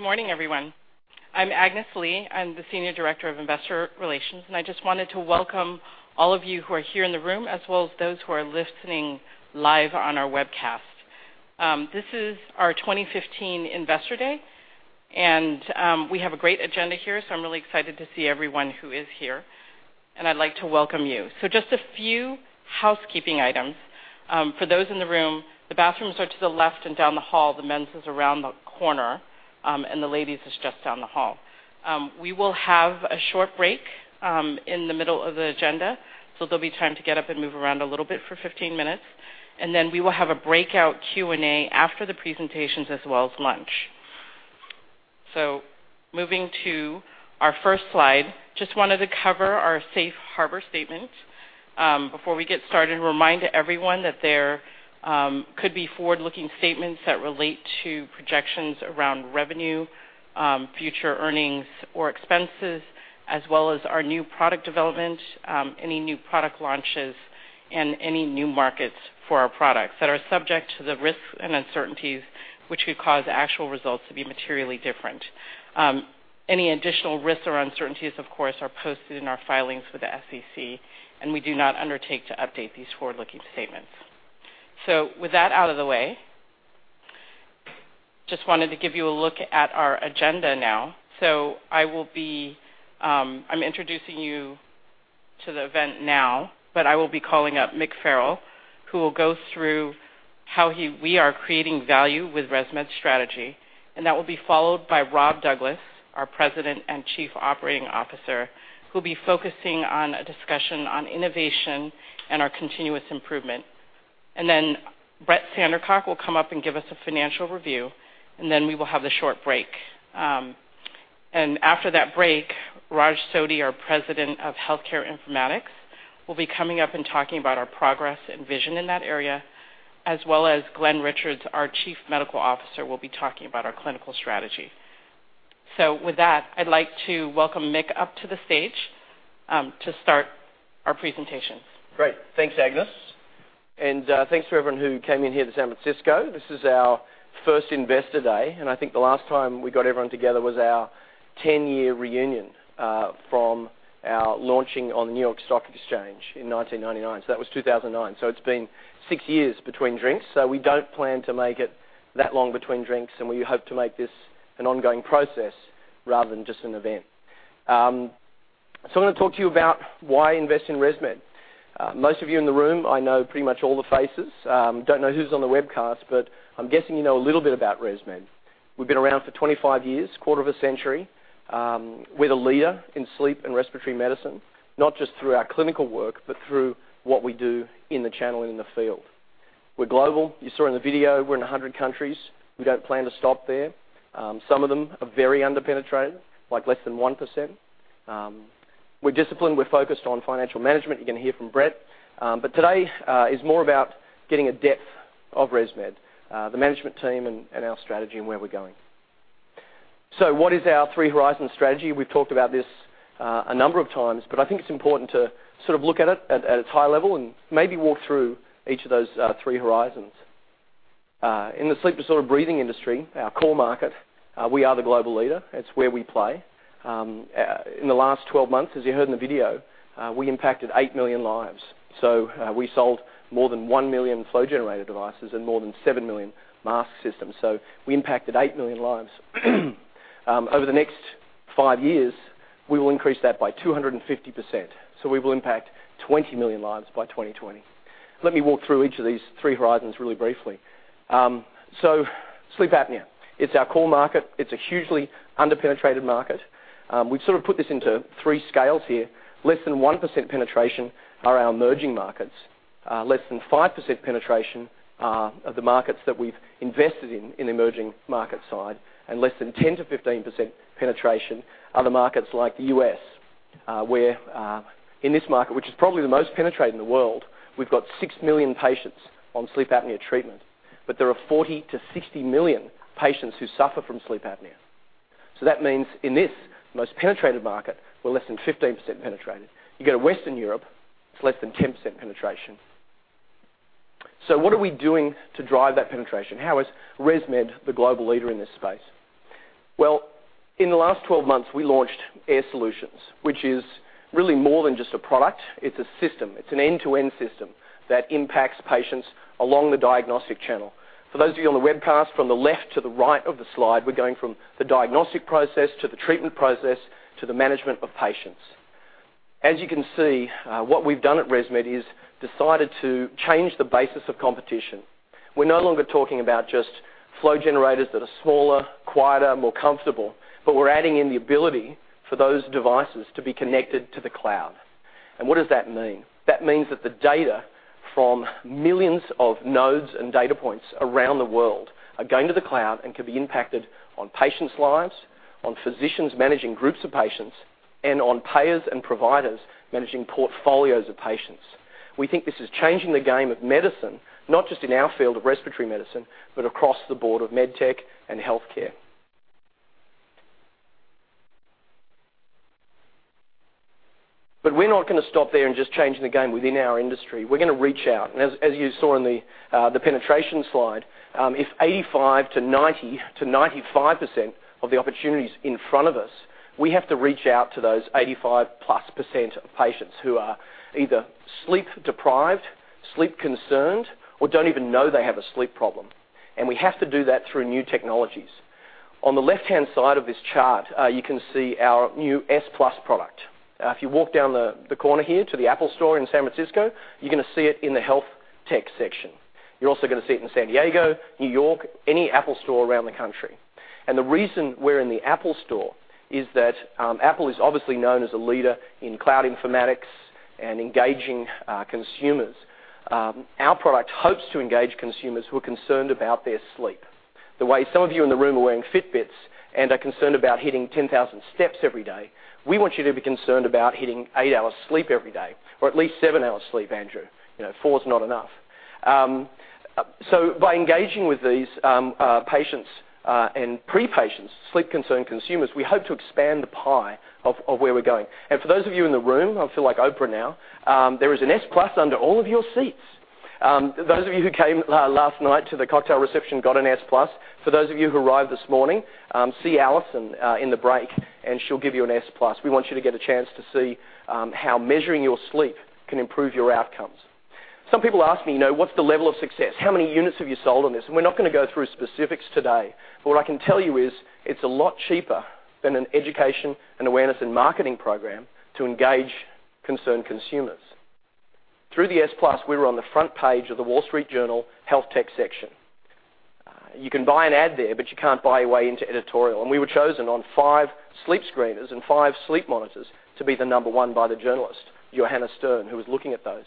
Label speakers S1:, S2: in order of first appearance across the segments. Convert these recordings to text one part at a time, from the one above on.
S1: Good morning, everyone. I'm Agnes Lee. I'm the Senior Director of Investor Relations, I just wanted to welcome all of you who are here in the room, as well as those who are listening live on our webcast. This is our 2015 Investor Day. We have a great agenda here, I'm really excited to see everyone who is here, I'd like to welcome you. Just a few housekeeping items. For those in the room, the bathrooms are to the left and down the hall. The men's is around the corner, the ladies' is just down the hall. We will have a short break in the middle of the agenda, there'll be time to get up and move around a little bit for 15 minutes, then we will have a breakout Q&A after the presentations, as well as lunch. Moving to our first slide, just wanted to cover our safe harbor statement before we get started and remind everyone that there could be forward-looking statements that relate to projections around revenue, future earnings or expenses, as well as our new product development, any new product launches, and any new markets for our products that are subject to the risks and uncertainties which could cause actual results to be materially different. Any additional risks or uncertainties, of course, are posted in our filings with the SEC. We do not undertake to update these forward-looking statements. With that out of the way, just wanted to give you a look at our agenda now. I'm introducing you to the event now, I will be calling up Mick Farrell, who will go through how we are creating value with ResMed's strategy. That will be followed by Rob Douglas, our President and Chief Operating Officer, who'll be focusing on a discussion on innovation and our continuous improvement. Then Brett Sandercock will come up and give us a financial review, then we will have the short break. After that break, Raj Sodhi, our President of Healthcare Informatics, will be coming up and talking about our progress and vision in that area, as well as Glenn Richards, our Chief Medical Officer, will be talking about our clinical strategy. With that, I'd like to welcome Mick up to the stage to start our presentation.
S2: Great. Thanks, Agnes. Thanks to everyone who came in here to San Francisco. This is our first Investor Day, I think the last time we got everyone together was our 10-year reunion from our launching on the New York Stock Exchange in 1999. That was 2009. It's been six years between drinks, we don't plan to make it that long between drinks, we hope to make this an ongoing process rather than just an event. I'm going to talk to you about why invest in ResMed. Most of you in the room, I know pretty much all the faces. Don't know who's on the webcast, I'm guessing you know a little bit about ResMed. We've been around for 25 years, quarter of a century. We're the leader in sleep and respiratory medicine, not just through our clinical work, but through what we do in the channel and in the field. We're global. You saw in the video, we're in 100 countries. We don't plan to stop there. Some of them are very under-penetrated, like less than 1%. We're disciplined. We're focused on financial management. You're going to hear from Brett. Today is more about getting a depth of ResMed, the management team and our strategy and where we're going. What is our Three Horizon Strategy? We've talked about this a number of times, but I think it's important to sort of look at it at its high level and maybe walk through each of those three horizons. In the Sleep-Disordered Breathing industry, our core market, we are the global leader. It's where we play. In the last 12 months, as you heard in the video, we impacted 8 million lives. We sold more than 1 million Flow Generator devices and more than 7 million mask systems. We impacted 8 million lives. Over the next five years, we will increase that by 250%, so we will impact 20 million lives by 2020. Let me walk through each of these three horizons really briefly. Sleep apnea, it's our core market. It's a hugely under-penetrated market. We've sort of put this into three scales here. Less than 1% penetration are our emerging markets. Less than 5% penetration are the markets that we've invested in emerging market side, and less than 10%-15% penetration are the markets like the U.S., where in this market, which is probably the most penetrated in the world, we've got 6 million patients on sleep apnea treatment, but there are 40 million-60 million patients who suffer from sleep apnea. That means in this, the most penetrated market, we're less than 15% penetrated. You go to Western Europe, it's less than 10% penetration. What are we doing to drive that penetration? How is ResMed the global leader in this space? Well, in the last 12 months, we launched Air Solutions, which is really more than just a product. It's a system. It's an end-to-end system that impacts patients along the diagnostic channel. For those of you on the webcast, from the left to the right of the slide, we're going from the diagnostic process to the treatment process to the management of patients. As you can see, what we've done at ResMed is decided to change the basis of competition. We're no longer talking about just Flow Generators that are smaller, quieter, more comfortable, but we're adding in the ability for those devices to be connected to the cloud. What does that mean? That means that the data from millions of nodes and data points around the world are going to the cloud and can be impacted on patients' lives, on physicians managing groups of patients, and on payers and providers managing portfolios of patients. We think this is changing the game of medicine, not just in our field of respiratory medicine, but across the board of med tech and healthcare. We're not going to stop there and just changing the game within our industry. We're going to reach out. As you saw in the penetration slide, if 85%-90%-95% of the opportunity's in front of us, we have to reach out to those 85%+ patients who are either sleep deprived, sleep concerned, or don't even know they have a sleep problem. We have to do that through new technologies. On the left-hand side of this chart, you can see our new S+ product. If you walk down the corner here to the Apple Store in San Francisco, you're going to see it in the health tech section. You're also going to see it in San Diego, New York, any Apple Store around the country. The reason we're in the Apple Store is that Apple is obviously known as a leader in cloud informatics and engaging consumers. Our product hopes to engage consumers who are concerned about their sleep. The way some of you in the room are wearing Fitbits and are concerned about hitting 10,000 steps every day, we want you to be concerned about hitting eight hours sleep every day, or at least seven hours sleep, Andrew. Four is not enough. By engaging with these patients and pre-patients, sleep-concerned consumers, we hope to expand the pie of where we're going. For those of you in the room, I feel like Oprah now, there is an S+ under all of your seats. Those of you who came last night to the cocktail reception got an S+. For those of you who arrived this morning, see Allison in the break and she'll give you an S+. We want you to get a chance to see how measuring your sleep can improve your outcomes. Some people ask me, "What's the level of success? How many units have you sold on this?" We're not going to go through specifics today, but what I can tell you is it's a lot cheaper than an education and awareness and marketing program to engage concerned consumers. Through the S+, we were on the front page of The Wall Street Journal health tech section. You can buy an ad there, but you can't buy your way into editorial. We were chosen on five sleep screeners and five sleep monitors to be the number one by the journalist, Joanna Stern, who was looking at those.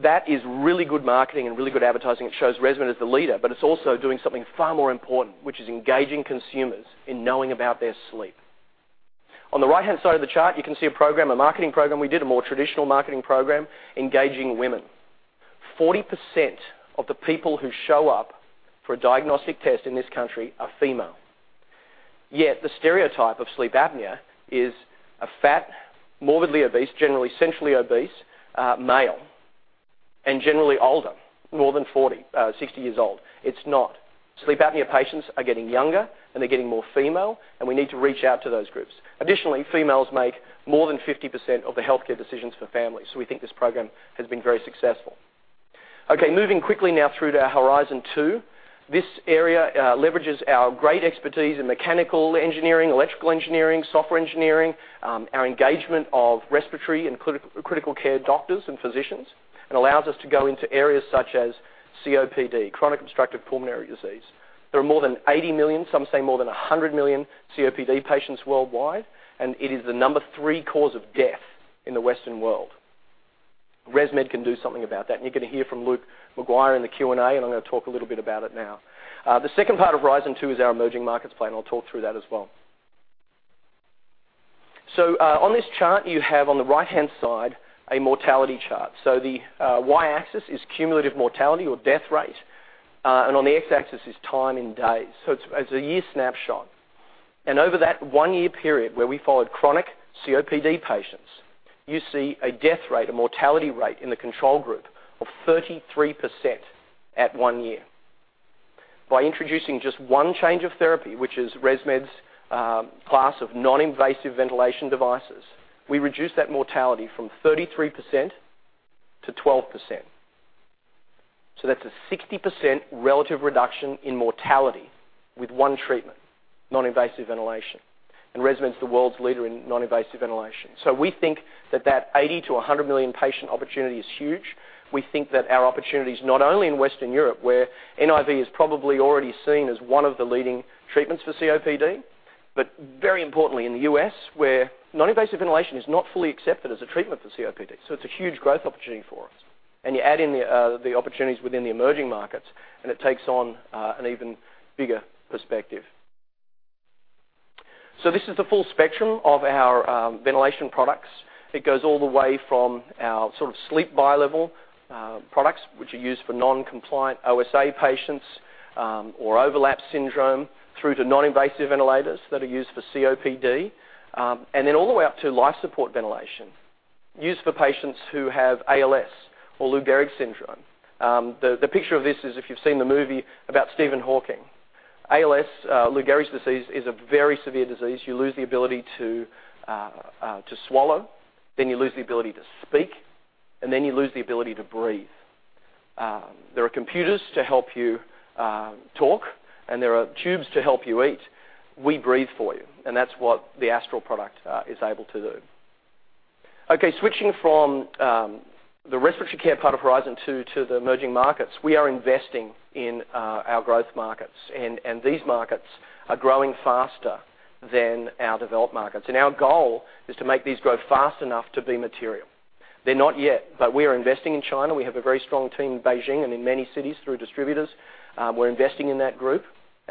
S2: That is really good marketing and really good advertising. It shows ResMed as the leader, but it's also doing something far more important, which is engaging consumers in knowing about their sleep. On the right-hand side of the chart, you can see a program, a marketing program we did, a more traditional marketing program engaging women. 40% of the people who show up for a diagnostic test in this country are female. Yet the stereotype of sleep apnea is a fat, morbidly obese, generally centrally obese male, and generally older, more than 60 years old. It's not. Sleep apnea patients are getting younger and they're getting more female, and we need to reach out to those groups. Additionally, females make more than 50% of the healthcare decisions for families. We think this program has been very successful. Okay, moving quickly now through to our Horizon 2. This area leverages our great expertise in mechanical engineering, electrical engineering, software engineering, our engagement of respiratory and critical care doctors and physicians, allows us to go into areas such as COPD, chronic obstructive pulmonary disease. There are more than 80 million, some say more than 100 million COPD patients worldwide, and it is the number three cause of death in the Western world. ResMed can do something about that. You're going to hear from Luke Maguire in the Q&A. I'm going to talk a little bit about it now. The second part of Horizon Two is our emerging markets plan. I'll talk through that as well. On this chart, you have on the right-hand side a mortality chart. The Y-axis is cumulative mortality or death rate, and on the X-axis is time in days. It's a year snapshot. Over that one-year period where we followed chronic COPD patients, you see a death rate, a mortality rate in the control group of 33% at one year. By introducing just one change of therapy, which is ResMed's class of non-invasive ventilation devices, we reduce that mortality from 33% to 12%. That's a 60% relative reduction in mortality with one treatment, non-invasive ventilation. ResMed's the world's leader in non-invasive ventilation. We think that that 80 to 100 million patient opportunity is huge. We think that our opportunity's not only in Western Europe, where NIV is probably already seen as one of the leading treatments for COPD, but very importantly in the U.S., where non-invasive ventilation is not fully accepted as a treatment for COPD. It's a huge growth opportunity for us. You add in the opportunities within the emerging markets, and it takes on an even bigger perspective. This is the full spectrum of our ventilation products. It goes all the way from our sort of sleep bilevel products, which are used for non-compliant OSA patients or overlap syndrome, through to non-invasive ventilators that are used for COPD, all the way up to life support ventilation, used for patients who have ALS or Lou Gehrig's disease. The picture of this is if you've seen the movie about Stephen Hawking. ALS, Lou Gehrig's disease, is a very severe disease. You lose the ability to swallow, you lose the ability to speak, you lose the ability to breathe. There are computers to help you talk, there are tubes to help you eat. We breathe for you. That's what the Astral product is able to do. Okay, switching from the respiratory care part of Horizon Two to the emerging markets. We are investing in our growth markets. These markets are growing faster than our developed markets. Our goal is to make these grow fast enough to be material. They're not yet, but we are investing in China. We have a very strong team in Beijing and in many cities through distributors. We're investing in that group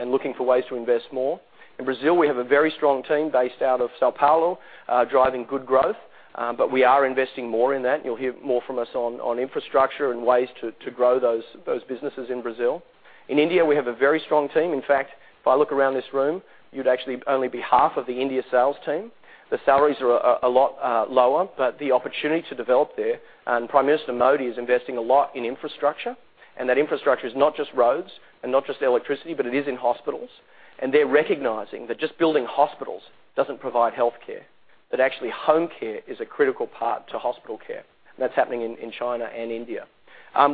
S2: looking for ways to invest more. In Brazil, we have a very strong team based out of São Paulo, driving good growth, but we are investing more in that. You'll hear more from us on infrastructure and ways to grow those businesses in Brazil. In India, we have a very strong team. In fact, if I look around this room, you'd actually only be half of the India sales team. The salaries are a lot lower, but the opportunity to develop there. Prime Minister Modi is investing a lot in infrastructure. That infrastructure is not just roads and not just electricity, but it is in hospitals. They're recognizing that just building hospitals doesn't provide healthcare, that actually home care is a critical part to hospital care. That's happening in China and India.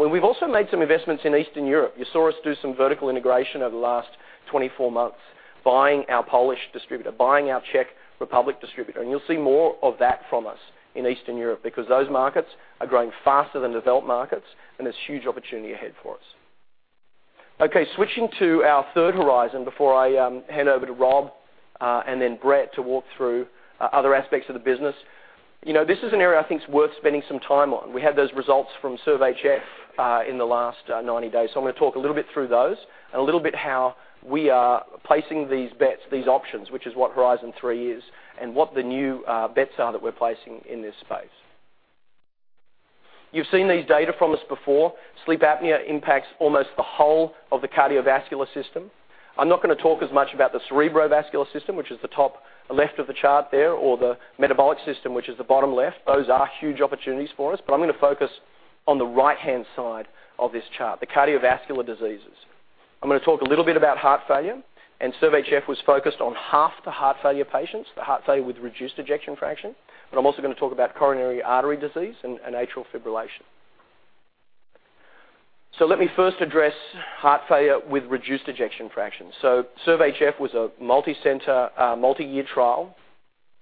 S2: We've also made some investments in Eastern Europe. You saw us do some vertical integration over the last 24 months, buying our Polish distributor, buying our Czech Republic distributor. You'll see more of that from us in Eastern Europe because those markets are growing faster than developed markets, and there's huge opportunity ahead for us. Okay, switching to our third horizon before I hand over to Rob, and then Brett to walk through other aspects of the business. This is an area I think is worth spending some time on. We had those results from SERVE-HF in the last 90 days. I'm going to talk a little bit through those and a little bit how we are placing these bets, these options, which is what Horizon three is, and what the new bets are that we're placing in this space. You've seen these data from us before. Sleep apnea impacts almost the whole of the cardiovascular system. I'm not going to talk as much about the cerebrovascular system, which is the top left of the chart there, or the metabolic system, which is the bottom left. Those are huge opportunities for us, but I'm going to focus on the right-hand side of this chart, the cardiovascular diseases. I'm going to talk a little bit about heart failure. SERVE-HF was focused on half the heart failure patients, the heart failure with reduced ejection fraction. I'm also going to talk about coronary artery disease and atrial fibrillation. Let me first address heart failure with reduced ejection fraction. SERVE-HF was a multicenter, multi-year trial,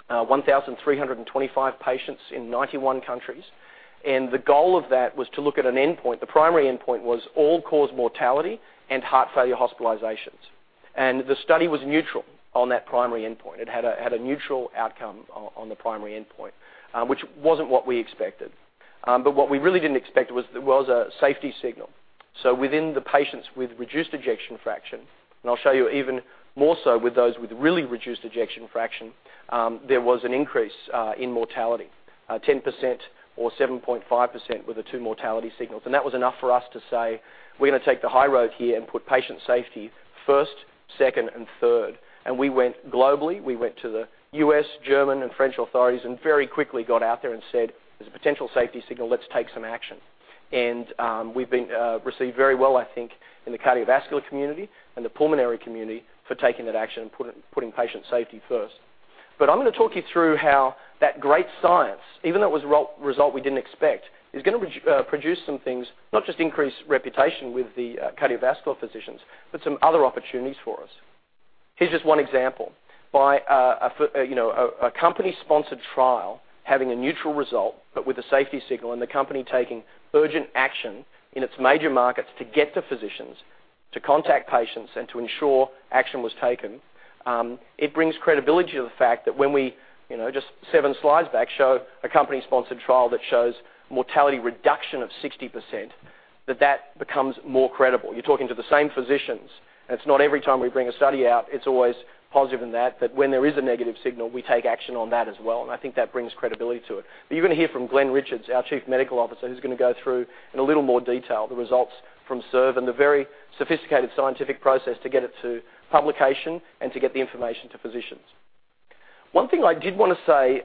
S2: 1,325 patients in 91 countries. The goal of that was to look at an endpoint. The primary endpoint was all-cause mortality and heart failure hospitalizations. The study was neutral on that primary endpoint. It had a neutral outcome on the primary endpoint, which wasn't what we expected. What we really didn't expect was a safety signal. Within the patients with reduced ejection fraction, I'll show you even more so with those with really reduced ejection fraction, there was an increase in mortality, 10% or 7.5% were the two mortality signals. That was enough for us to say, we're going to take the high road here and put patient safety first, second, and third. We went globally. We went to the U.S., German, and French authorities and very quickly got out there and said, "There's a potential safety signal. Let's take some action." We've been received very well, I think, in the cardiovascular community and the pulmonary community for taking that action and putting patient safety first. I'm going to talk you through how that great science, even though it was a result we didn't expect, is going to produce some things, not just increase reputation with the cardiovascular physicians, but some other opportunities for us. Here's just one example. A company-sponsored trial having a neutral result, with a safety signal and the company taking urgent action in its major markets to get to physicians to contact patients and to ensure action was taken, it brings credibility to the fact that when we, just 7 slides back, show a company-sponsored trial that shows mortality reduction of 60%, that that becomes more credible. You're talking to the same physicians, it's not every time we bring a study out, it's always positive in that, when there is a negative signal, we take action on that as well, and I think that brings credibility to it. You're going to hear from Glenn Richards, our Chief Medical Officer, who's going to go through in a little more detail the results from SERVE and the very sophisticated scientific process to get it to publication and to get the information to physicians. One thing I did want to say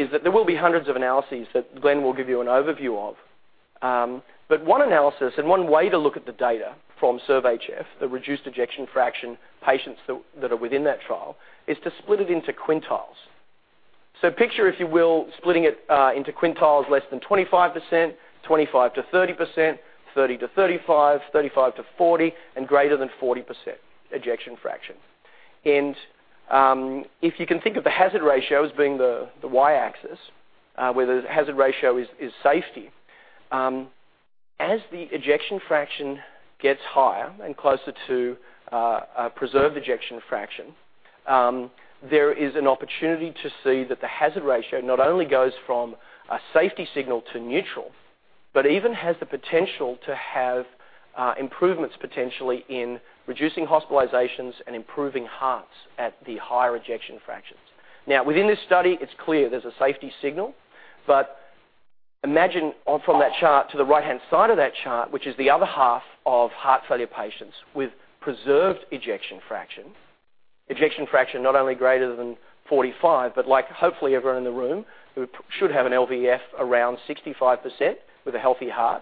S2: is that there will be hundreds of analyses that Glenn will give you an overview of. One analysis and one way to look at the data from SERVE-HF, the reduced ejection fraction patients that are within that trial, is to split it into quintiles. Picture, if you will, splitting it into quintiles less than 25%, 25%-30%, 30%-35%, 35%-40%, and greater than 40% ejection fraction. If you can think of the hazard ratio as being the Y-axis, where the hazard ratio is safety. As the ejection fraction gets higher and closer to a preserved ejection fraction, there is an opportunity to see that the hazard ratio not only goes from a safety signal to neutral, but even has the potential to have improvements, potentially, in reducing hospitalizations and improving hearts at the higher ejection fractions. Within this study, it's clear there's a safety signal. Imagine from that chart to the right-hand side of that chart, which is the other half of heart failure patients with preserved ejection fraction. Ejection fraction not only greater than 45%, but like hopefully everyone in the room, we should have an LVEF around 65% with a healthy heart.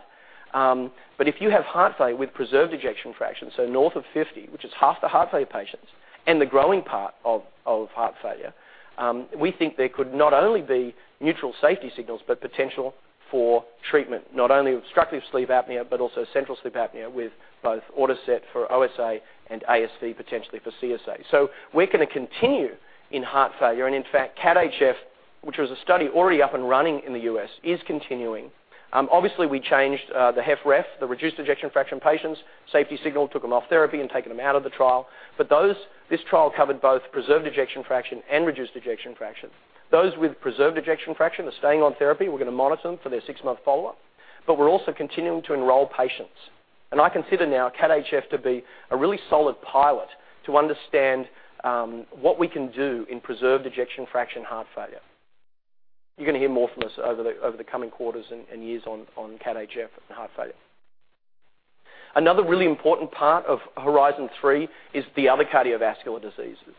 S2: If you have heart failure with preserved ejection fraction, north of 50%, which is half the heart failure patients and the growing part of heart failure, we think there could not only be neutral safety signals, but potential for treatment, not only obstructive sleep apnea, but also central sleep apnea with both AutoSet for OSA and ASV, potentially for CSA. We're going to continue in heart failure. In fact, CAT-HF, which was a study already up and running in the U.S., is continuing. Obviously, we changed the HFrEF, the reduced ejection fraction patients' safety signal, took them off therapy and taken them out of the trial. This trial covered both preserved ejection fraction and reduced ejection fraction. Those with preserved ejection fraction are staying on therapy. We're going to monitor them for their six-month follow-up, we're also continuing to enroll patients. I consider now CAT-HF to be a really solid pilot to understand what we can do in preserved ejection fraction heart failure. You're going to hear more from us over the coming quarters and years on CAT-HF and heart failure. Another really important part of Horizon three is the other cardiovascular diseases.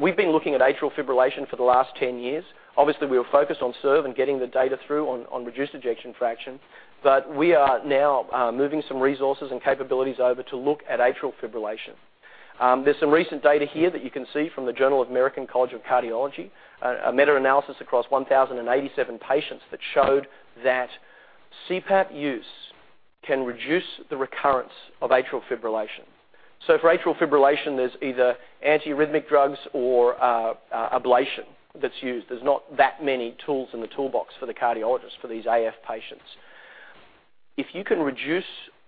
S2: We've been looking at atrial fibrillation for the last 10 years. Obviously, we were focused on SERVE-HF and getting the data through on reduced ejection fraction. We are now moving some resources and capabilities over to look at atrial fibrillation. There's some recent data here that you can see from the Journal of the American College of Cardiology, a meta-analysis across 1,087 patients that showed that CPAP use can reduce the recurrence of atrial fibrillation. For atrial fibrillation, there's either anti-arrhythmic drugs or ablation that's used. There's not that many tools in the toolbox for the cardiologists for these AF patients. If you can reduce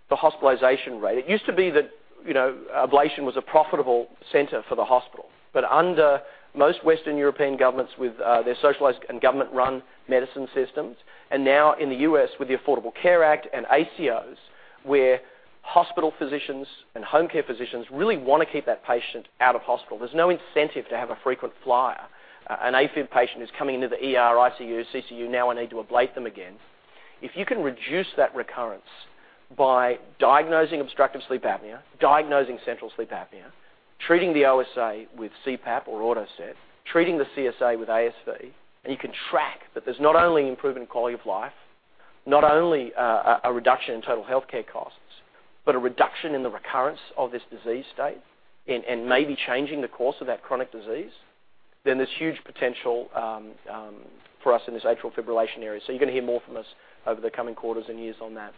S2: the hospitalization rate, it used to be that ablation was a profitable center for the hospital. Under most Western European governments with their socialized and government-run medicine systems, and now in the U.S. with the Affordable Care Act and ACOs, where hospital physicians and home care physicians really want to keep that patient out of hospital. There's no incentive to have a frequent flyer. An AFib patient is coming into the ER, ICU, CCU, now I need to ablate them again. If you can reduce that recurrence by diagnosing obstructive sleep apnea, diagnosing central sleep apnea, treating the OSA with CPAP or AutoSet, treating the CSA with ASV, and you can track that there's not only improvement in quality of life, not only a reduction in total healthcare costs, but a reduction in the recurrence of this disease state and maybe changing the course of that chronic disease, there's huge potential for us in this atrial fibrillation area. You're going to hear more from us over the coming quarters and years on that.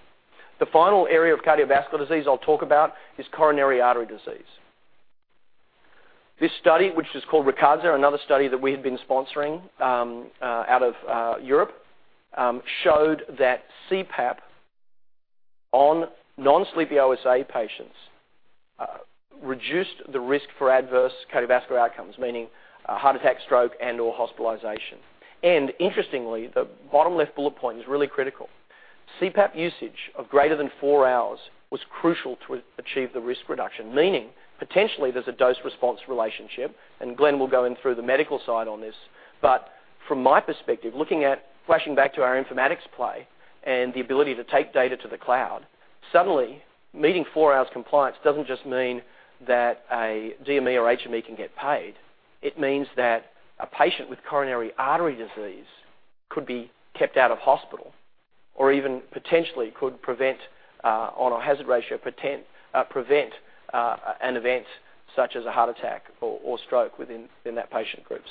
S2: The final area of cardiovascular disease I'll talk about is coronary artery disease. This study, which is called RICCADSA, another study that we had been sponsoring out of Europe, showed that CPAP on non-sleepy OSA patients reduced the risk for adverse cardiovascular outcomes, meaning heart attack, stroke, and/or hospitalization. Interestingly, the bottom-left bullet point is really critical. CPAP usage of greater than 4 hours was crucial to achieve the risk reduction, meaning potentially there's a dose-response relationship, and Glenn will go in through the medical side on this. From my perspective, looking at flashing back to our informatics play and the ability to take data to the cloud, suddenly meeting 4 hours compliance doesn't just mean that a DME or HME can get paid. It means that a patient with coronary artery disease could be kept out of hospital, or even potentially could, on a hazard ratio, prevent an event such as a heart attack or stroke within that patient group.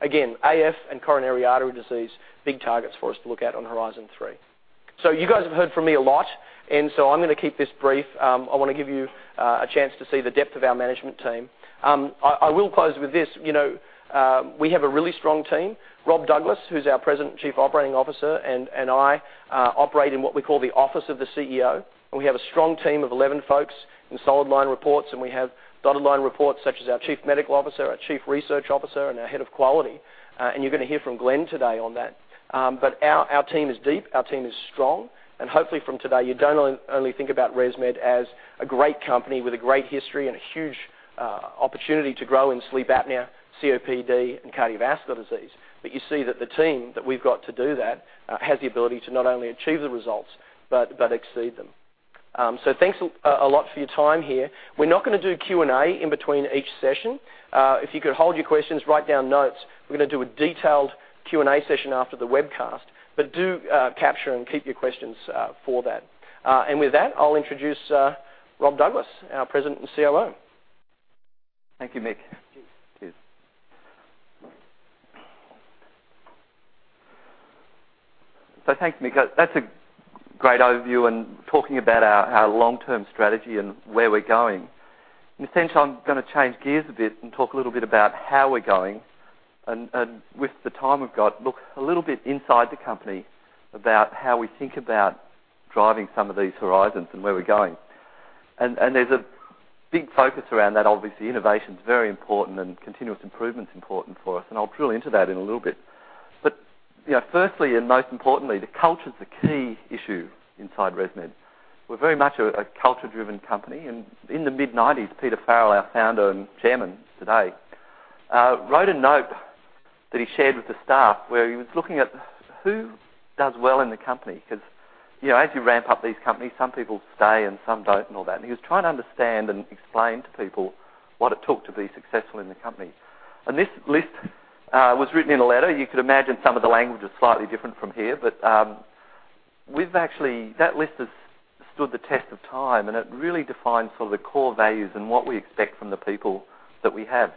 S2: Again, AF and coronary artery disease, big targets for us to look at on Horizon three. You guys have heard from me a lot, I'm going to keep this brief. I want to give you a chance to see the depth of our management team. I will close with this. We have a really strong team. Rob Douglas, who's our President and Chief Operating Officer, and I operate in what we call the Office of the CEO, and we have a strong team of 11 folks in solid line reports, and we have dotted line reports such as our Chief Medical Officer, our Chief Research Officer, and our Head of Quality. You're going to hear from Glenn today on that. Our team is deep, our team is strong, and hopefully from today, you don't only think about ResMed as a great company with a great history and a huge opportunity to grow in sleep apnea, COPD, and cardiovascular disease. You see that the team that we've got to do that has the ability to not only achieve the results but exceed them. Thanks a lot for your time here. We're not going to do Q&A in between each session. If you could hold your questions, write down notes, we're going to do a detailed Q&A session after the webcast. Do capture and keep your questions for that. With that, I'll introduce Rob Douglas, our President and COO.
S3: Thank you, Mick.
S2: Cheers.
S3: Cheers. Thanks, Mick. That's a great overview and talking about our long-term strategy and where we're going. In a sense, I'm going to change gears a bit and talk a little bit about how we're going, and with the time we've got, look a little bit inside the company about how we think about driving some of these horizons and where we're going. There's a big focus around that. Obviously, innovation is very important and continuous improvement's important for us, and I'll drill into that in a little bit. Firstly and most importantly, the culture's the key issue inside ResMed. We're very much a culture-driven company, and in the mid-'90s, Peter Farrell, our Founder and Chairman today, wrote a note that he shared with the staff where he was looking at who does well in the company. As you ramp up these companies, some people stay and some don't and all that. He was trying to understand and explain to people what it took to be successful in the company. This list was written in a letter. You could imagine some of the language is slightly different from here, but that list has stood the test of time, and it really defines sort of the core values and what we expect from the people that we have.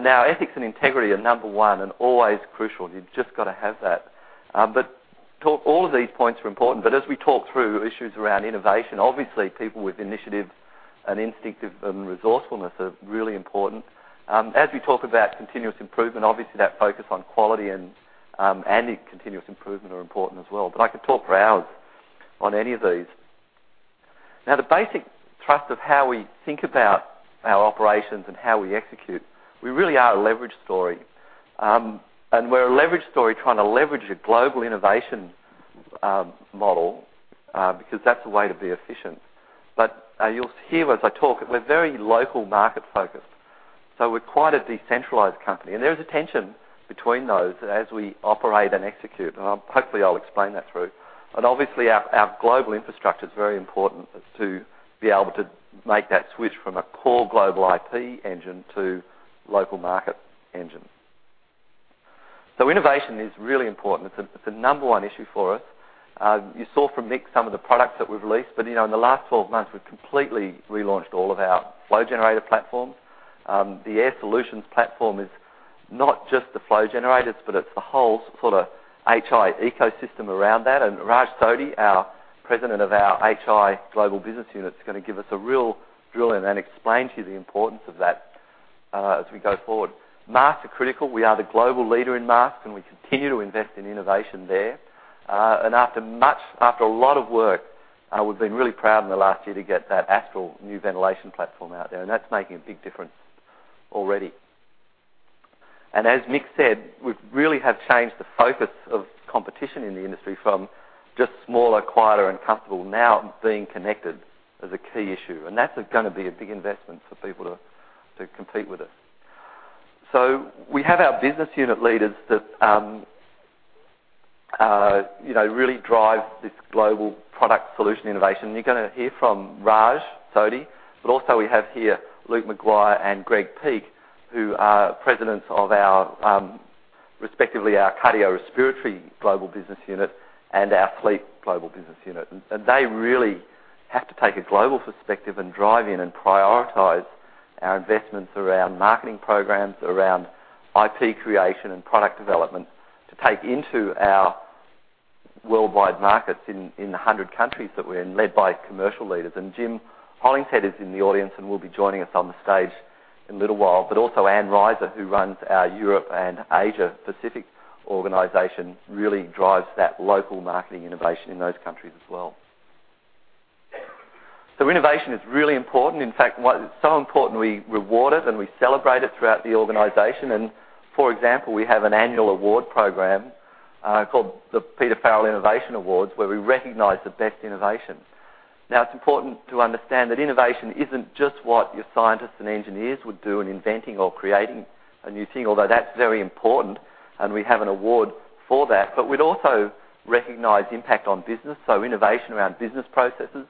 S3: Now, ethics and integrity are number one and always crucial. You've just got to have that. All of these points are important, but as we talk through issues around innovation, obviously, people with initiative and instinct and resourcefulness are really important. As we talk about continuous improvement, obviously, that focus on quality and continuous improvement are important as well. I could talk for hours on any of these. Now, the basic trust of how we think about our operations and how we execute, we really are a leverage story. We're a leverage story trying to leverage a global innovation model, because that's the way to be efficient. You'll hear as I talk, we're very local market-focused, so we're quite a decentralized company, and there is a tension between those as we operate and execute, and hopefully, I'll explain that through. Obviously, our global infrastructure is very important as to be able to make that switch from a core global IP engine to local market engine. Innovation is really important. It's the number one issue for us. You saw from Mick some of the products that we've released, but in the last 12 months, we've completely relaunched all of our flow generator platforms. The Air Solutions platform is not just the flow generators, but it's the whole HI ecosystem around that. Raj Sodhi, president of our HI global business unit, is going to give us a real drill in and explain to you the importance of that as we go forward. Masks are critical. We are the global leader in masks, and we continue to invest in innovation there. After a lot of work, we've been really proud in the last year to get that Astral new ventilation platform out there, and that's making a big difference already. As Mick said, we really have changed the focus of competition in the industry from just smaller, quieter, and comfortable, now being connected is a key issue, and that's going to be a big investment for people to compete with us. We have our business unit leaders that really drive this global product solution innovation. You're going to hear from Raj Sodhi, but also we have here Luke Maguire and Greg Peake, who are presidents of respectively our Cardiorespiratory global business unit and our Sleep global business unit. They really have to take a global perspective and drive in and prioritize our investments around marketing programs, around IP creation and product development, to take into our worldwide markets in the 100 countries that we're in, led by commercial leaders. Jim Hollingshead is in the audience and will be joining us on the stage in a little while. Also Anne Reiser, who runs our Europe and Asia Pacific organization, really drives that local marketing innovation in those countries as well. Innovation is really important. In fact, it's so important, we reward it, and we celebrate it throughout the organization. For example, we have an annual award program called the Peter Farrell Innovation Awards, where we recognize the best innovations. Now, it's important to understand that innovation isn't just what your scientists and engineers would do in inventing or creating a new thing, although that's very important, and we have an award for that, but we'd also recognize impact on business, so innovation around business processes.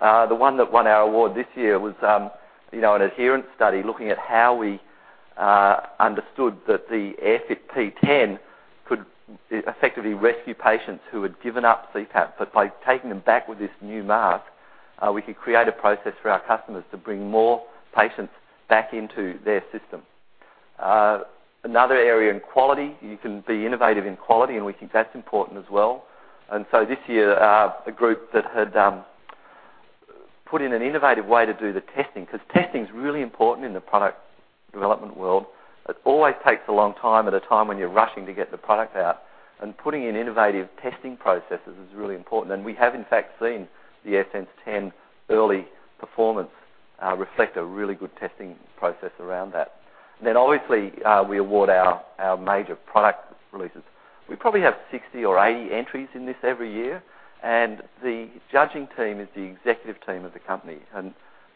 S3: The one that won our award this year was an adherence study looking at how we understood that the AirFit P10 could effectively rescue patients who had given up CPAP. By taking them back with this new mask, we could create a process for our customers to bring more patients back into their system. Another area in quality, you can be innovative in quality, and we think that's important as well. This year, a group that had put in an innovative way to do the testing, because testing's really important in the product development world. It always takes a long time at a time when you're rushing to get the product out. Putting in innovative testing processes is really important. We have, in fact, seen the AirSense 10 early performance reflect a really good testing process around that. Obviously, we award our major product releases. We probably have 60 or 80 entries in this every year. The judging team is the executive team of the company.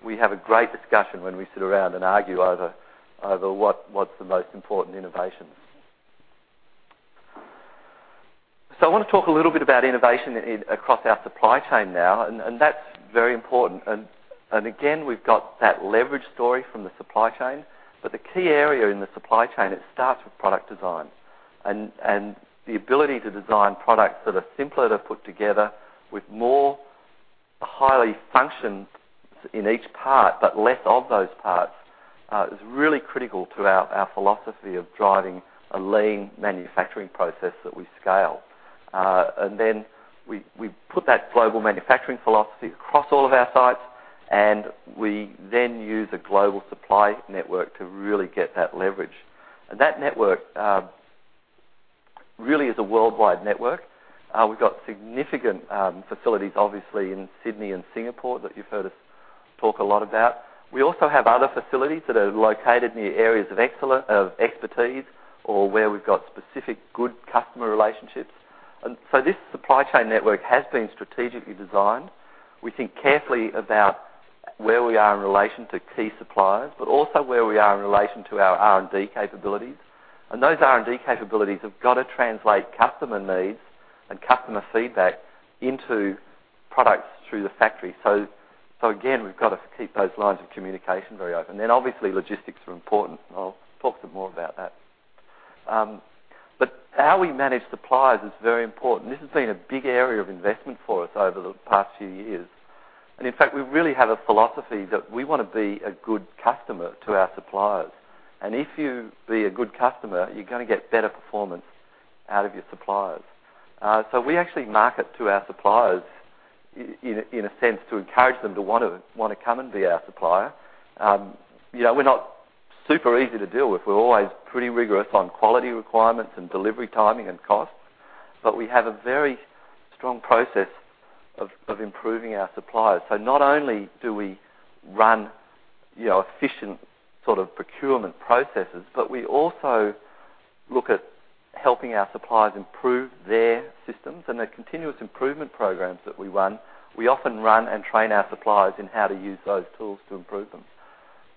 S3: We have a great discussion when we sit around and argue over what's the most important innovations. I want to talk a little bit about innovation across our supply chain now, and that's very important. Again, we've got that leverage story from the supply chain. The key area in the supply chain, it starts with product design. The ability to design products that are simpler to put together with more highly functions in each part, but less of those parts, is really critical to our philosophy of driving a lean manufacturing process that we scale. We put that global manufacturing philosophy across all of our sites, and we then use a global supply network to really get that leverage. That network really is a worldwide network. We've got significant facilities, obviously, in Sydney and Singapore that you've heard us talk a lot about. We also have other facilities that are located near areas of expertise or where we've got specific good customer relationships. This supply chain network has been strategically designed. We think carefully about where we are in relation to key suppliers, but also where we are in relation to our R&D capabilities. Those R&D capabilities have got to translate customer needs and customer feedback into products through the factory. Again, we've got to keep those lines of communication very open. Obviously, logistics are important, and I'll talk some more about that. How we manage suppliers is very important. This has been a big area of investment for us over the past few years. In fact, we really have a philosophy that we want to be a good customer to our suppliers. If you be a good customer, you're going to get better performance out of your suppliers. We actually market to our suppliers in a sense to encourage them to want to come and be our supplier. We're not super easy to deal with. We're always pretty rigorous on quality requirements and delivery timing and costs, but we have a very strong process of improving our suppliers. Not only do we run efficient sort of procurement processes, but we also look at helping our suppliers improve their systems. The continuous improvement programs that we run, we often run and train our suppliers in how to use those tools to improve them.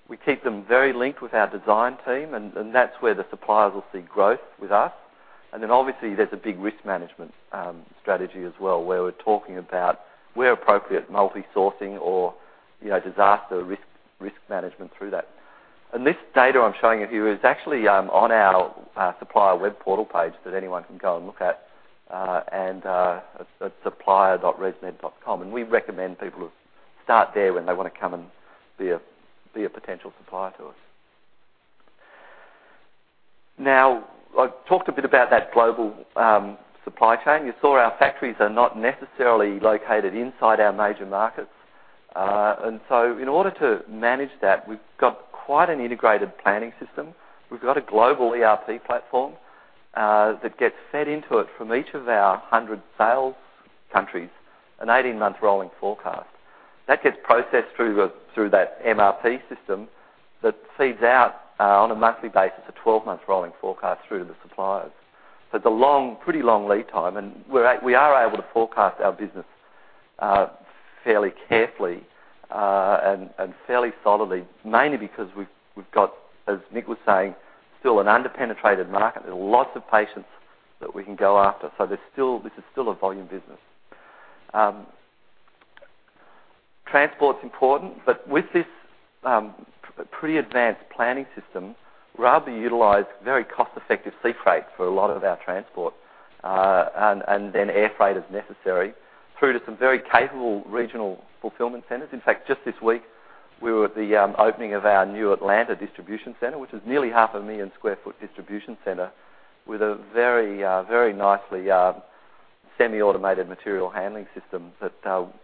S3: We keep them very linked with our design team, and that's where the suppliers will see growth with us. Obviously, there's a big risk management strategy as well, where we're talking about where appropriate multi-sourcing or disaster risk management through that. This data I'm showing you here is actually on our supplier web portal page that anyone can go and look at supplier.resmed.com, and we recommend people start there when they want to come and be a potential supplier to us. Now, I've talked a bit about that global supply chain. You saw our factories are not necessarily located inside our major markets. In order to manage that, we've got quite an integrated planning system. We've got a global ERP platform that gets fed into it from each of our 100 sales countries, an 18-month rolling forecast. That gets processed through that MRP system that feeds out on a monthly basis, a 12-month rolling forecast through to the suppliers. It's a pretty long lead time, and we are able to forecast our business fairly carefully and fairly solidly, mainly because we've got, as Mick was saying, still an under-penetrated market. There are lots of patients that we can go after, so this is still a volume business. Transport's important, but with this pretty advanced planning system, we're able to utilize very cost-effective sea freight for a lot of our transport, and then air freight as necessary, through to some very capable regional fulfillment centers. In fact, just this week, we were at the opening of our new Atlanta distribution center, which is nearly half a million sq ft distribution center with a very nicely semi-automated material handling system that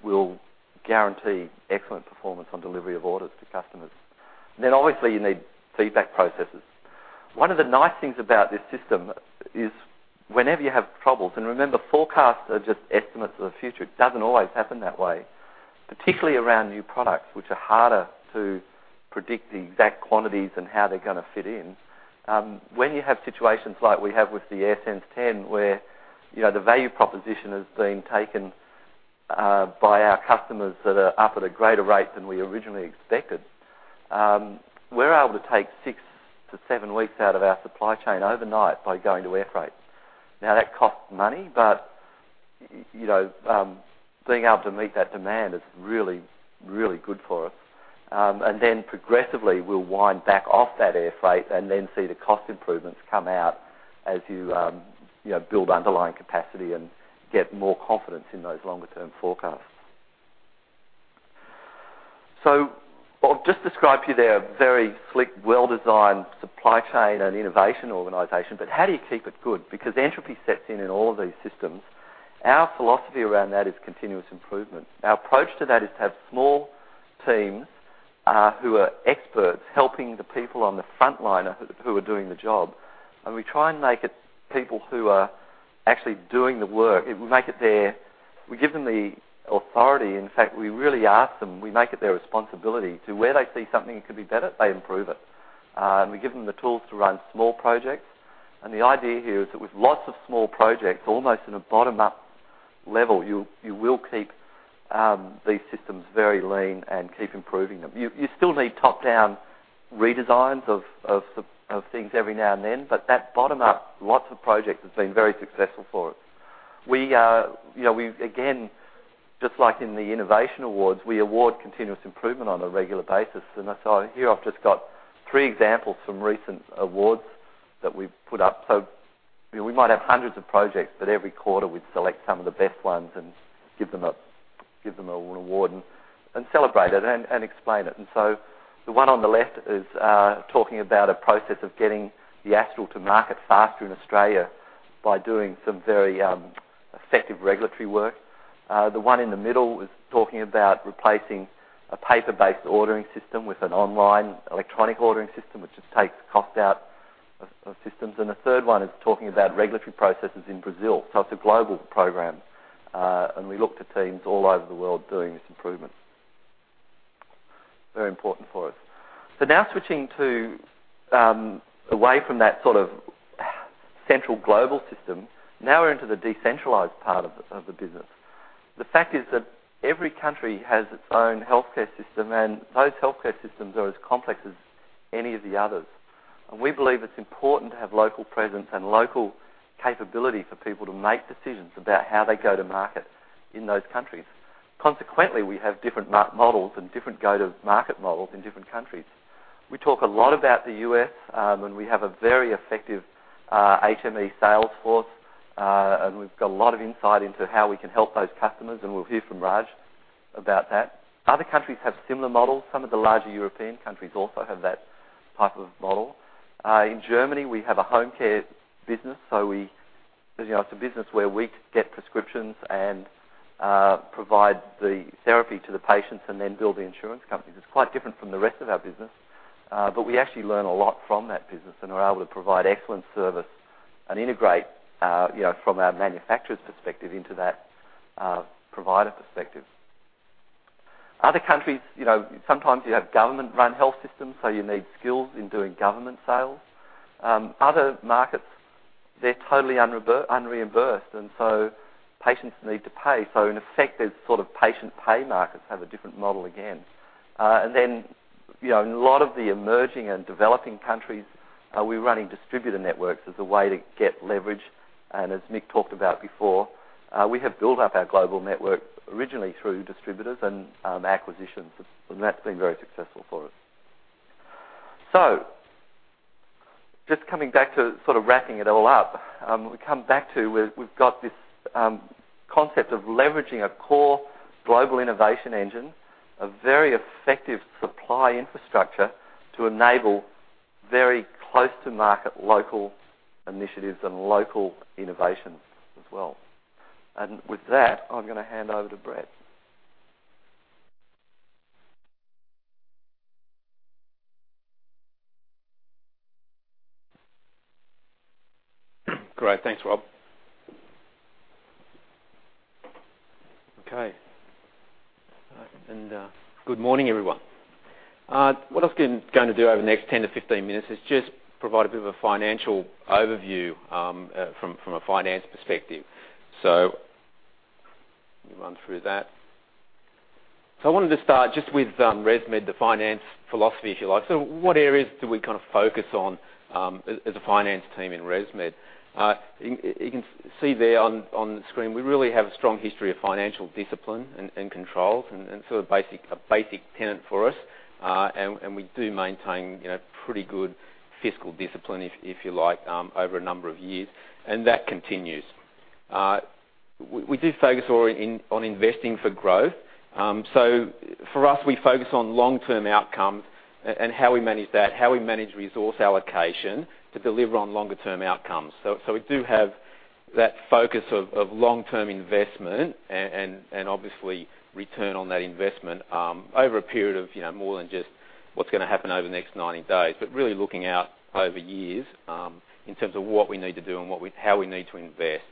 S3: will guarantee excellent performance on delivery of orders to customers. Obviously, you need feedback processes. One of the nice things about this system is whenever you have troubles, and remember, forecasts are just estimates of the future, it doesn't always happen that way, particularly around new products, which are harder to predict the exact quantities and how they're going to fit in. When you have situations like we have with the AirSense 10, where the value proposition is being taken by our customers that are up at a greater rate than we originally expected, we're able to take six to seven weeks out of our supply chain overnight by going to air freight. That costs money, being able to meet that demand is really, really good for us. Then progressively, we'll wind back off that air freight and then see the cost improvements come out as you build underlying capacity and get more confidence in those longer-term forecasts. I've just described to you there a very slick, well-designed supply chain and innovation organization, how do you keep it good? Because entropy sets in in all of these systems. Our philosophy around that is continuous improvement. Our approach to that is to have small teams who are experts helping the people on the front line who are doing the job, and we try and make it people who are actually doing the work. We give them the authority. In fact, we really ask them, we make it their responsibility to where they see something could be better, they improve it. We give them the tools to run small projects, and the idea here is that with lots of small projects, almost in a bottom-up level, you will keep these systems very lean and keep improving them. You still need top-down redesigns of things every now and then, that bottom-up, lots of projects has been very successful for us. Again, just like in the Innovation Awards, we award continuous improvement on a regular basis. Here I've just got three examples from recent awards that we've put up. We might have hundreds of projects, but every quarter we'd select some of the best ones and give them an award and celebrate it and explain it. The one on the left is talking about a process of getting the Astral to market faster in Australia by doing some very effective regulatory work. The one in the middle is talking about replacing a paper-based ordering system with an online electronic ordering system, which just takes cost out of systems. The third one is talking about regulatory processes in Brazil. It's a global program, and we look to teams all over the world doing this improvement. Very important for us. Now switching away from that sort of central global system, now we're into the decentralized part of the business. The fact is that every country has its own healthcare system, and those healthcare systems are as complex as any of the others. We believe it's important to have local presence and local capability for people to make decisions about how they go to market in those countries. Consequently, we have different models and different go-to-market models in different countries. We talk a lot about the U.S., and we have a very effective HME sales force, and we've got a lot of insight into how we can help those customers, and we'll hear from Raj about that. Other countries have similar models. Some of the larger European countries also have that type of model. In Germany, we have a home care business, so it's a business where we get prescriptions and provide the therapy to the patients and then bill the insurance companies. It's quite different from the rest of our business. We actually learn a lot from that business and are able to provide excellent service and integrate from our manufacturer's perspective into that provider perspective. Other countries, sometimes you have government-run health systems, you need skills in doing government sales. Other markets, they're totally unreimbursed, patients need to pay. In effect, those sort of patient pay markets have a different model again. In a lot of the emerging and developing countries, we're running distributor networks as a way to get leverage. As Mick talked about before. We have built up our global network originally through distributors and acquisitions, and that's been very successful for us. Just coming back to sort of wrapping it all up, we come back to we've got this concept of leveraging a core global innovation engine, a very effective supply infrastructure to enable very close to market local initiatives and local innovations as well. With that, I'm going to hand over to Brett.
S4: Great. Thanks, Rob. Okay. Good morning, everyone. What I was going to do over the next 10 to 15 minutes is just provide a bit of a financial overview from a finance perspective. Let me run through that. I wanted to start just with ResMed, the finance philosophy, if you like. What areas do we kind of focus on as a finance team in ResMed? You can see there on the screen, we really have a strong history of financial discipline and controls and sort of a basic tenet for us. We do maintain pretty good fiscal discipline, if you like, over a number of years, and that continues. We do focus on investing for growth. For us, we focus on long-term outcomes and how we manage that, how we manage resource allocation to deliver on longer-term outcomes. We do have that focus of long-term investment and obviously return on that investment, over a period of more than just what's going to happen over the next 90 days, but really looking out over years in terms of what we need to do and how we need to invest.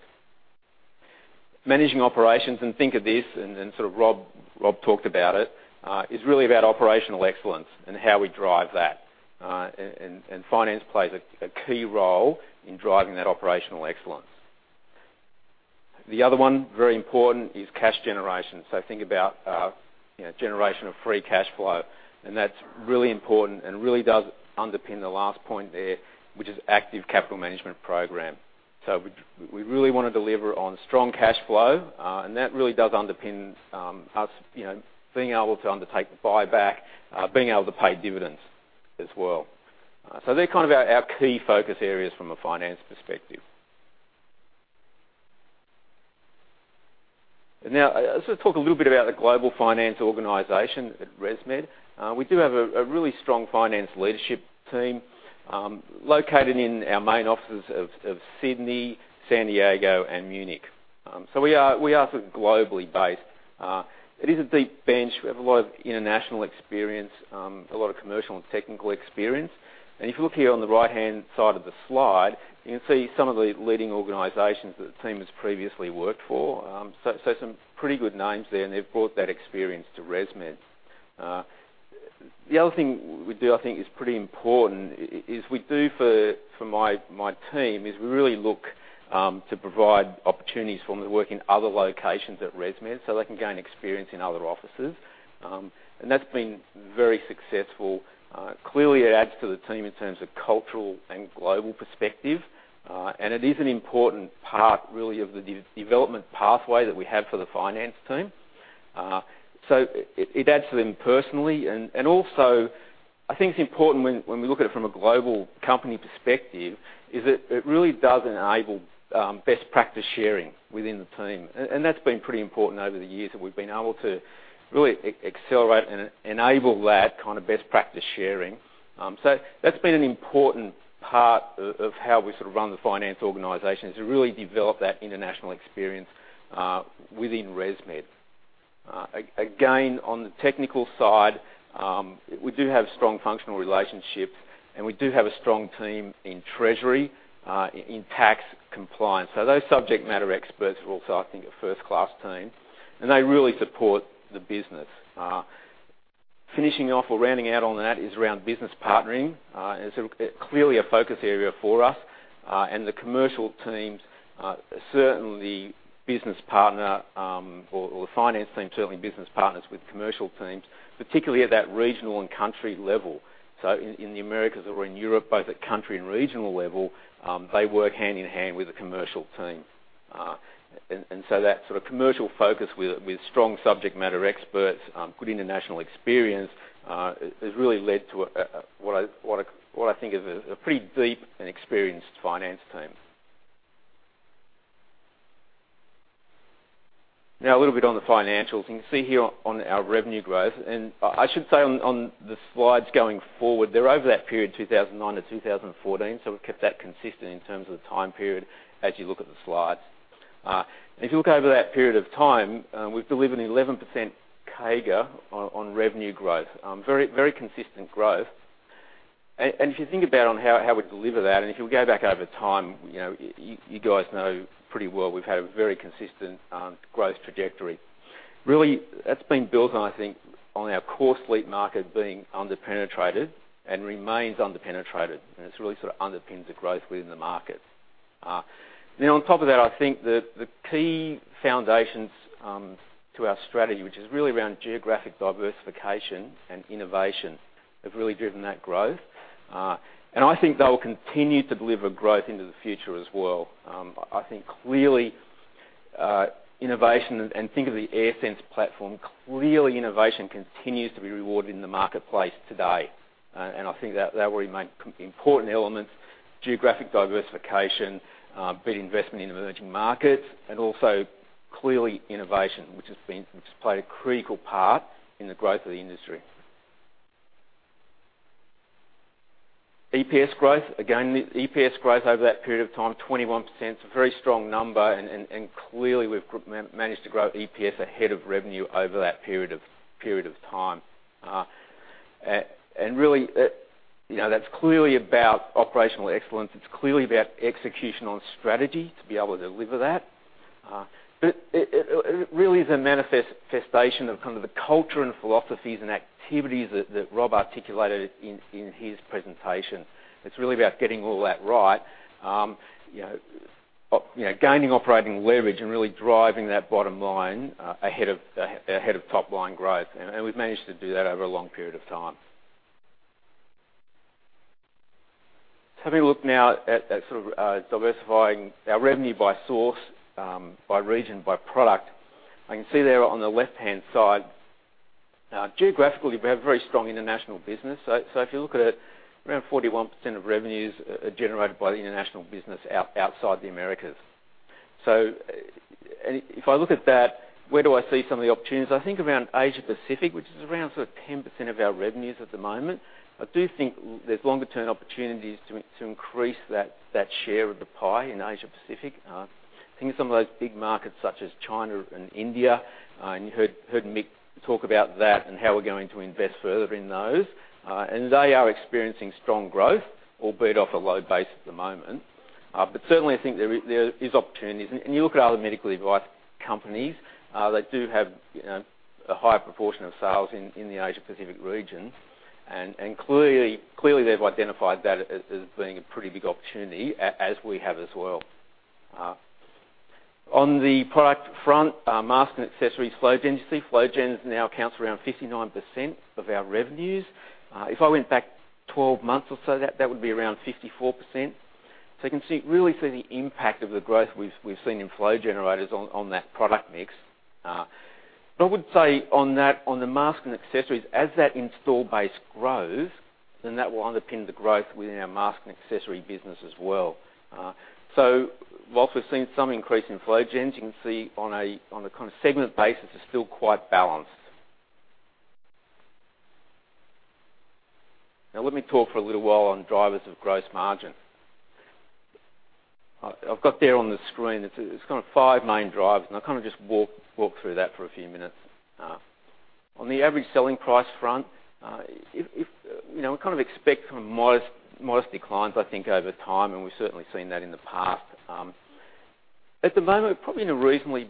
S4: Managing operations, and think of this, and sort of Rob talked about it, is really about operational excellence and how we drive that. Finance plays a key role in driving that operational excellence. The other one, very important, is cash generation. Think about generation of free cash flow, and that's really important and really does underpin the last point there, which is active capital management program. We really want to deliver on strong cash flow, and that really does underpin us being able to undertake buyback, being able to pay dividends as well. They're kind of our key focus areas from a finance perspective. Let's just talk a little bit about the global finance organization at ResMed. We do have a really strong finance leadership team located in our main offices of Sydney, San Diego and Munich. We are sort of globally based. It is a deep bench. We have a lot of international experience, a lot of commercial and technical experience. If you look here on the right-hand side of the slide, you can see some of the leading organizations that the team has previously worked for. Some pretty good names there, and they've brought that experience to ResMed. The other thing we do, I think is pretty important, is we do for my team, is we really look to provide opportunities for them to work in other locations at ResMed so they can gain experience in other offices. That's been very successful. Clearly, it adds to the team in terms of cultural and global perspective. It is an important part, really, of the development pathway that we have for the finance team. It adds to them personally. Also, I think it's important when we look at it from a global company perspective, is it really does enable best practice sharing within the team. That's been pretty important over the years, that we've been able to really accelerate and enable that kind of best practice sharing. That's been an important part of how we sort of run the finance organization, is to really develop that international experience within ResMed. Again, on the technical side, we do have strong functional relationships. We do have a strong team in treasury, in tax compliance. Those subject matter experts are also, I think, a first-class team, and they really support the business. Finishing off or rounding out on that is around business partnering. It's clearly a focus area for us. The commercial teams, certainly business partner or the finance team, certainly business partners with commercial teams, particularly at that regional and country level. In the Americas or in Europe, both at country and regional level, they work hand in hand with the commercial team. That sort of commercial focus with strong subject matter experts, good international experience, has really led to what I think is a pretty deep and experienced finance team. A little bit on the financials. You can see here on our revenue growth. I should say on the slides going forward, they're over that period, 2009 to 2014. We've kept that consistent in terms of the time period as you look at the slides. If you look over that period of time, we've delivered an 11% CAGR on revenue growth, very consistent growth. If you think about on how we deliver that, and if you go back over time, you guys know pretty well we've had a very consistent growth trajectory. That's been built on, I think, on our core Sleep market being under-penetrated and remains under-penetrated, it underpins the growth within the market. On top of that, I think the key foundations to our strategy, which is really around geographic diversification and innovation, have really driven that growth. I think they will continue to deliver growth into the future as well. I think clearly, innovation, think of the AirSense platform. Clearly, innovation continues to be rewarded in the marketplace today. I think that will remain important elements, geographic diversification, big investment in emerging markets, also clearly innovation, which has played a critical part in the growth of the industry. EPS growth. Again, EPS growth over that period of time, 21%, is a very strong number, clearly, we've managed to grow EPS ahead of revenue over that period of time. Really, that's clearly about operational excellence. It's clearly about execution on strategy to be able to deliver that. It really is a manifestation of kind of the culture and philosophies and activities that Rob articulated in his presentation. It's really about getting all that right, gaining operating leverage, and really driving that bottom line ahead of top-line growth. We've managed to do that over a long period of time. Having a look now at sort of diversifying our revenue by source, by region, by product. I can see there on the left-hand side, geographically, we have very strong international business. If you look at it, around 41% of revenues are generated by the international business outside the Americas. If I look at that, where do I see some of the opportunities? I think around Asia Pacific, which is around sort of 10% of our revenues at the moment. I do think there's longer-term opportunities to increase that share of the pie in Asia Pacific. I think some of those big markets, such as China and India, you heard Mick talk about that and how we're going to invest further in those. They are experiencing strong growth, albeit off a low base at the moment. Certainly, I think there is opportunities. You look at other medical device companies, they do have a higher proportion of sales in the Asia Pacific region. Clearly, they've identified that as being a pretty big opportunity, as we have as well. On the product front, masks and accessories, Flowgen. You see Flowgen now accounts for around 59% of our revenues. If I went back 12 months or so, that would be around 54%. You can really see the impact of the growth we've seen in Flow generators on that product mix. I would say on the mask and accessories, as that install base grows, that will underpin the growth within our mask and accessory business as well. Whilst we've seen some increase in Flowgens, you can see on a kind of segment basis, it's still quite balanced. Let me talk for a little while on drivers of gross margin. I've got there on the screen, it's kind of five main drivers, I'll kind of just walk through that for a few minutes. On the average selling price front, we kind of expect modest declines, I think, over time, we've certainly seen that in the past. At the moment, probably in a reasonably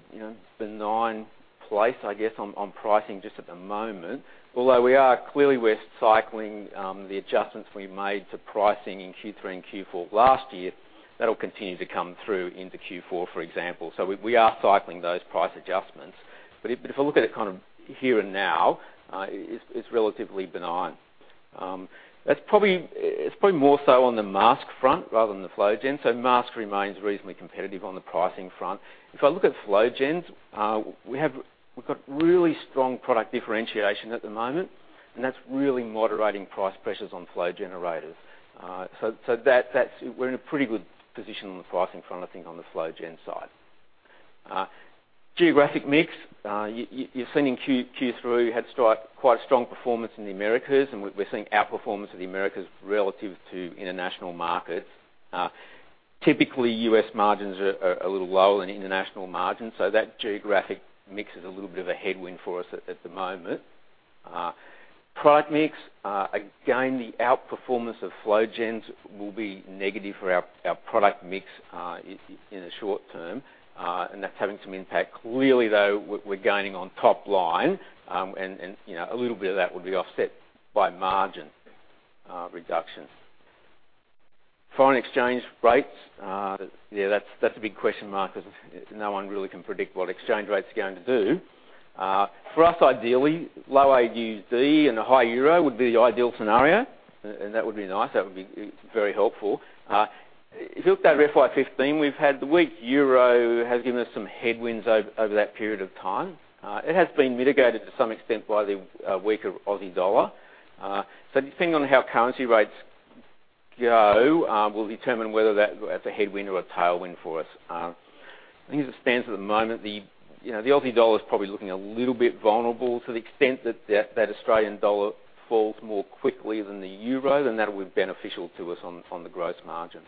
S4: benign place, I guess, on pricing just at the moment. Although we are clearly we're cycling the adjustments we made to pricing in Q3 and Q4 of last year. That'll continue to come through into Q4, for example. We are cycling those price adjustments. If I look at it kind of here and now, it's relatively benign. It's probably more so on the mask front rather than the Flowgen. Mask remains reasonably competitive on the pricing front. If I look at Flowgens, we've got really strong product differentiation at the moment, and that's really moderating price pressures on Flow Generators. We're in a pretty good position on the pricing front, I think, on the Flowgen side. Geographic mix. You've seen in Q3, we had quite strong performance in the Americas, and we're seeing outperformance of the Americas relative to international markets. Typically, US margins are a little lower than international margins. That geographic mix is a little bit of a headwind for us at the moment. Product mix. Again, the outperformance of Flowgens will be negative for our product mix in the short term, and that's having some impact. Clearly, though, we're gaining on top line, and a little bit of that will be offset by margin reduction. Foreign exchange rates. Yeah, that's a big question mark because no one really can predict what exchange rates are going to do. For us, ideally, low AUD and a high EUR would be the ideal scenario, and that would be nice. That would be very helpful. If you look over FY 2015, we've had the weak EUR has given us some headwinds over that period of time. It has been mitigated to some extent by the weaker AUD. Depending on how currency rates go, will determine whether that's a headwind or a tailwind for us. I think as it stands at the moment, the AUD is probably looking a little bit vulnerable to the extent that AUD falls more quickly than the EUR, then that would be beneficial to us on the gross margin.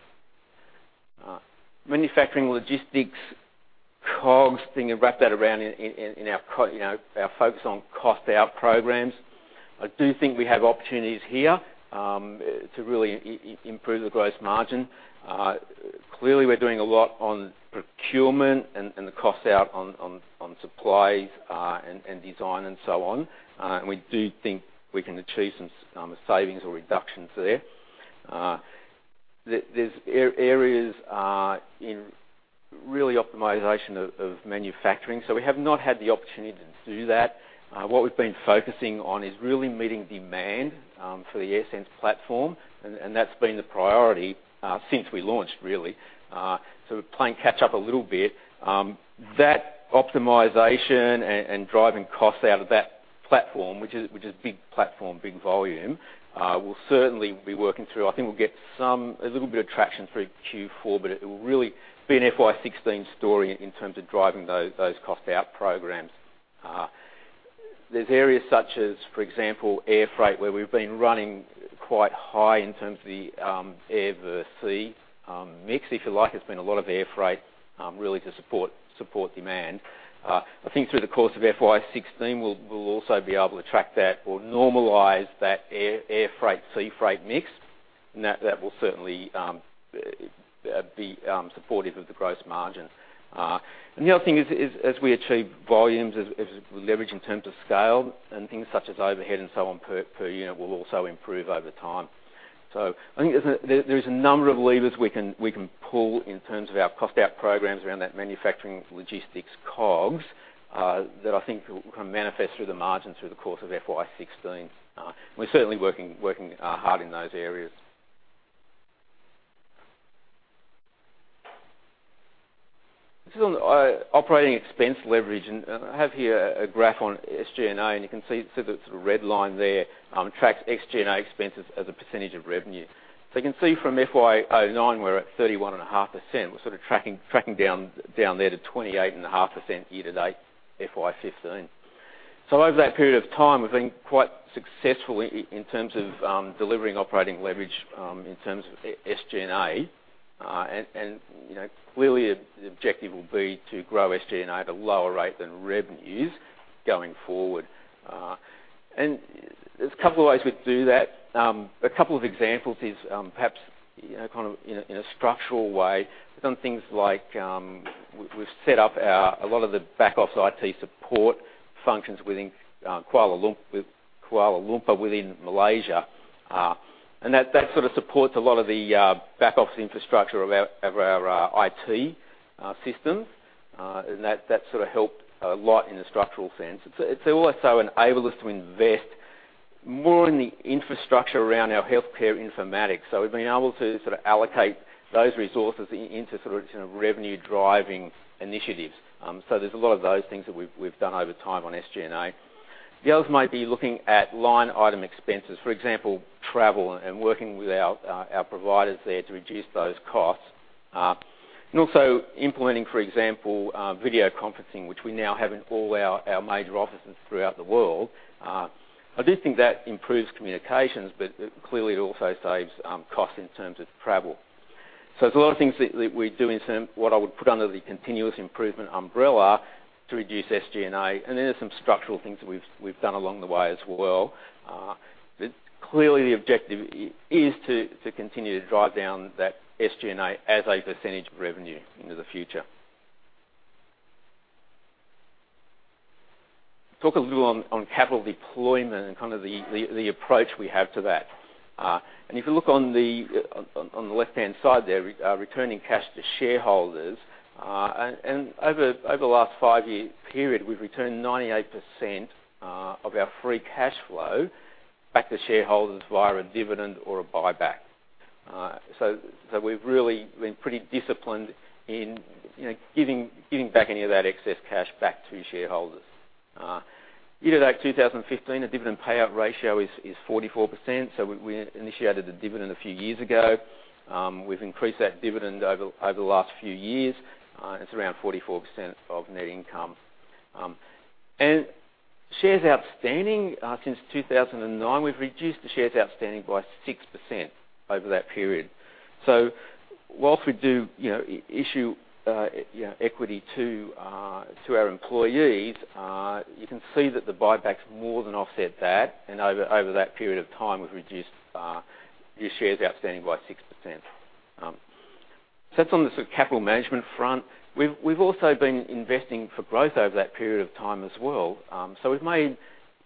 S4: Manufacturing logistics, COGS, I think wrap that around in our focus on cost out programs. I do think we have opportunities here to really improve the gross margin. Clearly, we're doing a lot on procurement and the cost out on supplies and design and so on. We do think we can achieve some savings or reductions there. There's areas in really optimization of manufacturing. We have not had the opportunity to do that. What we've been focusing on is really meeting demand for the AirSense platform, and that's been the priority since we launched, really. We're playing catch up a little bit. That optimization and driving costs out of that platform, which is big platform, big volume, we'll certainly be working through. I think we'll get a little bit of traction through Q4, but it will really be an FY 2016 story in terms of driving those cost out programs. There's areas such as, for example, air freight, where we've been running quite high in terms of the air versus sea mix, if you like. It's been a lot of air freight, really to support demand. I think through the course of FY 2016, we'll also be able to track that or normalize that air freight, sea freight mix, that will certainly be supportive of the gross margin. The other thing is, as we achieve volumes, as we leverage in terms of scale and things such as overhead and so on per unit will also improve over time. I think there's a number of levers we can pull in terms of our cost out programs around that manufacturing logistics COGS, that I think can manifest through the margins through the course of FY 2016. We're certainly working hard in those areas. This is on operating expense leverage. I have here a graph on SG&A, and you can see the red line there tracks SG&A expenses as a % of revenue. You can see from FY 2009, we're at 31.5%. We're sort of tracking down there to 28.5% year to date, FY 2015. Over that period of time, we've been quite successful in terms of delivering operating leverage in terms of SG&A. Clearly, the objective will be to grow SG&A at a lower rate than revenues going forward. There's a couple of ways we'd do that. A couple of examples is perhaps in a structural way, we've done things like, we've set up a lot of the back office IT support functions within Kuala Lumpur, within Malaysia. That sort of supports a lot of the back office infrastructure of our IT systems. That helped a lot in a structural sense. It's also enabled us to invest more in the infrastructure around our healthcare informatics. We've been able to allocate those resources into revenue driving initiatives. There's a lot of those things that we've done over time on SG&A. The others might be looking at line item expenses, for example, travel and working with our providers there to reduce those costs. Also implementing, for example, video conferencing, which we now have in all our major offices throughout the world. I do think that improves communications, clearly it also saves costs in terms of travel. There's a lot of things that we do in terms of what I would put under the continuous improvement umbrella to reduce SG&A. Then there's some structural things that we've done along the way as well. Clearly the objective is to continue to drive down that SG&A as a % of revenue into the future. Talk a little on capital deployment and kind of the approach we have to that. If you look on the left-hand side there, returning cash to shareholders. Over the last five-year period, we've returned 98% of our free cash flow back to shareholders via a dividend or a buyback. We've really been pretty disciplined in giving back any of that excess cash back to shareholders. Year-to-date 2015, the dividend payout ratio is 44%, we initiated a dividend a few years ago. We've increased that dividend over the last few years. It's around 44% of net income. Shares outstanding since 2009, we've reduced the shares outstanding by 6% over that period. Whilst we do issue equity to our employees, you can see that the buybacks more than offset that. Over that period of time, we've reduced the shares outstanding by 6%. That's on the capital management front. We've also been investing for growth over that period of time as well. We've made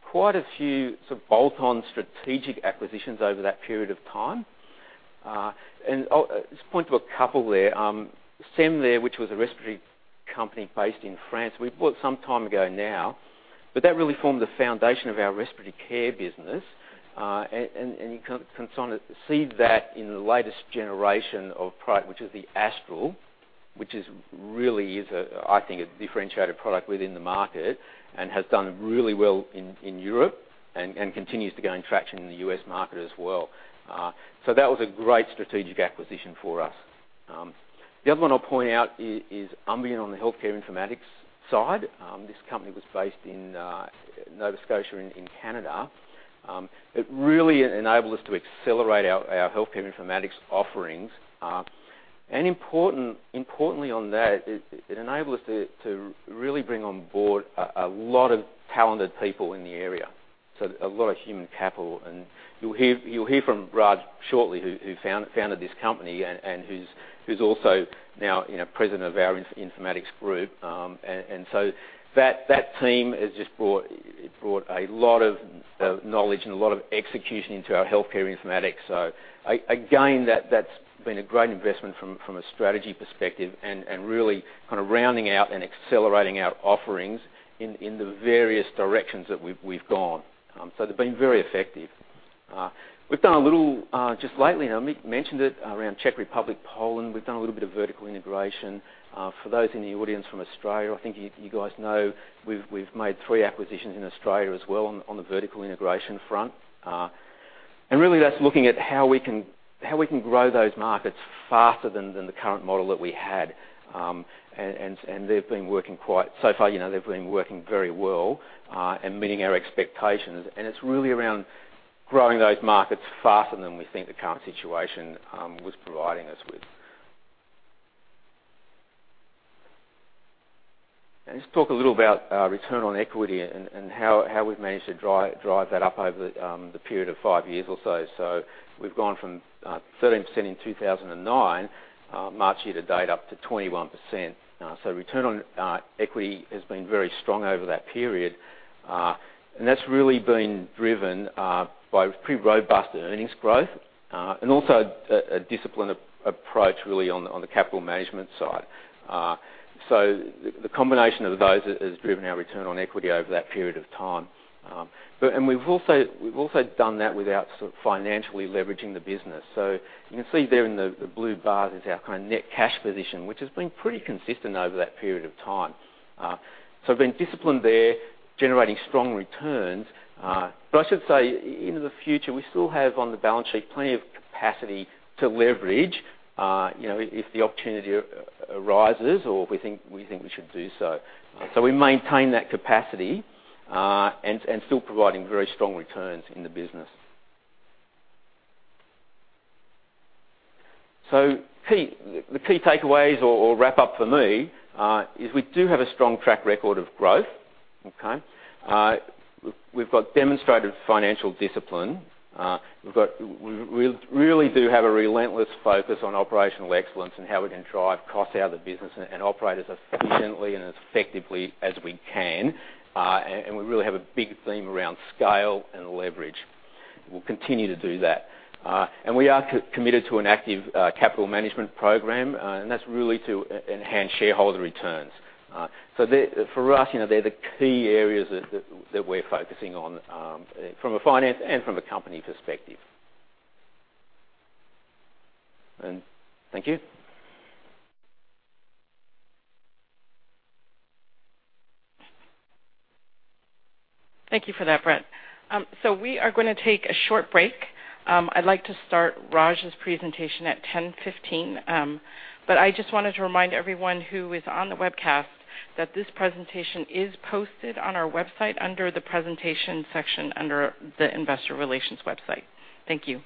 S4: quite a few sort of bolt-on strategic acquisitions over that period of time. I'll just point to a couple there. SAIME there, which was a respiratory company based in France. We bought some time ago now, but that really formed the foundation of our respiratory care business. You can see that in the latest generation of product, which is the Astral, which really is, I think, a differentiated product within the market and has done really well in Europe and continues to gain traction in the U.S. market as well. That was a great strategic acquisition for us. The other one I'll point out is Umbian on the healthcare informatics side. This company was based in Nova Scotia in Canada. It really enabled us to accelerate our healthcare informatics offerings. Importantly on that, it enabled us to really bring on board a lot of talented people in the area, so a lot of human capital. You'll hear from Raj shortly, who founded this company and who's also now president of our informatics group. That team has just brought a lot of knowledge and a lot of execution into our healthcare informatics. Again, that's been a great investment from a strategy perspective and really kind of rounding out and accelerating our offerings in the various directions that we've gone. They've been very effective. Just lately, Mick mentioned it around Czech Republic, Poland, we've done a little bit of vertical integration. For those in the audience from Australia, I think you guys know we've made three acquisitions in Australia as well on the vertical integration front. Really that's looking at how we can grow those markets faster than the current model that we had. So far, they've been working very well and meeting our expectations. It's really around growing those markets faster than we think the current situation was providing us with. Just talk a little about return on equity and how we've managed to drive that up over the period of five years or so. We've gone from 13% in 2009, March year to date, up to 21%. Return on equity has been very strong over that period. That's really been driven by pretty robust earnings growth and also a disciplined approach really on the capital management side. The combination of those has driven our return on equity over that period of time. We've also done that without financially leveraging the business. You can see there in the blue bars is our net cash position, which has been pretty consistent over that period of time. Been disciplined there, generating strong returns. I should say, into the future, we still have on the balance sheet plenty of capacity to leverage if the opportunity arises or we think we should do so. We maintain that capacity and still providing very strong returns in the business. The key takeaways or wrap up for me is we do have a strong track record of growth. We've got demonstrated financial discipline. We really do have a relentless focus on operational excellence and how we can drive costs out of the business and operate as efficiently and as effectively as we can. We really have a big theme around scale and leverage. We'll continue to do that. We are committed to an active capital management program, that's really to enhance shareholder returns. For us, they're the key areas that we're focusing on from a finance and from a company perspective. Thank you.
S1: Thank you for that, Brett. We are going to take a short break. I'd like to start Raj's presentation at 10:15. I just wanted to remind everyone who is on the webcast that this presentation is posted on our website under the Presentation section under the Investor Relations website. Thank you.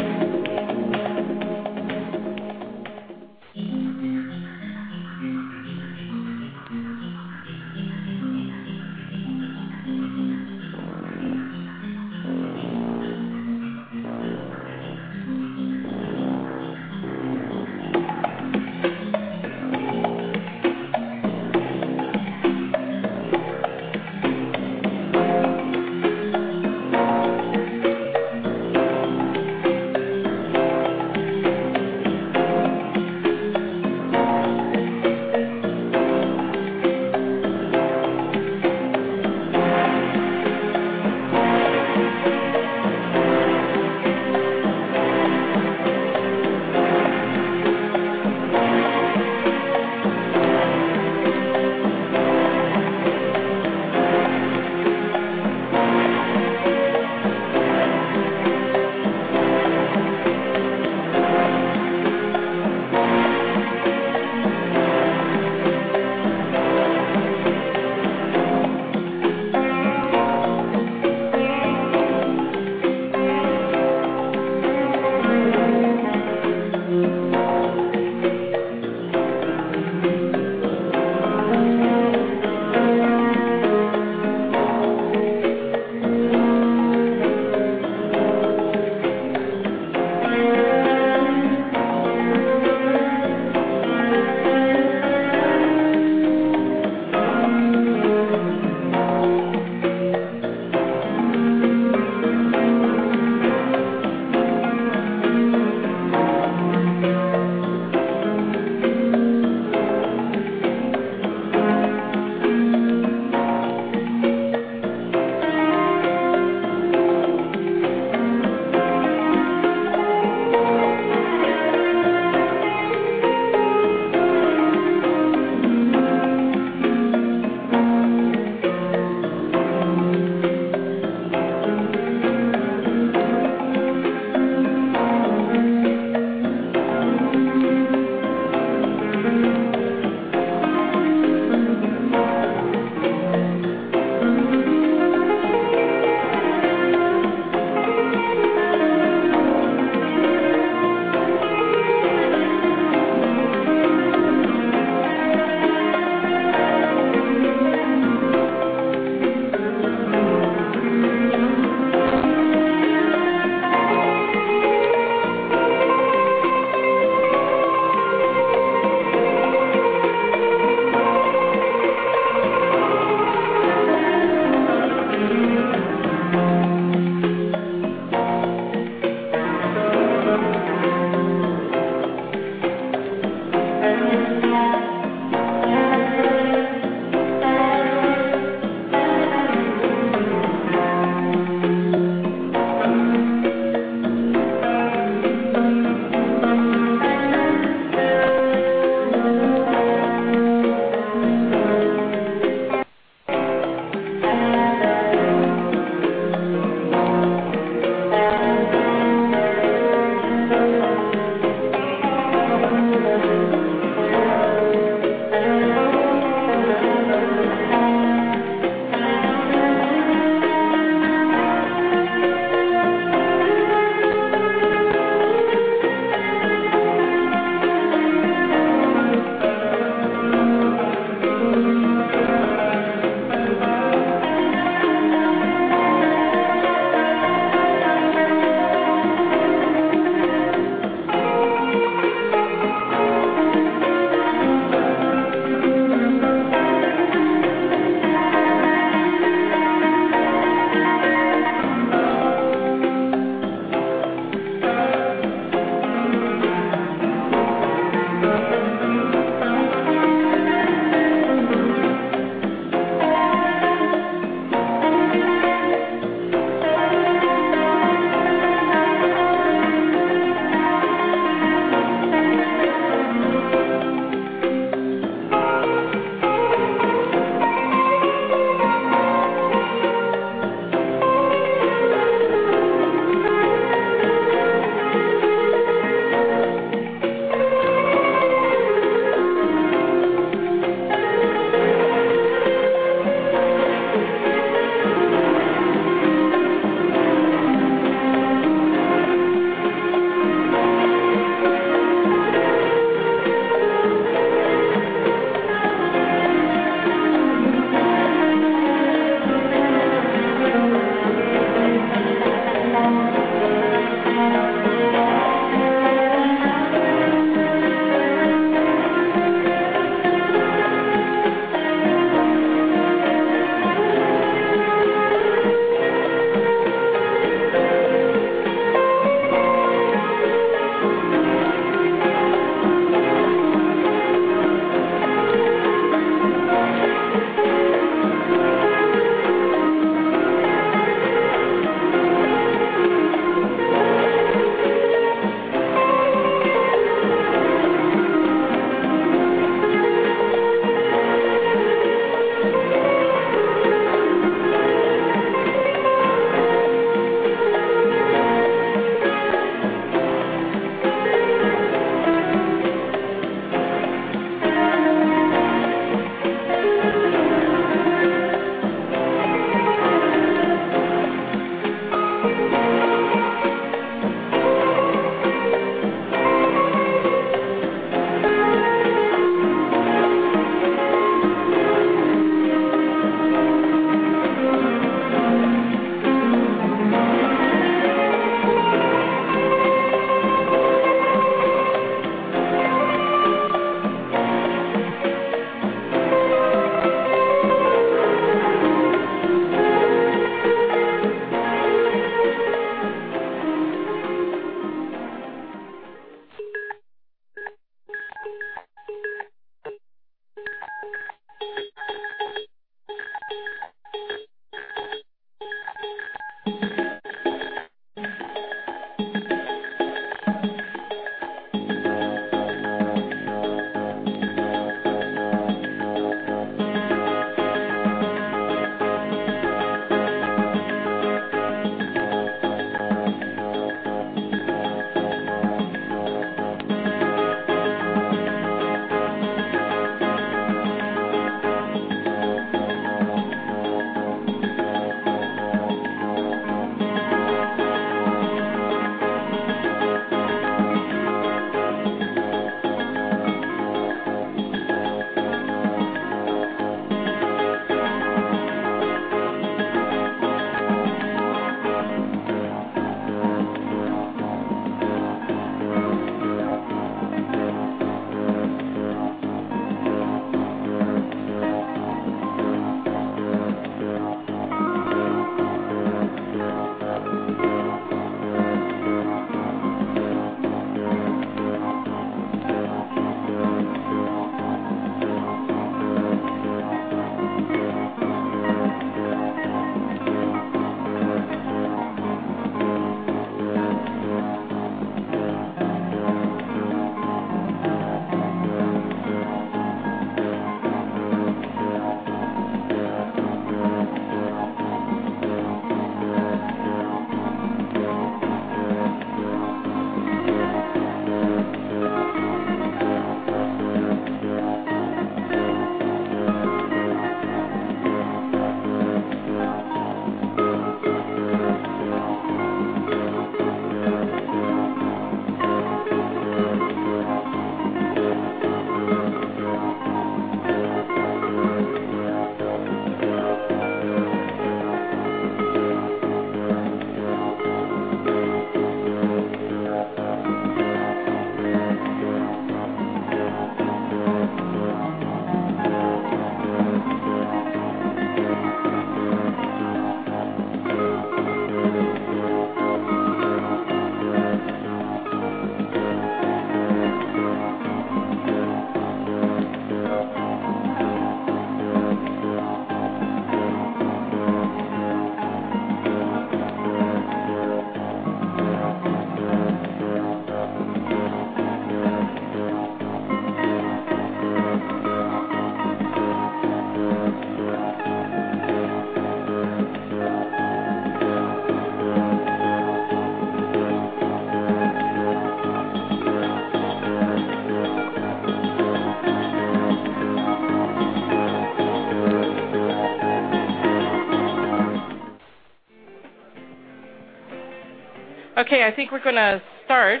S1: I think we're going to start.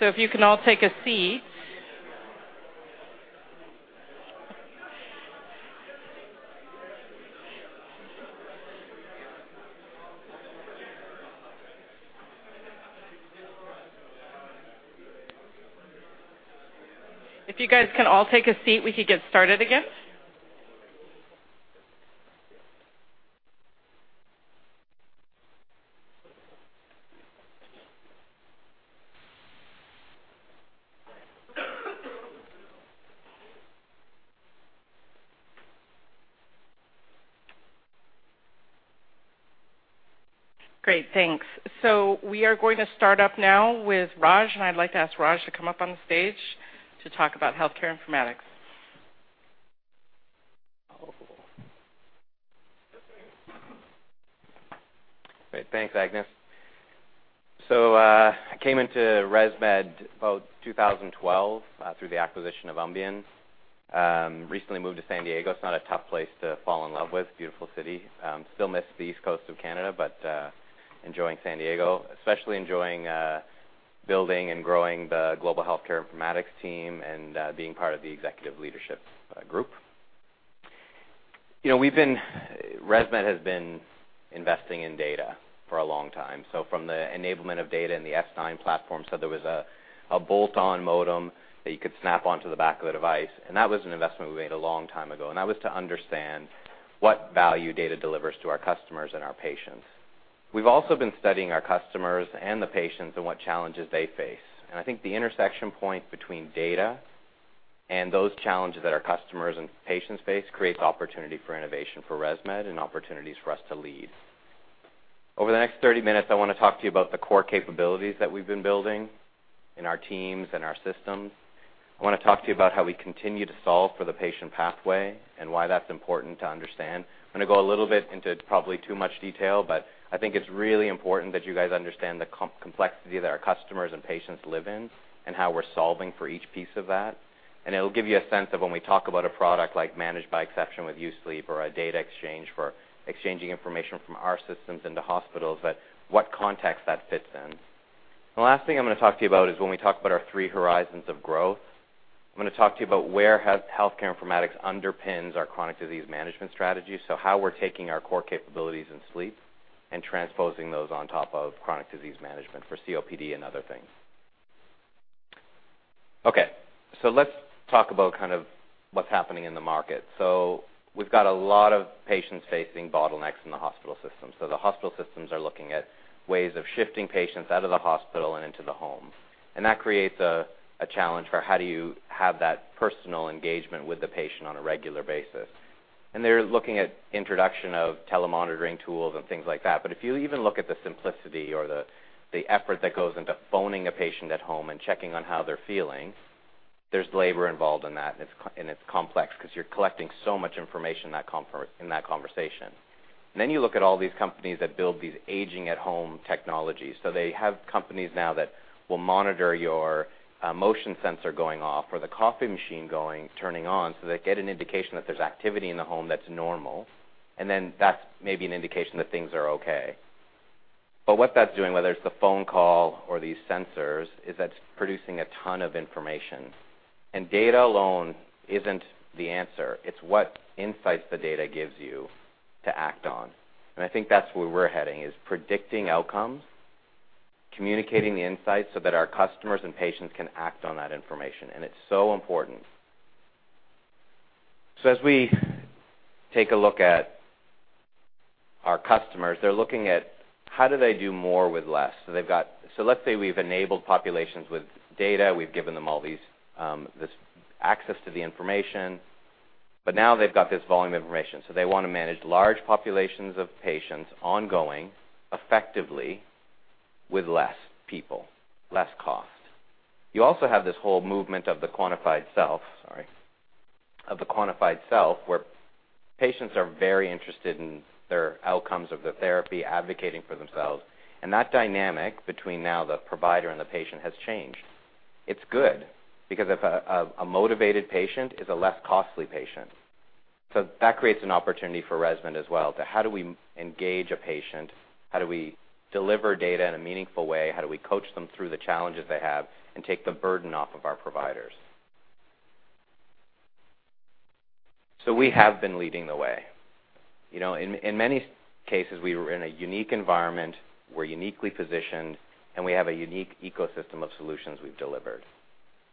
S1: If you can all take a seat. If you guys can all take a seat, we can get started again. Great. Thanks. We are going to start up now with Raj, and I'd like to ask Raj to come up on the stage to talk about healthcare informatics.
S5: Great. Thanks, Agnes. I came into ResMed about 2012 through the acquisition of Umbian. Recently moved to San Diego. It's not a tough place to fall in love with, beautiful city. Still miss the east coast of Canada, but enjoying San Diego. Especially enjoying building and growing the global healthcare informatics team and being part of the executive leadership group. ResMed has been investing in data for a long time, from the enablement of data in the S9 platform. There was a bolt-on modem that you could snap onto the back of the device, that was an investment we made a long time ago. That was to understand what value data delivers to our customers and our patients. We've also been studying our customers and the patients and what challenges they face. I think the intersection point between data and those challenges that our customers and patients face creates opportunity for innovation for ResMed and opportunities for us to lead. Over the next 30 minutes, I want to talk to you about the core capabilities that we've been building in our teams and our systems. I want to talk to you about how we continue to solve for the patient pathway and why that's important to understand. I'm going to go a little bit into probably too much detail, I think it's really important that you guys understand the complexity that our customers and patients live in and how we're solving for each piece of that. It'll give you a sense of when we talk about a product like managed by exception with U-Sleep or a data exchange for exchanging information from our systems into hospitals, that what context that fits in. The last thing I'm going to talk to you about is when we talk about our three horizons of growth. I'm going to talk to you about where healthcare informatics underpins our chronic disease management strategy, so how we're taking our core capabilities in Sleep and transposing those on top of chronic disease management for COPD and other things. Let's talk about what's happening in the market. We've got a lot of patients facing bottlenecks in the hospital system. The hospital systems are looking at ways of shifting patients out of the hospital and into the home, and that creates a challenge for how do you have that personal engagement with the patient on a regular basis. They're looking at introduction of telemonitoring tools and things like that, but if you even look at the simplicity or the effort that goes into phoning a patient at home and checking on how they're feeling, there's labor involved in that, and it's complex because you're collecting so much information in that conversation. You look at all these companies that build these aging at home technologies. They have companies now that will monitor your motion sensor going off, or the coffee machine turning on, so they get an indication that there's activity in the home that's normal, and then that's maybe an indication that things are okay. What that's doing, whether it's the phone call or these sensors, is that's producing a ton of information, and data alone isn't the answer. It's what insights the data gives you to act on. I think that's where we're heading is predicting outcomes, communicating the insights so that our customers and patients can act on that information, and it's so important. As we take a look at our customers, they're looking at how do they do more with less. Let's say we've enabled populations with data. We've given them all this access to the information, but now they've got this volume of information. They want to manage large populations of patients ongoing, effectively with less people, less cost. You also have this whole movement of the quantified self where patients are very interested in their outcomes of the therapy, advocating for themselves, and that dynamic between now the provider and the patient has changed. It's good because a motivated patient is a less costly patient. That creates an opportunity for ResMed as well to how do we engage a patient? How do we deliver data in a meaningful way? How do we coach them through the challenges they have and take the burden off of our providers? We have been leading the way. In many cases, we were in a unique environment, we're uniquely positioned, and we have a unique ecosystem of solutions we've delivered,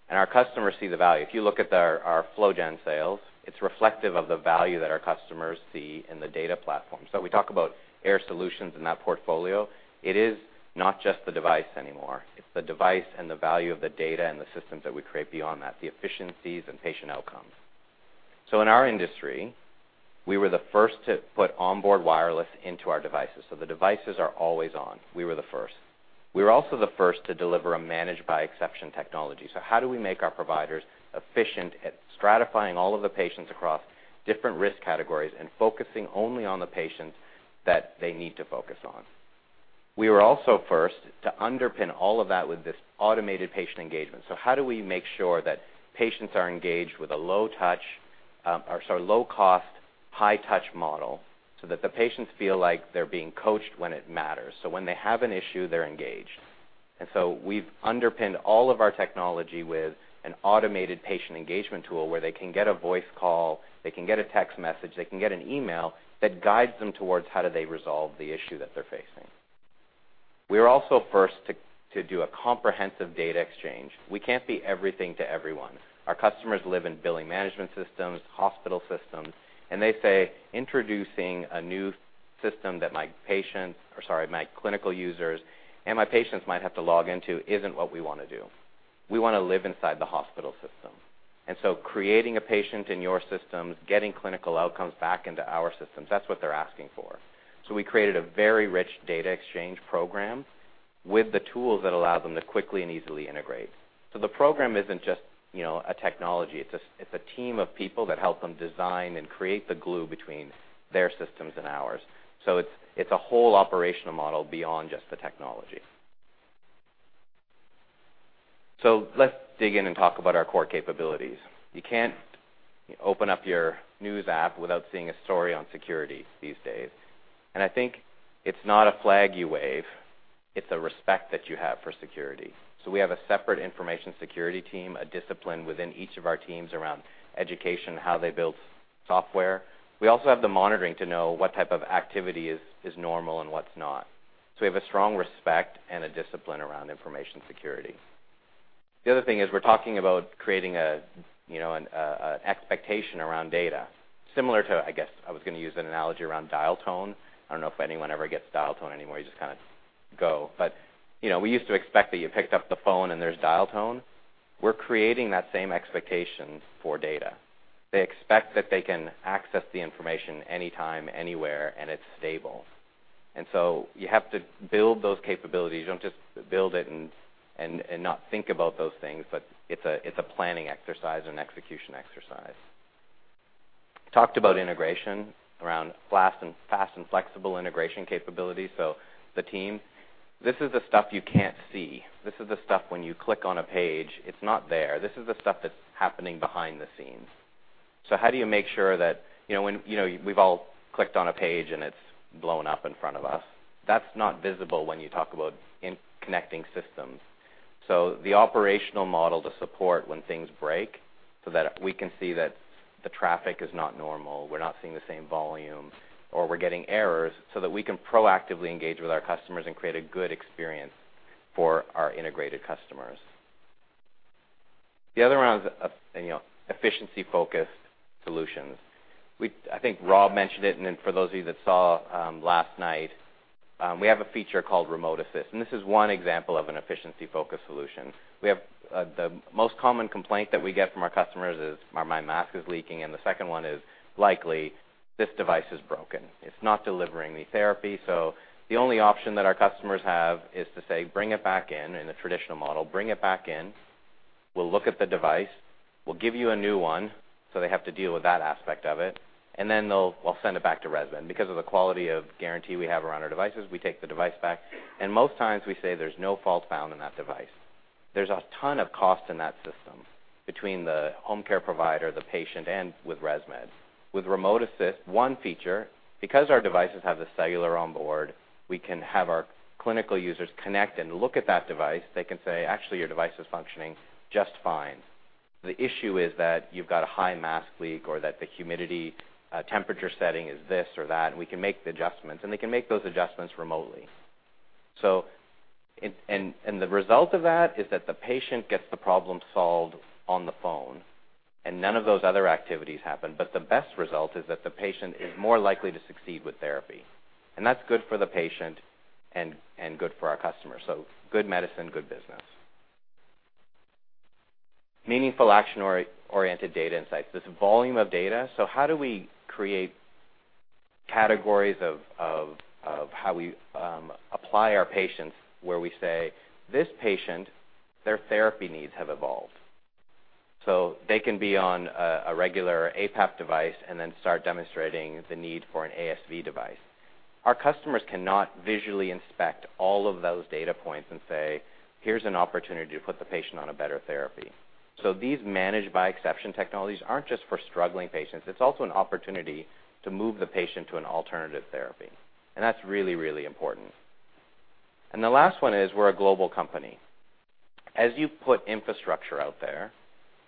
S5: and our customers see the value. If you look at our FlowGen sales, it's reflective of the value that our customers see in the data platform. We talk about Air Solutions in that portfolio. It is not just the device anymore. It's the device and the value of the data and the systems that we create beyond that, the efficiencies and patient outcomes. In our industry, we were the first to put onboard wireless into our devices, so the devices are always on. We were the first. We were also the first to deliver a manage-by-exception technology. How do we make our providers efficient at stratifying all of the patients across different risk categories and focusing only on the patients that they need to focus on? We were also first to underpin all of that with this automated patient engagement. How do we make sure that patients are engaged with a low-cost, high-touch model so that the patients feel like they're being coached when it matters? When they have an issue, they're engaged. We've underpinned all of our technology with an automated patient engagement tool where they can get a voice call, they can get a text message, they can get an email that guides them towards how do they resolve the issue that they're facing. We were also first to do a comprehensive data exchange. We can't be everything to everyone. Our customers live in billing management systems, hospital systems, they say, "Introducing a new system that my clinical users and my patients might have to log into isn't what we want to do. We want to live inside the hospital system." Creating a patient in your systems, getting clinical outcomes back into our systems, that's what they're asking for. We created a very rich data exchange program with the tools that allow them to quickly and easily integrate. The program isn't just a technology. It's a team of people that help them design and create the glue between their systems and ours. It's a whole operational model beyond just the technology. Let's dig in and talk about our core capabilities. You can't open up your news app without seeing a story on security these days. I think it's not a flag you wave, it's a respect that you have for security. We have a separate information security team, a discipline within each of our teams around education, how they build software. We also have the monitoring to know what type of activity is normal and what's not. We have a strong respect and a discipline around information security. The other thing is we're talking about creating an expectation around data similar to, I guess I was going to use an analogy around dial tone. I don't know if anyone ever gets dial tone anymore. You just kind of go. We used to expect that you picked up the phone and there's dial tone. We're creating that same expectation for data. They expect that they can access the information anytime, anywhere, and it's stable. You have to build those capabilities. You don't just build it and not think about those things, it's a planning exercise and execution exercise. Talked about integration around fast and flexible integration capabilities, the team. This is the stuff you can't see. This is the stuff when you click on a page, it's not there. This is the stuff that's happening behind the scenes. How do you make sure that We've all clicked on a page, and it's blown up in front of us. That's not visible when you talk about connecting systems. The operational model to support when things break so that we can see that the traffic is not normal, we're not seeing the same volume, or we're getting errors, so that we can proactively engage with our customers and create a good experience for our integrated customers. The other one is efficiency-focused solutions. I think Rob mentioned it, then for those of you that saw last night, we have a feature called Remote Assist, and this is one example of an efficiency-focused solution. The most common complaint that we get from our customers is, "My mask is leaking." The second one is likely, "This device is broken. It's not delivering the therapy." The only option that our customers have is to say, "Bring it back in." In the traditional model, bring it back in. We'll look at the device. We'll give you a new one, so they have to deal with that aspect of it. Then they'll send it back to ResMed because of the quality of guarantee we have around our devices. We take the device back, and most times we say there's no fault found in that device. There's a ton of cost in that system between the home care provider, the patient, and with ResMed. With Remote Assist, one feature, because our devices have the cellular onboard, we can have our clinical users connect and look at that device. They can say, "Actually, your device is functioning just fine. The issue is that you've got a high mask leak or that the humidity temperature setting is this or that, and we can make the adjustments." They can make those adjustments remotely. The result of that is that the patient gets the problem solved on the phone, and none of those other activities happen. The best result is that the patient is more likely to succeed with therapy, and that's good for the patient and good for our customers. Good medicine, good business. Meaningful action-oriented data insights. This volume of data. How do we create categories of how we apply our patients where we say, "This patient, their therapy needs have evolved." They can be on a regular APAP device and then start demonstrating the need for an ASV device. Our customers cannot visually inspect all of those data points and say, "Here's an opportunity to put the patient on a better therapy." These manage-by-exception technologies aren't just for struggling patients. It's also an opportunity to move the patient to an alternative therapy, and that's really, really important. The last one is we're a global company. As you put infrastructure out there,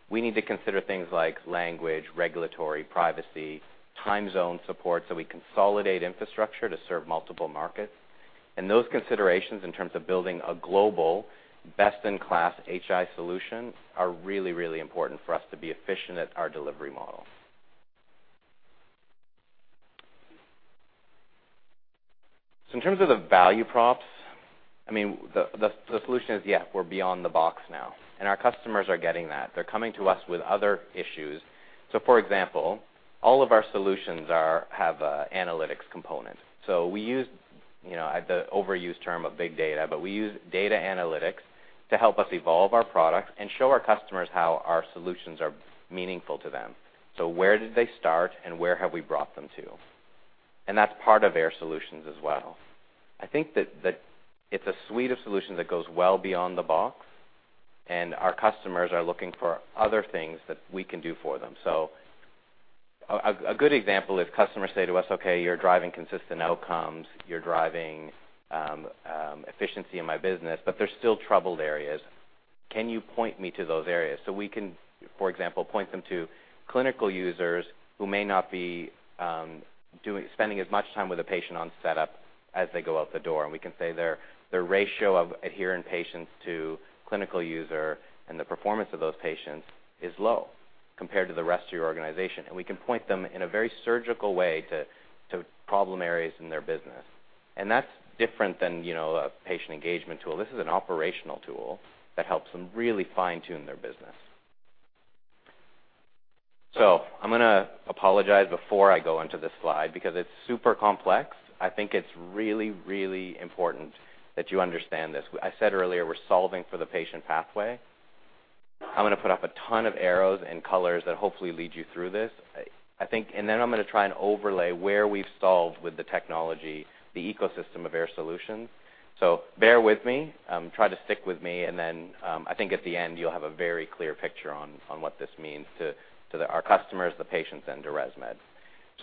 S5: we need to consider things like language, regulatory, privacy, time zone support, so we consolidate infrastructure to serve multiple markets. Those considerations in terms of building a global best-in-class HI solution are really, really important for us to be efficient at our delivery model. In terms of the value props, the solution is, yeah, we're beyond the box now, and our customers are getting that. They're coming to us with other issues. For example, all of our solutions have an analytics component. We use the overused term of big data, but we use data analytics to help us evolve our products and show our customers how our solutions are meaningful to them. Where did they start and where have we brought them to? That's part of Air Solutions as well. I think that it's a suite of solutions that goes well beyond the box, and our customers are looking for other things that we can do for them. A good example, if customers say to us, "Okay, you're driving consistent outcomes, you're driving efficiency in my business, but there's still troubled areas. Can you point me to those areas?" We can, for example, point them to clinical users who may not be spending as much time with a patient on setup as they go out the door, and we can say their ratio of adherent patients to clinical user and the performance of those patients is low compared to the rest of your organization. We can point them in a very surgical way to problem areas in their business. That's different than a patient engagement tool. This is an operational tool that helps them really fine-tune their business. I'm going to apologize before I go onto this slide because it's super complex. I think it's really, really important that you understand this. I said earlier we're solving for the patient pathway. I'm going to put up a ton of arrows and colors that hopefully lead you through this. I'm going to try and overlay where we've solved with the technology, the ecosystem of Air Solutions. Bear with me, try to stick with me, and then I think at the end you'll have a very clear picture on what this means to our customers, the patients, and to ResMed.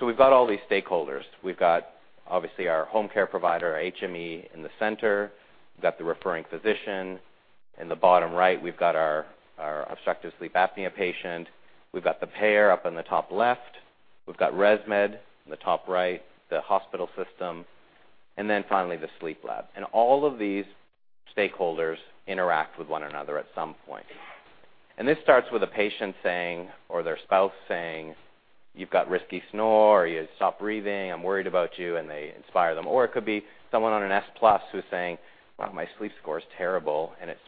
S5: We've got all these stakeholders. We've got, obviously, our home care provider, HME, in the center. We've got the referring physician. In the bottom right, we've got our obstructive sleep apnea patient. We've got the payer up in the top left. We've got ResMed in the top right, the hospital system, and then finally the sleep lab. All of these stakeholders interact with one another at some point. This starts with a patient saying, or their spouse saying, "You've got risky snore. You stop breathing. I'm worried about you." And they inspire them. It could be someone on an S Plus who's saying, "Wow, my sleep score is terrible," and it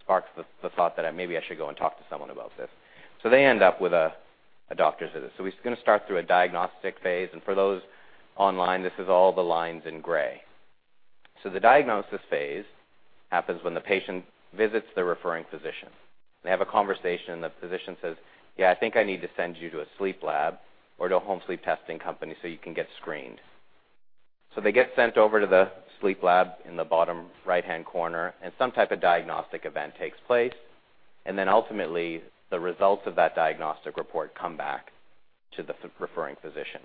S5: sparks the thought that maybe I should go and talk to someone about this. They end up with a doctor's visit. We're going to start through a diagnostic phase, and for those online, this is all the lines in gray. The diagnosis phase happens when the patient visits the referring physician. They have a conversation, and the physician says, "Yeah, I think I need to send you to a sleep lab or to a home sleep testing company so you can get screened." They get sent over to the sleep lab in the bottom right-hand corner, and some type of diagnostic event takes place. Ultimately, the results of that diagnostic report come back to the referring physician.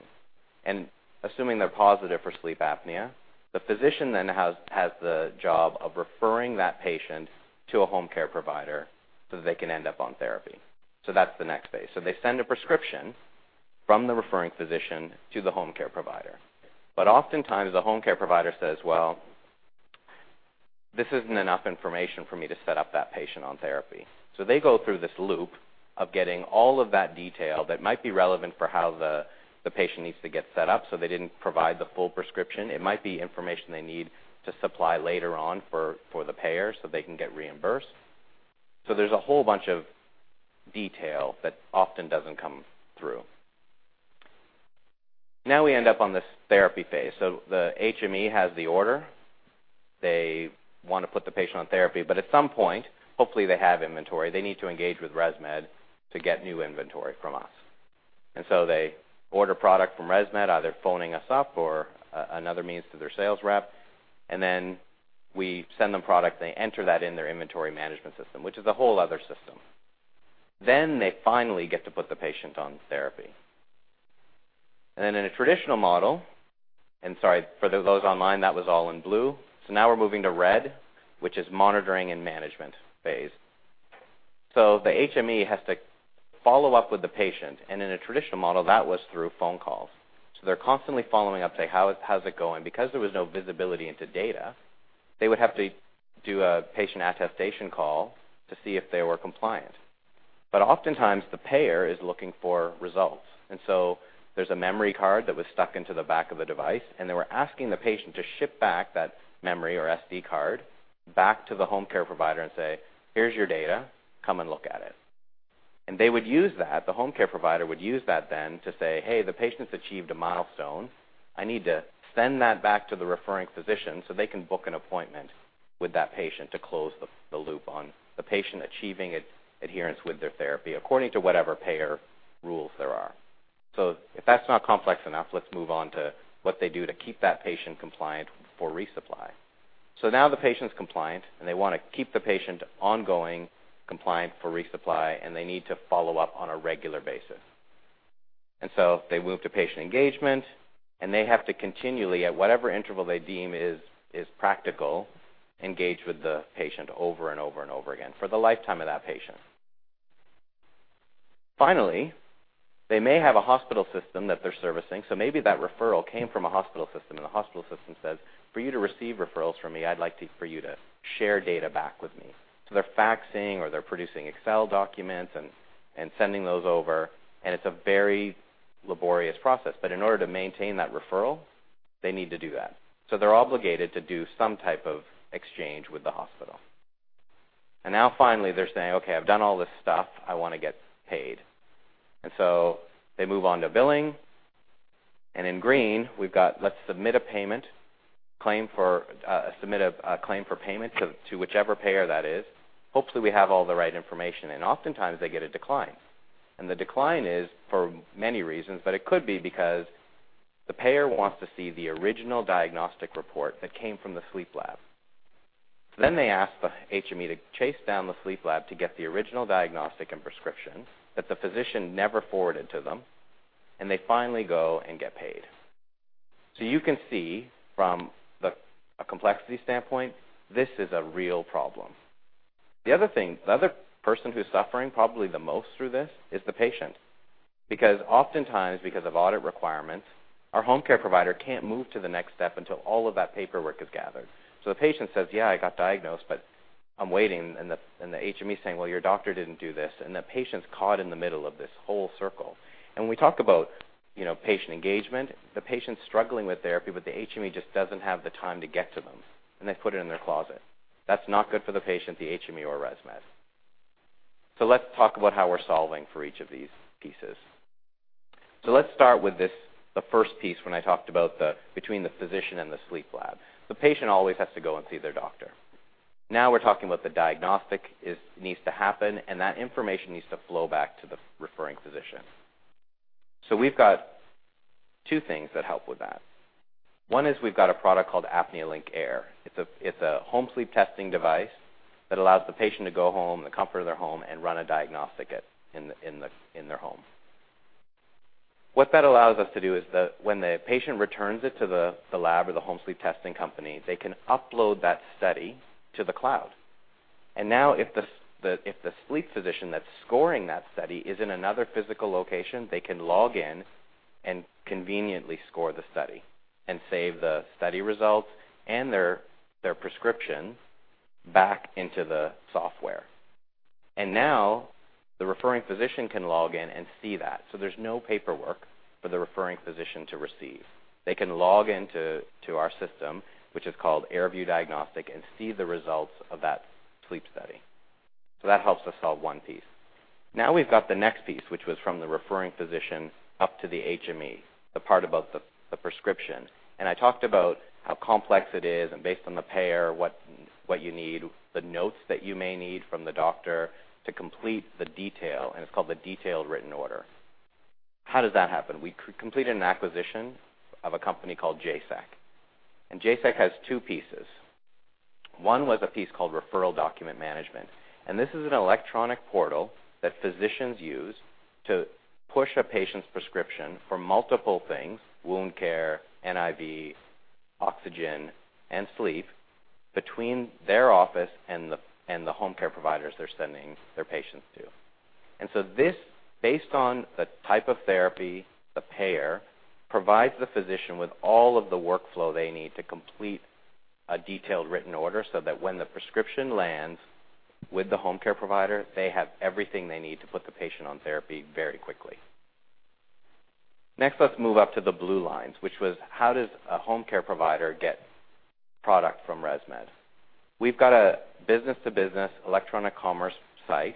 S5: Assuming they're positive for sleep apnea, the physician then has the job of referring that patient to a home care provider so that they can end up on therapy. That's the next phase. They send a prescription from the referring physician to the home care provider. Oftentimes, the home care provider says, "Well, this isn't enough information for me to set up that patient on therapy." They go through this loop of getting all of that detail that might be relevant for how the patient needs to get set up, so they didn't provide the full prescription. It might be information they need to supply later on for the payer so they can get reimbursed. There's a whole bunch of detail that often doesn't come through. We end up on this therapy phase. The HME has the order. They want to put the patient on therapy. At some point, hopefully they have inventory, they need to engage with ResMed to get new inventory from us. They order product from ResMed, either phoning us up or another means to their sales rep, and we send them product, and they enter that in their inventory management system, which is a whole other system. They finally get to put the patient on therapy. And then in a traditional model, and sorry for those online, that was all in blue. Now we're moving to red, which is monitoring and management phase. The HME has to follow up with the patient, and in a traditional model, that was through phone calls. They're constantly following up, saying, "How's it going?" Because there was no visibility into data, they would have to do a patient attestation call to see if they were compliant. Oftentimes, the payer is looking for results, and there's a memory card that was stuck into the back of the device, and they were asking the patient to ship back that memory or SD card back to the home care provider and say, "Here's your data. Come and look at it." They would use that, the home care provider would use that then to say, "Hey, the patient's achieved a milestone. I need to send that back to the referring physician so they can book an appointment with that patient to close the loop on the patient achieving adherence with their therapy," according to whatever payer rules there are. If that's not complex enough, let's move on to what they do to keep that patient compliant for resupply. Now the patient's compliant, and they want to keep the patient ongoing compliant for resupply, and they need to follow up on a regular basis. They move to patient engagement, and they have to continually, at whatever interval they deem is practical, engage with the patient over and over again for the lifetime of that patient. Finally, they may have a hospital system that they're servicing. Maybe that referral came from a hospital system, and the hospital system says, "For you to receive referrals from me, I'd like for you to share data back with me." They're faxing or they're producing Excel documents and sending those over, and it's a very laborious process. In order to maintain that referral, they need to do that. They're obligated to do some type of exchange with the hospital. Finally, they're saying, "Okay, I've done all this stuff. I want to get paid." They move on to billing. In green, we've got, let's submit a claim for payment to whichever payer that is. Hopefully, we have all the right information in. Oftentimes, they get a decline. The decline is for many reasons, but it could be because the payer wants to see the original diagnostic report that came from the sleep lab. Then they ask the HME to chase down the sleep lab to get the original diagnostic and prescription that the physician never forwarded to them, and they finally go and get paid. You can see from a complexity standpoint, this is a real problem. The other person who's suffering probably the most through this is the patient. Because oftentimes, because of audit requirements, our home care provider can't move to the next step until all of that paperwork is gathered. The patient says, "Yeah, I got diagnosed, but I'm waiting." The HME is saying, "Well, your doctor didn't do this." The patient's caught in the middle of this whole circle. We talk about patient engagement. The patient's struggling with therapy, but the HME just doesn't have the time to get to them, and they put it in their closet. That's not good for the patient, the HME, or ResMed. Let's talk about how we're solving for each of these pieces. Let's start with the first piece when I talked about between the physician and the sleep lab. The patient always has to go and see their doctor. We're talking about the diagnostic needs to happen, and that information needs to flow back to the referring physician. We've got two things that help with that. One is we've got a product called ApneaLink Air. It's a home sleep testing device that allows the patient to go home, in the comfort of their home, and run a diagnostic in their home. What that allows us to do is that when the patient returns it to the lab or the home sleep testing company, they can upload that study to the cloud. If the sleep physician that's scoring that study is in another physical location, they can log in and conveniently score the study and save the study results and their prescription back into the software. The referring physician can log in and see that. There's no paperwork for the referring physician to receive. They can log into our system, which is called AirView Diagnostic, and see the results of that sleep study. That helps us solve one piece. We've got the next piece, which was from the referring physician up to the HME, the part about the prescription. I talked about how complex it is, and based on the payer, what you need, the notes that you may need from the doctor to complete the detail, and it's called the detailed written order. How does that happen? We completed an acquisition of a company called JSAC. JSAC has two pieces. One was a piece called Referral Document Management. This is an electronic portal that physicians use to push a patient's prescription for multiple things, wound care, NIV, oxygen, and Sleep, between their office and the home care providers they're sending their patients to. This, based on the type of therapy, the payer provides the physician with all of the workflow they need to complete a detailed written order so that when the prescription lands with the home care provider, they have everything they need to put the patient on therapy very quickly. Let's move up to the blue lines, which was how does a home care provider get product from ResMed? We've got a business-to-business electronic commerce site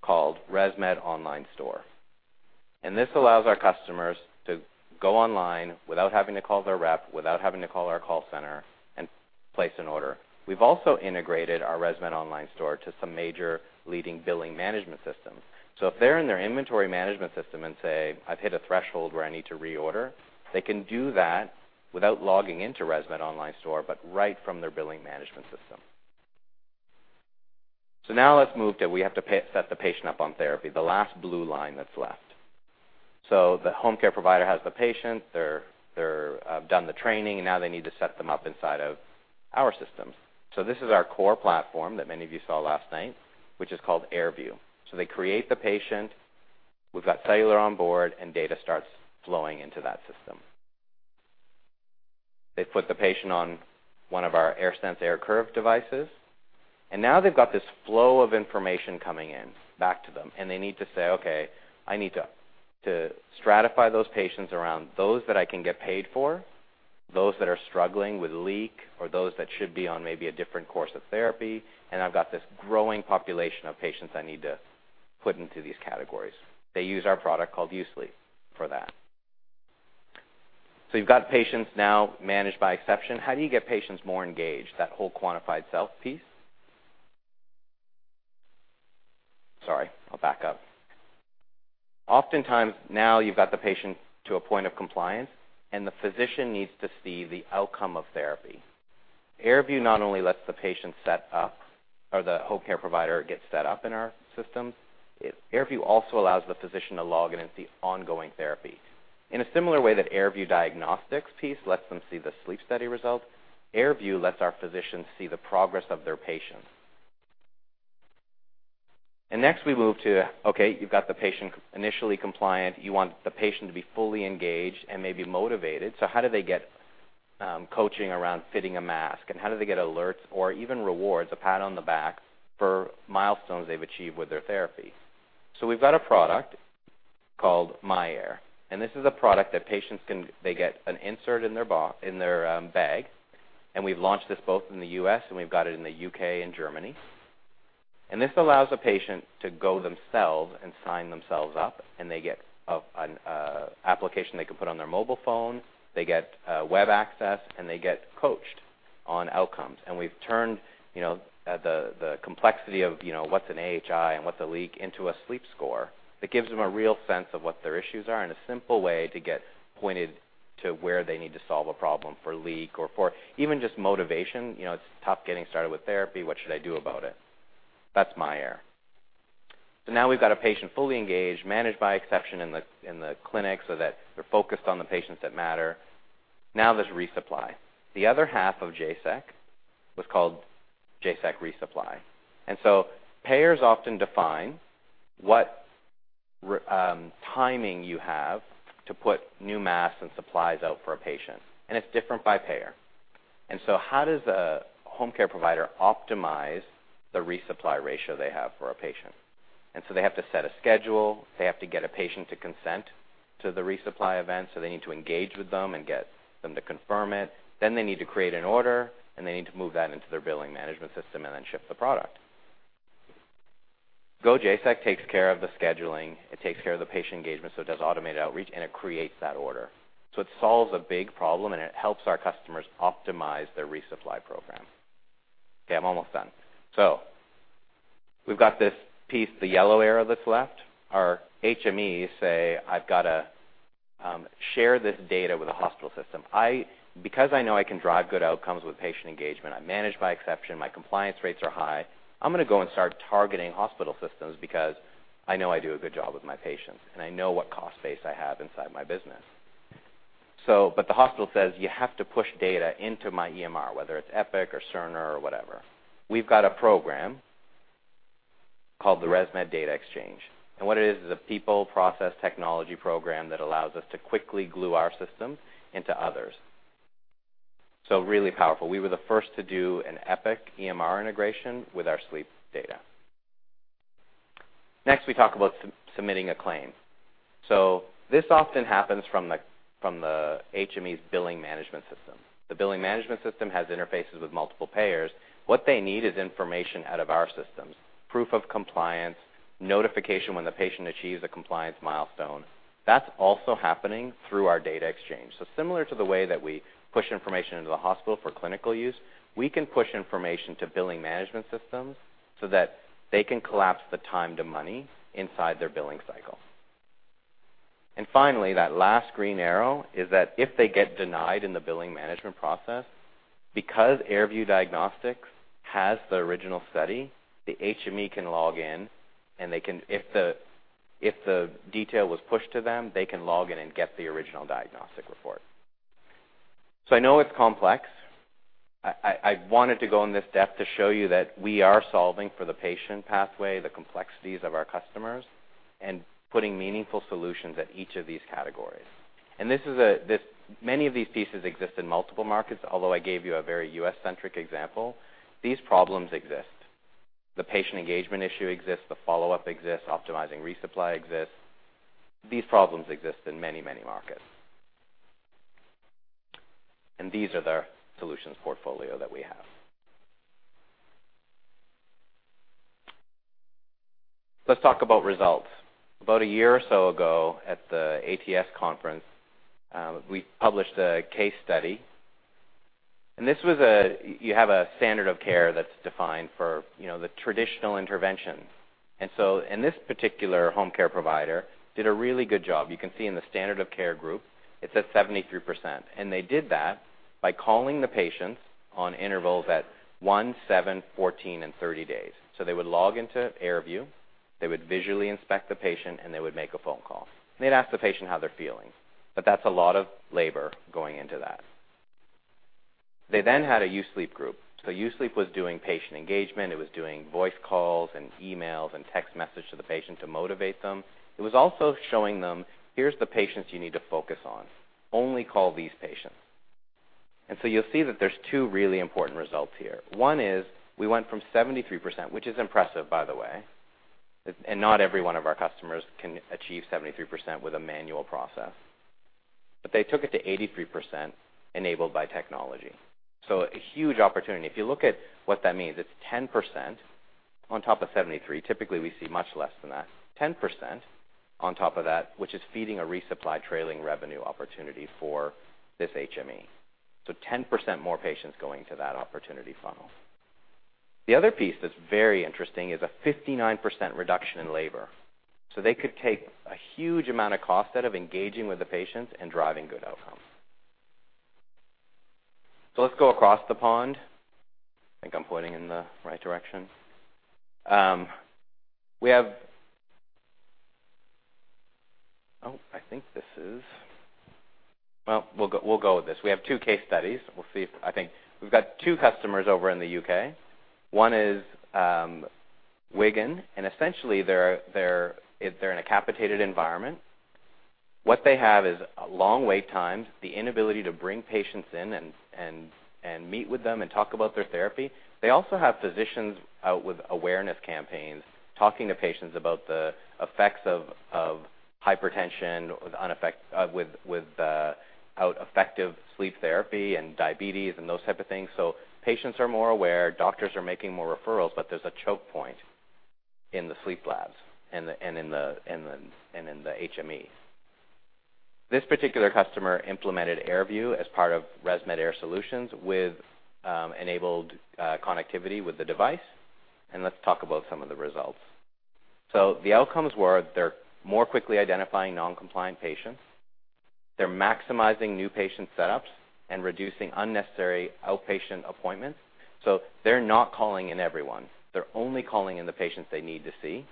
S5: called ResMed Online Store. This allows our customers to go online without having to call their rep, without having to call our call center, and place an order. We've also integrated our ResMed Online Store to some major leading billing management systems. If they're in their inventory management system and say, "I've hit a threshold where I need to reorder," they can do that without logging into ResMed Online Store, but right from their billing management system. Now let's move to we have to set the patient up on therapy, the last blue line that's left. The home care provider has the patient. They've done the training. Now they need to set them up inside of our systems. This is our core platform that many of you saw last night, which is called AirView. They create the patient. We've got cellular on board, data starts flowing into that system. They put the patient on one of our AirSense AirCurve devices. Now they've got this flow of information coming in back to them, and they need to say, "Okay, I need to stratify those patients around those that I can get paid for, those that are struggling with leak, or those that should be on maybe a different course of therapy. I've got this growing population of patients I need to put into these categories." They use our product called U-Sleep for that. You've got patients now managed by exception. How do you get patients more engaged, that whole quantified self piece? Sorry, I'll back up. Oftentimes, now you've got the patient to a point of compliance, and the physician needs to see the outcome of therapy. AirView not only lets the patient set up or the home care provider get set up in our systems, AirView also allows the physician to log in and see ongoing therapy. In a similar way that AirView Diagnostic piece lets them see the sleep study results, AirView lets our physicians see the progress of their patients. Next, we move to, okay, you've got the patient initially compliant. You want the patient to be fully engaged and maybe motivated. How do they get coaching around fitting a mask, and how do they get alerts or even rewards, a pat on the back, for milestones they've achieved with their therapy? We've got a product called myAir. This is a product that patients can. They get an insert in their bag, and we've launched this both in the U.S., and we've got it in the U.K. and Germany. This allows a patient to go themselves and sign themselves up, and they get an application they can put on their mobile phone. They get web access, and they get coached on outcomes. We've turned the complexity of what's an AHI and what's a leak into a sleep score that gives them a real sense of what their issues are and a simple way to get pointed to where they need to solve a problem for leak or for even just motivation. It's tough getting started with therapy. What should I do about it? That's myAir. Now we've got a patient fully engaged, managed by exception in the clinic so that they're focused on the patients that matter. Now there's resupply. The other half of JSAC was called JSAC Resupply. Payers often define what timing you have to put new masks and supplies out for a patient, and it's different by payer. How does a home care provider optimize the resupply ratio they have for a patient? They have to set a schedule. They have to get a patient to consent to the resupply event, so they need to engage with them and get them to confirm it. Then they need to create an order, and they need to move that into their billing management system and then ship the product. GoJSAC takes care of the scheduling. It takes care of the patient engagement, so it does automated outreach, and it creates that order. It solves a big problem, and it helps our customers optimize their resupply program. Okay, I'm almost done. We've got this piece, the yellow arrow that's left. Our HMEs say, "I've got to share this data with a hospital system. Because I know I can drive good outcomes with patient engagement, I manage by exception, my compliance rates are high. I'm going to go and start targeting hospital systems because I know I do a good job with my patients, and I know what cost base I have inside my business." The hospital says, "You have to push data into my EMR, whether it's Epic or Cerner or whatever." We've got a program called the ResMed Data Exchange, and what it is is a people, process, technology program that allows us to quickly glue our systems into others. Really powerful. We were the first to do an Epic EMR integration with our sleep data. Next, we talk about submitting a claim. This often happens from the HME's billing management system. The billing management system has interfaces with multiple payers. What they need is information out of our systems, proof of compliance, notification when the patient achieves a compliance milestone. That's also happening through our data exchange. Similar to the way that we push information into the hospital for clinical use, we can push information to billing management systems so that they can collapse the time to money inside their billing cycle. Finally, that last green arrow is that if they get denied in the billing management process, because AirView Diagnostic has the original study, the HME can log in, and if the detail was pushed to them, they can log in and get the original diagnostic report. I know it's complex. I wanted to go in this depth to show you that we are solving for the patient pathway, the complexities of our customers, and putting meaningful solutions at each of these categories. Many of these pieces exist in multiple markets, although I gave you a very U.S.-centric example. These problems exist. The patient engagement issue exists, the follow-up exists, optimizing resupply exists. These problems exist in many, many markets. These are the solutions portfolio that we have. Let's talk about results. About a year or so ago at the ATS conference, we published a case study. You have a standard of care that's defined for the traditional interventions. In this particular home care provider, did a really good job. You can see in the standard of care group, it says 73%, and they did that by calling the patients on intervals at one, seven, 14, and 30 days. They would log into AirView, they would visually inspect the patient, and they would make a phone call, and they'd ask the patient how they're feeling. That's a lot of labor going into that. They then had a U-Sleep group. U-Sleep was doing patient engagement. It was doing voice calls and emails and text message to the patient to motivate them. It was also showing them, here's the patients you need to focus on. Only call these patients. You'll see that there's two really important results here. One is we went from 73%, which is impressive, by the way. Not every one of our customers can achieve 73% with a manual process, but they took it to 83% enabled by technology. A huge opportunity. If you look at what that means, it's 10% on top of 73%. Typically, we see much less than that. 10% on top of that, which is feeding a resupply trailing revenue opportunity for this HME. 10% more patients going to that opportunity funnel. The other piece that's very interesting is a 59% reduction in labor. They could take a huge amount of cost out of engaging with the patients and driving good outcomes. Let's go across the pond. I think I'm pointing in the right direction. I think this is Well, we'll go with this. We have two case studies. We've got two customers over in the U.K. One is Wigan. Essentially, they're in a capitated environment. What they have is long wait times, the inability to bring patients in and meet with them and talk about their therapy. They also have physicians out with awareness campaigns, talking to patients about the effects of hypertension with effective sleep therapy, and diabetes, and those type of things. Patients are more aware, doctors are making more referrals, but there's a choke point in the sleep labs and in the HME. This particular customer implemented AirView as part of ResMed Air Solutions with enabled connectivity with the device. Let's talk about some of the results. The outcomes were they're more quickly identifying non-compliant patients. They're maximizing new patient setups and reducing unnecessary outpatient appointments. They're not calling in everyone. They're only calling in the patients they need to see.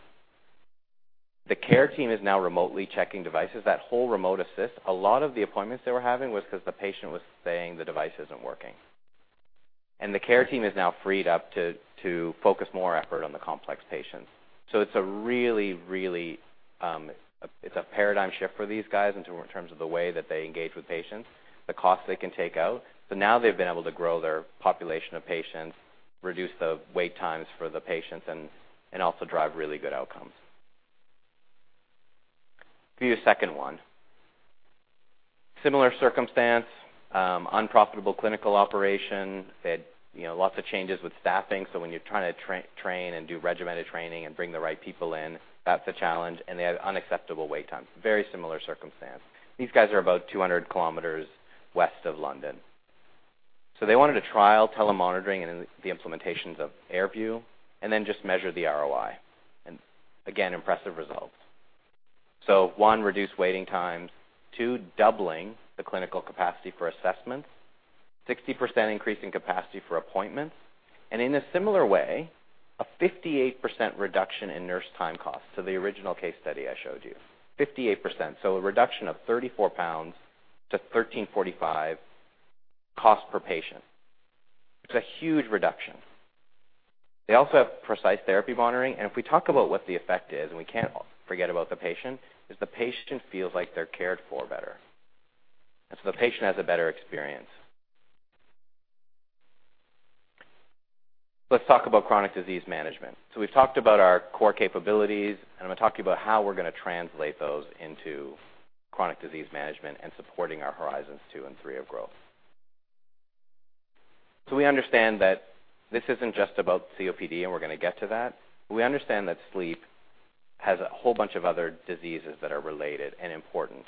S5: The care team is now remotely checking devices, that whole Remote Assist. A lot of the appointments they were having was because the patient was saying the device isn't working. The care team is now freed up to focus more effort on the complex patients. It's a paradigm shift for these guys in terms of the way that they engage with patients, the cost they can take out. Now they've been able to grow their population of patients, reduce the wait times for the patients, and also drive really good outcomes. Give you a second one. Similar circumstance, unprofitable clinical operation. They had lots of changes with staffing, so when you're trying to train and do regimented training and bring the right people in, that's a challenge, and they had unacceptable wait times. Very similar circumstance. These guys are about 200 km west of London. They wanted to trial telemonitoring and the implementations of AirView, then just measure the ROI. Again, impressive results. One, reduced waiting times, two, doubling the clinical capacity for assessments, 60% increase in capacity for appointments, and in a similar way, a 58% reduction in nurse time costs to the original case study I showed you. 58%, a reduction of 34 pounds to 13.45 cost per patient, which is a huge reduction. They also have precise therapy monitoring, and if we talk about what the effect is, and we can't forget about the patient, is the patient feels like they're cared for better. The patient has a better experience. Let's talk about chronic disease management. We've talked about our core capabilities, and I'm going to talk to you about how we're going to translate those into chronic disease management and supporting our horizons 2 and 3 of growth. We understand that this isn't just about COPD, and we're going to get to that. We understand that Sleep has a whole bunch of other diseases that are related and important.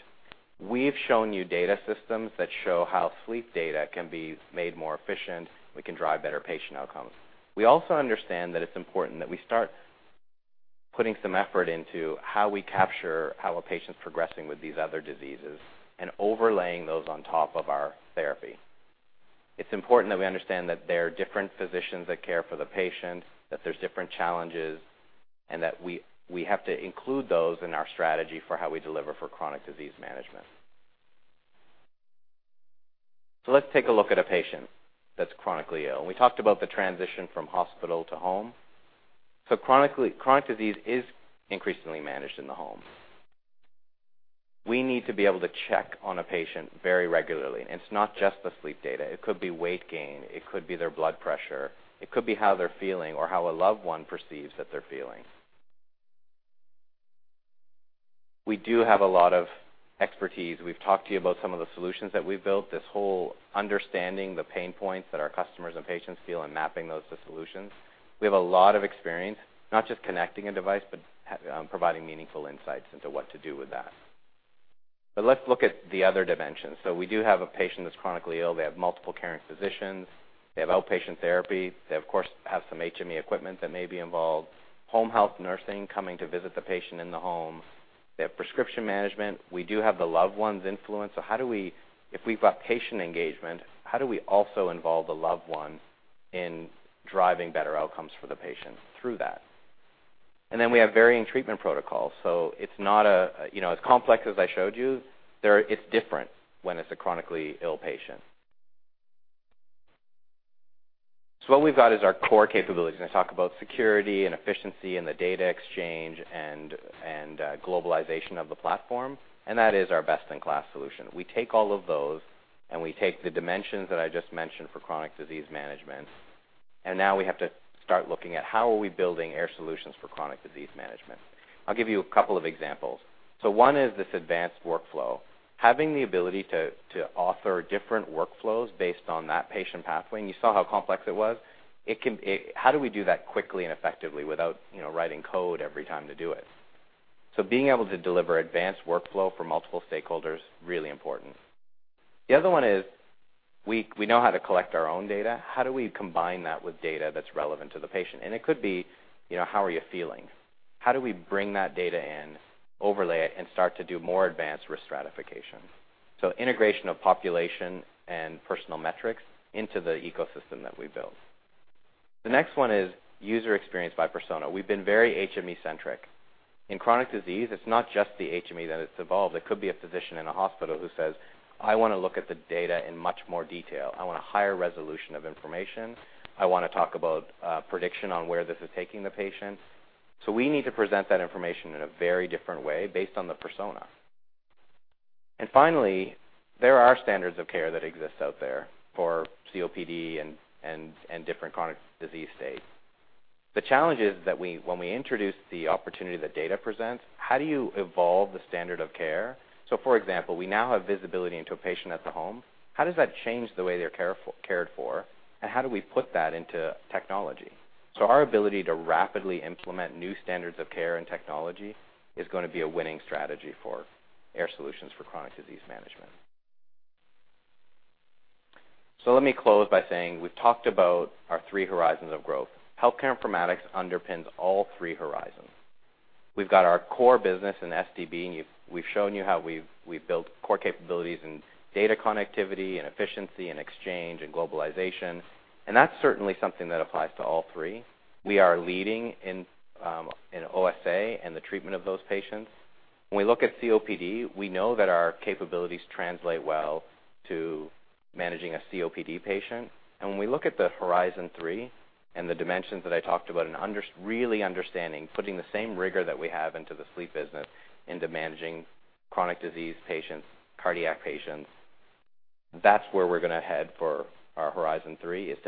S5: We've shown you data systems that show how sleep data can be made more efficient. We can drive better patient outcomes. We also understand that it's important that we start putting some effort into how we capture how a patient's progressing with these other diseases and overlaying those on top of our therapy. It's important that we understand that there are different physicians that care for the patients, that there's different challenges, and that we have to include those in our strategy for how we deliver for chronic disease management. Let's take a look at a patient that's chronically ill, and we talked about the transition from hospital to home. Chronic disease is increasingly managed in the home. We need to be able to check on a patient very regularly, and it's not just the sleep data. It could be weight gain, it could be their blood pressure, it could be how they're feeling or how a loved one perceives that they're feeling. We do have a lot of expertise. We've talked to you about some of the solutions that we've built, this whole understanding the pain points that our customers and patients feel and mapping those to solutions. We have a lot of experience not just connecting a device, but providing meaningful insights into what to do with that. Let's look at the other dimensions. We do have a patient that's chronically ill. They have multiple caring physicians. They have outpatient therapy. They, of course, have some HME equipment that may be involved. Home health nursing coming to visit the patient in the home. They have prescription management. We do have the loved one's influence. If we've got patient engagement, how do we also involve the loved one in driving better outcomes for the patient through that? We have varying treatment protocols. As complex as I showed you, it's different when it's a chronically ill patient. What we've got is our core capabilities, and I talk about security and efficiency and the data exchange and globalization of the platform, and that is our best-in-class solution. We take all of those and we take the dimensions that I just mentioned for chronic disease management, and now we have to start looking at how are we building Air Solutions for chronic disease management. I'll give you a couple of examples. One is this advanced workflow. Having the ability to author different workflows based on that patient pathway, and you saw how complex it was. How do we do that quickly and effectively without writing code every time to do it? Being able to deliver advanced workflow for multiple stakeholders, really important. The other one is we know how to collect our own data. How do we combine that with data that's relevant to the patient? It could be, how are you feeling? How do we bring that data in, overlay it, and start to do more advanced risk stratification? Integration of population and personal metrics into the ecosystem that we build. The next one is user experience by persona. We've been very HME centric. In chronic disease, it's not just the HME that it's evolved. It could be a physician in a hospital who says, "I want to look at the data in much more detail. I want a higher resolution of information. I want to talk about prediction on where this is taking the patient." We need to present that information in a very different way based on the persona. Finally, there are standards of care that exist out there for COPD and different chronic disease states. The challenge is that when we introduce the opportunity that data presents, how do you evolve the standard of care? For example, we now have visibility into a patient at the home. How does that change the way they're cared for, and how do we put that into technology? Our ability to rapidly implement new standards of care and technology is going to be a winning strategy for Air Solutions for chronic disease management. Let me close by saying we've talked about our three horizons of growth. Healthcare informatics underpins all three horizons. We've got our core business in SDB, and we've shown you how we've built core capabilities in data connectivity and efficiency and exchange and globalization, and that's certainly something that applies to all three. We are leading in OSA and the treatment of those patients. When we look at COPD, we know that our capabilities translate well to managing a COPD patient. When we look at the horizon three and the dimensions that I talked about, really understanding, putting the same rigor that we have into the Sleep business into managing chronic disease patients, cardiac patients. That's where we're going to head for our horizon three, is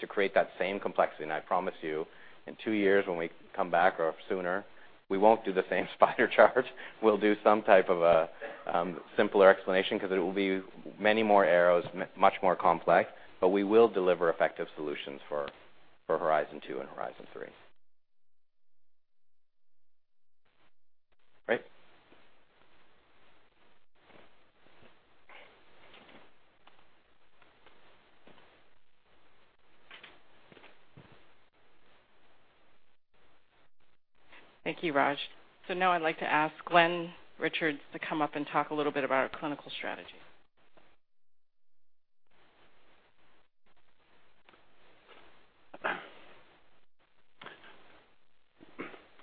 S5: to create that same complexity. I promise you, in two years when we come back, or sooner, we won't do the same spider chart. We'll do some type of a simpler explanation because it will be many more arrows, much more complex, but we will deliver effective solutions for horizon two and horizon three. Great.
S1: Thank you, Raj. Now I'd like to ask Glenn Richards to come up and talk a little bit about our clinical strategy.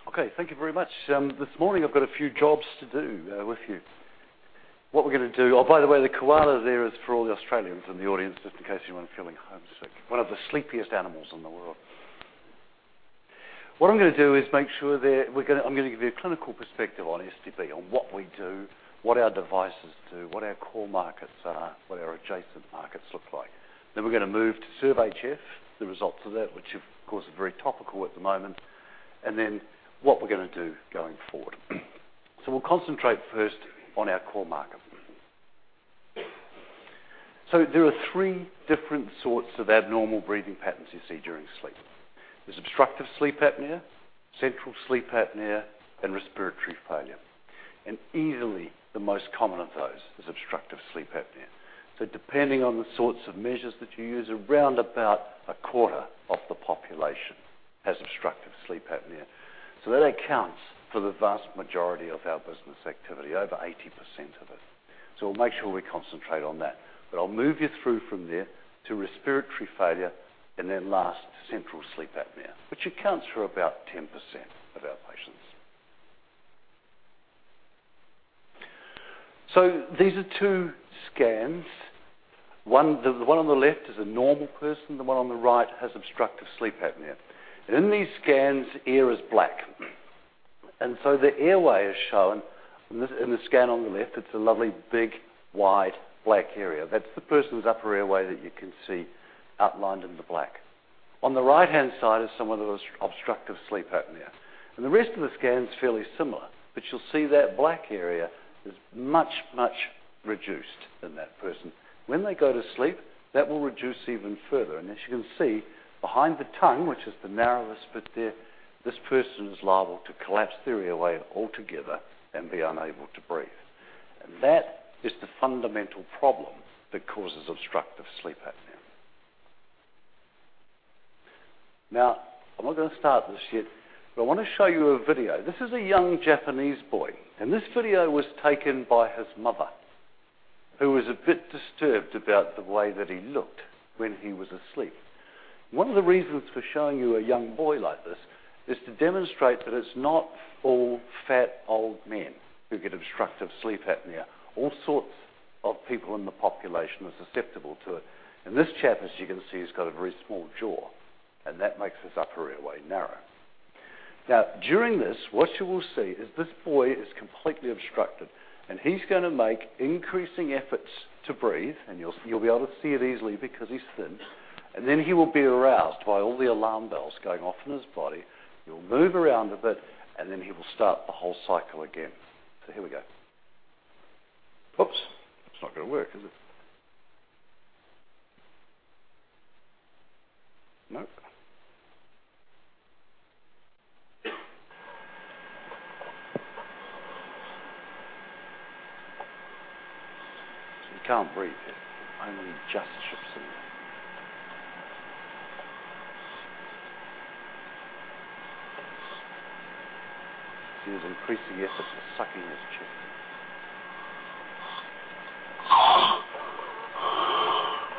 S6: Okay. Thank you very much. This morning I've got a few jobs to do with you. What we're going to do Oh, by the way, the koala there is for all the Australians in the audience, just in case anyone's feeling homesick. One of the sleepiest animals in the world. What I'm going to do is I'm going to give you a clinical perspective on SDB, on what we do, what our devices do, what our core markets are, what our adjacent markets look like. We're going to move to SERVE-HF, the results of that, which of course, are very topical at the moment, and then what we're going to do going forward. We'll concentrate first on our core market. There are three different sorts of abnormal breathing patterns you see during sleep. There's obstructive sleep apnea, central sleep apnea, and respiratory failure. Easily the most common of those is obstructive sleep apnea. Depending on the sorts of measures that you use, around about a quarter of the population has obstructive sleep apnea. That accounts for the vast majority of our business activity, over 80% of it. We'll make sure we concentrate on that. I'll move you through from there to respiratory failure and then last central sleep apnea, which accounts for about 10% of our patients. These are two scans. The one on the left is a normal person, the one on the right has obstructive sleep apnea. In these scans, air is black. The airway is shown in the scan on the left. It's a lovely big wide black area. That's the person's upper airway that you can see outlined in the black. The right-hand side is someone who has obstructive sleep apnea. The rest of the scan's fairly similar, but you'll see that black area is much, much reduced in that person. When they go to sleep, that will reduce even further. As you can see, behind the tongue, which is the narrowest bit there, this person is liable to collapse their airway altogether and be unable to breathe. That is the fundamental problem that causes obstructive sleep apnea. I'm not going to start this yet, but I want to show you a video. This is a young Japanese boy, and this video was taken by his mother, who was a bit disturbed about the way that he looked when he was asleep. One of the reasons for showing you a young boy like this is to demonstrate that it's not all fat old men who get obstructive sleep apnea. All sorts of people in the population are susceptible to it. This chap, as you can see, has got a very small jaw. That makes his upper airway narrow. During this, what you will see is this boy is completely obstructed. He's going to make increasing efforts to breathe. You'll be able to see it easily because he's thin. Then he will be aroused by all the alarm bells going off in his body. He'll move around a bit. Then he will start the whole cycle again. Here we go. Oops. It's not going to work, is it? Nope. He can't breathe yet. Only just shifts in. See his increased effort for sucking his chest.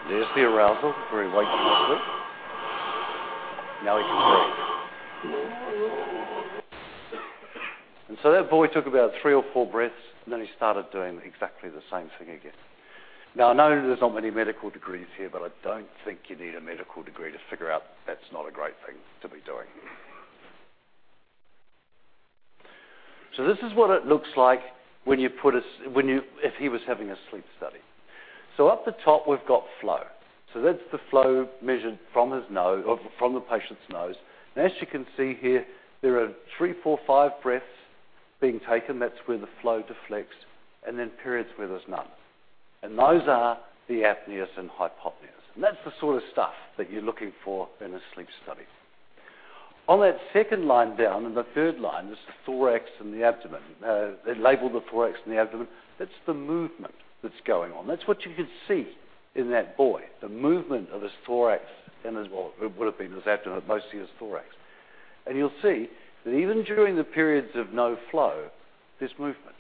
S6: There's the arousal where he wakes from it. Now he can breathe. That boy took about three or four breaths. Then he started doing exactly the same thing again. I know there's not many medical degrees here, but I don't think you need a medical degree to figure out that's not a great thing to be doing. This is what it looks like if he was having a sleep study. Up the top, we've got flow. That's the flow measured from the patient's nose. As you can see here, there are three, four, five breaths being taken. That's where the flow deflects. Then periods where there's none. Those are the apneas and hypopneas. That's the sort of stuff that you're looking for in a sleep study. On that second line down and the third line, there's the thorax and the abdomen. They labeled the thorax and the abdomen. That's the movement that's going on. That's what you can see in that boy, the movement of his thorax and his, well, it would have been his abdomen, but mostly his thorax. You'll see that even during the periods of no flow, there's movement.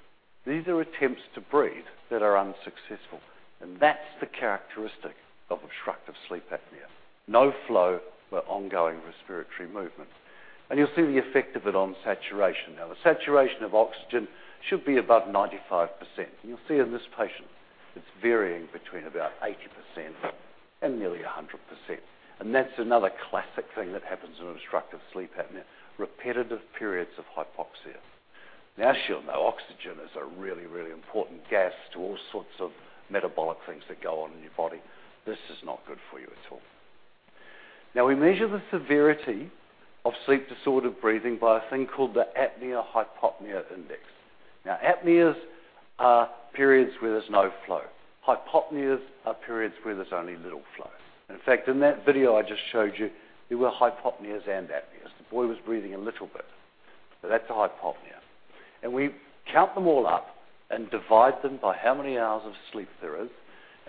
S6: These are attempts to breathe that are unsuccessful. That's the characteristic of obstructive sleep apnea. No flow, but ongoing respiratory movement. You'll see the effect of it on saturation. The saturation of oxygen should be above 95%. You'll see in this patient, it's varying between about 80% and nearly 100%. That's another classic thing that happens in obstructive sleep apnea, repetitive periods of hypoxia. As you all know, oxygen is a really, really important gas to all sorts of metabolic things that go on in your body. This is not good for you at all. We measure the severity of Sleep-Disordered Breathing by a thing called the apnea-hypopnea index. Apneas are periods where there's no flow. Hypopneas are periods where there's only little flow. In fact, in that video I just showed you, there were hypopneas and apneas. The boy was breathing a little bit. That's a hypopnea. We count them all up and divide them by how many hours of sleep there is,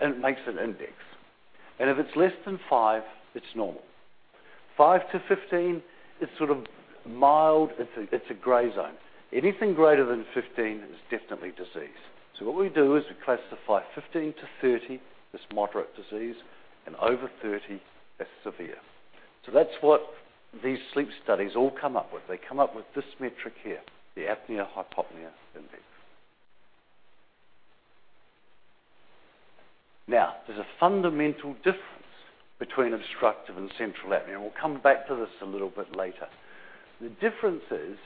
S6: and it makes an index. If it's less than five, it's normal. 5 to 15, it's sort of mild. It's a gray zone. Anything greater than 15 is definitely disease. What we do is we classify 15 to 30 as moderate disease and over 30 as severe. That's what these sleep studies all come up with. They come up with this metric here, the apnea-hypopnea index. There's a fundamental difference between obstructive and central apnea, and we'll come back to this a little bit later. The difference is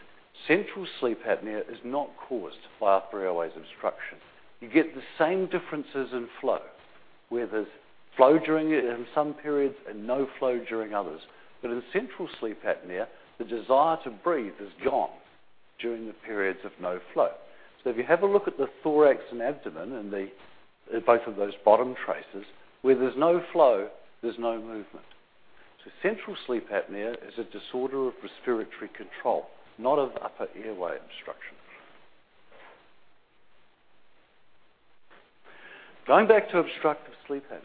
S6: central sleep apnea is not caused by upper airways obstruction. You get the same differences in flow, where there's flow during some periods and no flow during others. In central sleep apnea, the desire to breathe is gone during the periods of no flow. If you have a look at the thorax and abdomen in both of those bottom traces, where there's no flow, there's no movement. Central sleep apnea is a disorder of respiratory control, not of upper airway obstruction. Going back to obstructive sleep apnea,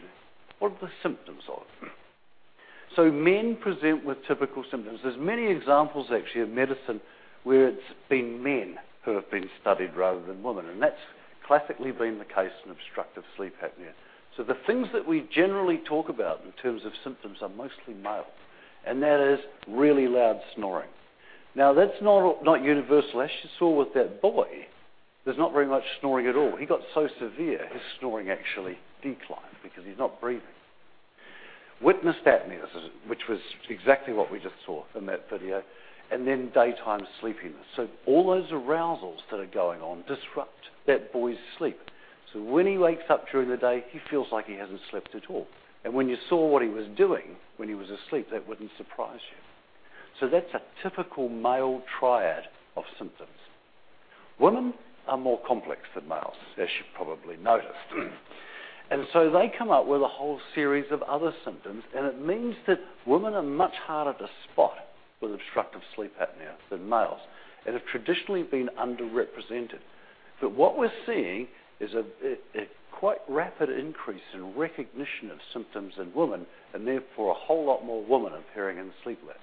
S6: what are the symptoms of it? Men present with typical symptoms. There's many examples, actually, of medicine where it's been men who have been studied rather than women, and that's classically been the case in obstructive sleep apnea. The things that we generally talk about in terms of symptoms are mostly male, and that is really loud snoring. That's not universal. As you saw with that boy, there's not very much snoring at all. He got so severe, his snoring actually declined because he's not breathing. Witnessed apneas, which was exactly what we just saw in that video, and then daytime sleepiness. All those arousals that are going on disrupt that boy's sleep. When he wakes up during the day, he feels like he hasn't slept at all. When you saw what he was doing when he was asleep, that wouldn't surprise you. That's a typical male triad of symptoms. Women are more complex than males, as you probably noticed. They come up with a whole series of other symptoms, and it means that women are much harder to spot with obstructive sleep apnea than males and have traditionally been underrepresented. What we're seeing is a quite rapid increase in recognition of symptoms in women and therefore a whole lot more women appearing in sleep labs.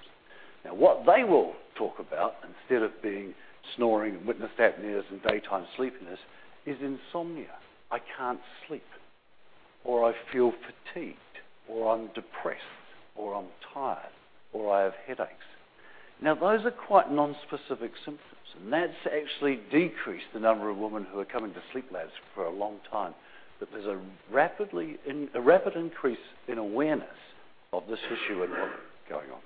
S6: What they will talk about, instead of being snoring and witnessed apneas and daytime sleepiness, is insomnia. I can't sleep, or I feel fatigued, or I'm depressed, or I'm tired, or I have headaches. Those are quite nonspecific symptoms, and that's actually decreased the number of women who are coming to sleep labs for a long time. There's a rapid increase in awareness of this issue and what is going on.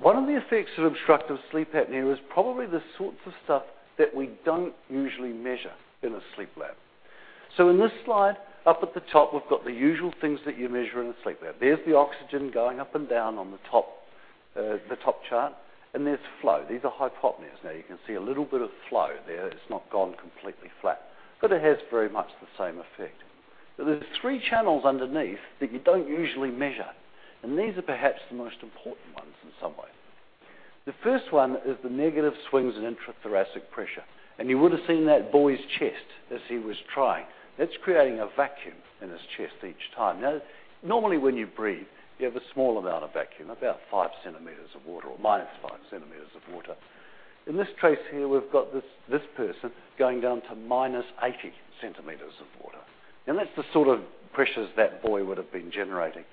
S6: One of the effects of obstructive sleep apnea is probably the sorts of stuff that we don't usually measure in a sleep lab. In this slide, up at the top, we've got the usual things that you measure in a sleep lab. There's the oxygen going up and down on the top chart, and there's flow. These are hypopneas. You can see a little bit of flow there. It's not gone completely flat, but it has very much the same effect. There are three channels underneath that you don't usually measure, and these are perhaps the most important ones in some way. The first one is the negative swings in intrathoracic pressure. You would have seen that boy's chest as he was trying. That's creating a vacuum in his chest each time. Normally when you breathe, you have a small amount of vacuum, about five centimeters of water or minus five centimeters of water. In this trace here, we've got this person going down to minus 80 centimeters of water, and that's the sort of pressures that boy would have been generating.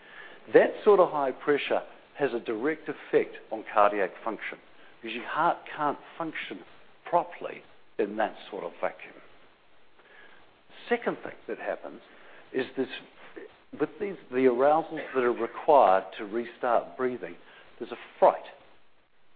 S6: That sort of high pressure has a direct effect on cardiac function because your heart can't function properly in that sort of vacuum. Second thing that happens is with the arousals that are required to restart breathing, there's a fright.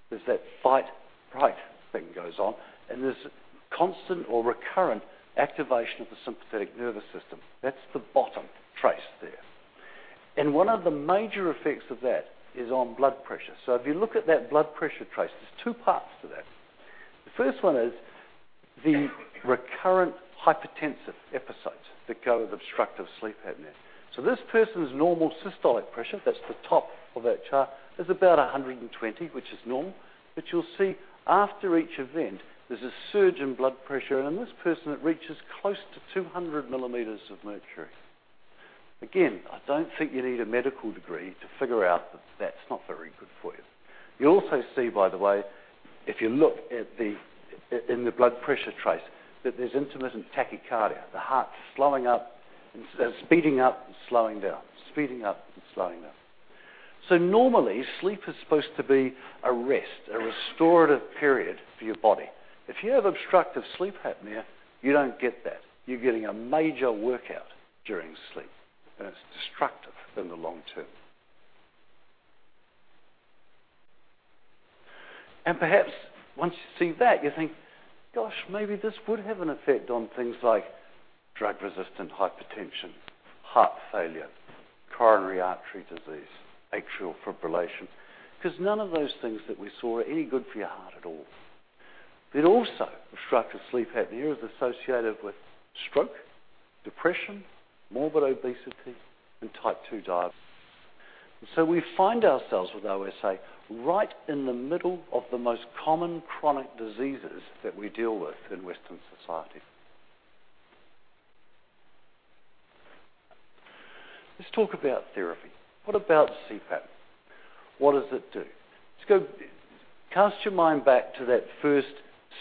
S6: There's that fight/fright thing goes on, and there's constant or recurrent activation of the sympathetic nervous system. That's the bottom trace there. One of the major effects of that is on blood pressure. If you look at that blood pressure trace, there's two parts to that. The first one is the recurrent hypertensive episodes that go with obstructive sleep apnea. This person's normal systolic pressure, that's the top of that chart, is about 120, which is normal. You'll see after each event, there's a surge in blood pressure. In this person, it reaches close to 200 millimeters of mercury. Again, I don't think you need a medical degree to figure out that that's not very good for you. You also see, by the way, if you look in the blood pressure trace, that there's intermittent tachycardia. The heart's speeding up and slowing down, speeding up and slowing down. Normally, sleep is supposed to be a rest, a restorative period for your body. If you have obstructive sleep apnea, you don't get that. You're getting a major workout during sleep, and it's destructive in the long term. Perhaps once you see that, you think, "Gosh, maybe this would have an effect on things like drug-resistant hypertension, heart failure, coronary artery disease, atrial fibrillation." None of those things that we saw are any good for your heart at all. Also, obstructive sleep apnea is associated with stroke, depression, morbid obesity, and type 2 diabetes. We find ourselves with OSA right in the middle of the most common chronic diseases that we deal with in Western society. Let's talk about therapy. What about CPAP? What does it do? Cast your mind back to that first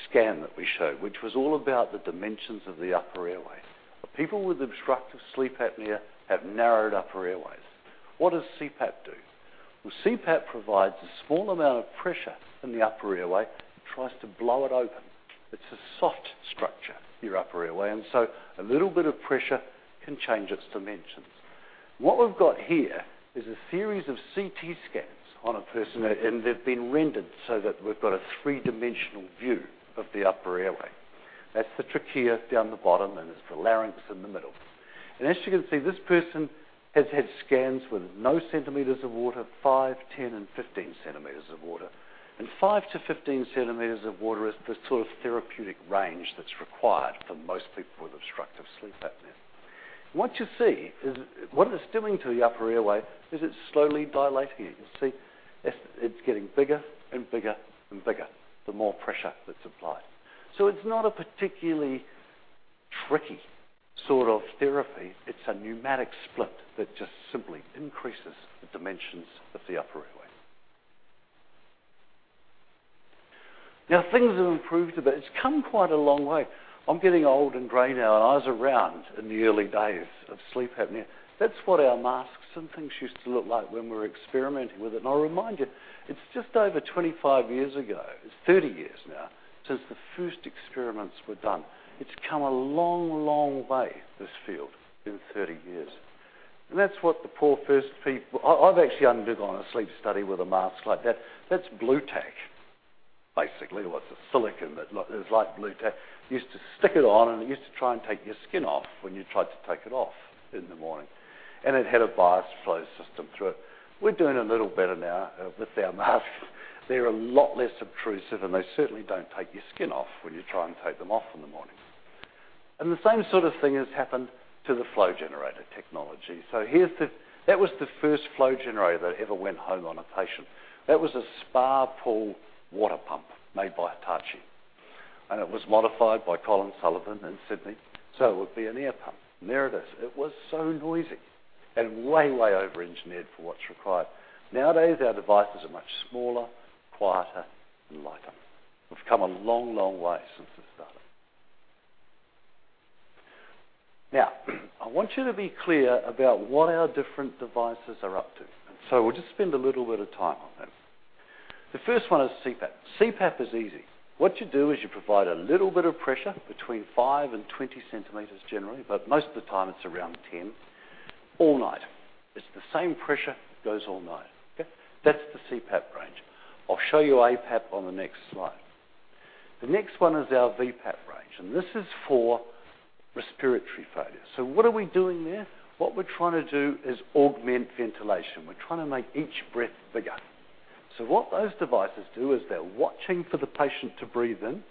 S6: scan that we showed, which was all about the dimensions of the upper airway. People with obstructive sleep apnea have narrowed upper airways. What does CPAP do? Well, CPAP provides a small amount of pressure in the upper airway. It tries to blow it open. It's a soft structure, your upper airway, so a little bit of pressure can change its dimensions. What we've got here is a series of CT scans on a person, and they've been rendered so that we've got a three-dimensional view of the upper airway. That's the trachea down the bottom, and there's the larynx in the middle. As you can see, this person has had scans with no centimeters of water, 5, 10, and 15 centimeters of water. 5 to 15 centimeters of water is the sort of therapeutic range that's required for most people with obstructive sleep apnea. What you see is what it's doing to the upper airway is it's slowly dilating it. You can see it's getting bigger and bigger and bigger the more pressure that's applied. It's not a particularly tricky sort of therapy. It's a pneumatic splint that just simply increases the dimensions of the upper airway. Now, things have improved a bit. It's come quite a long way. I'm getting old and gray now. I was around in the early days of sleep apnea. That's what our masks and things used to look like when we were experimenting with it. I remind you, it's just over 25 years ago, it's 30 years now, since the first experiments were done. It's come a long, long way, this field, in 30 years. That's what the poor first people-- I've actually undergone a sleep study with a mask like that. That's Blu Tack. Basically, it was a silicone, but it was like Blu Tack. You used to stick it on, it used to try and take your skin off when you tried to take it off in the morning. It had a bias flow system through it. We're doing a little better now with our masks. They're a lot less obtrusive, and they certainly don't take your skin off when you try to take them off in the morning. The same sort of thing has happened to the flow generator technology. That was the first flow generator that ever went home on a patient. That was a spa pool water pump made by Hitachi, and it was modified by Colin Sullivan in Sydney, so it would be an air pump. There it is. It was so noisy and way overengineered for what's required. Nowadays, our devices are much smaller, quieter, and lighter. We've come a long, long way since the start. Now, I want you to be clear about what our different devices are up to, so we'll just spend a little bit of time on that. The first one is CPAP. CPAP is easy. What you do is you provide a little bit of pressure between 5 and 20 centimeters generally, but most of the time it's around 10, all night. It's the same pressure. It goes all night. Okay? That's the CPAP range. I'll show you APAP on the next slide. The next one is our VPAP range, this is for respiratory failure. What are we doing there? What we're trying to do is augment ventilation. We're trying to make each breath bigger. What those devices do is they're watching for the patient to breathe in,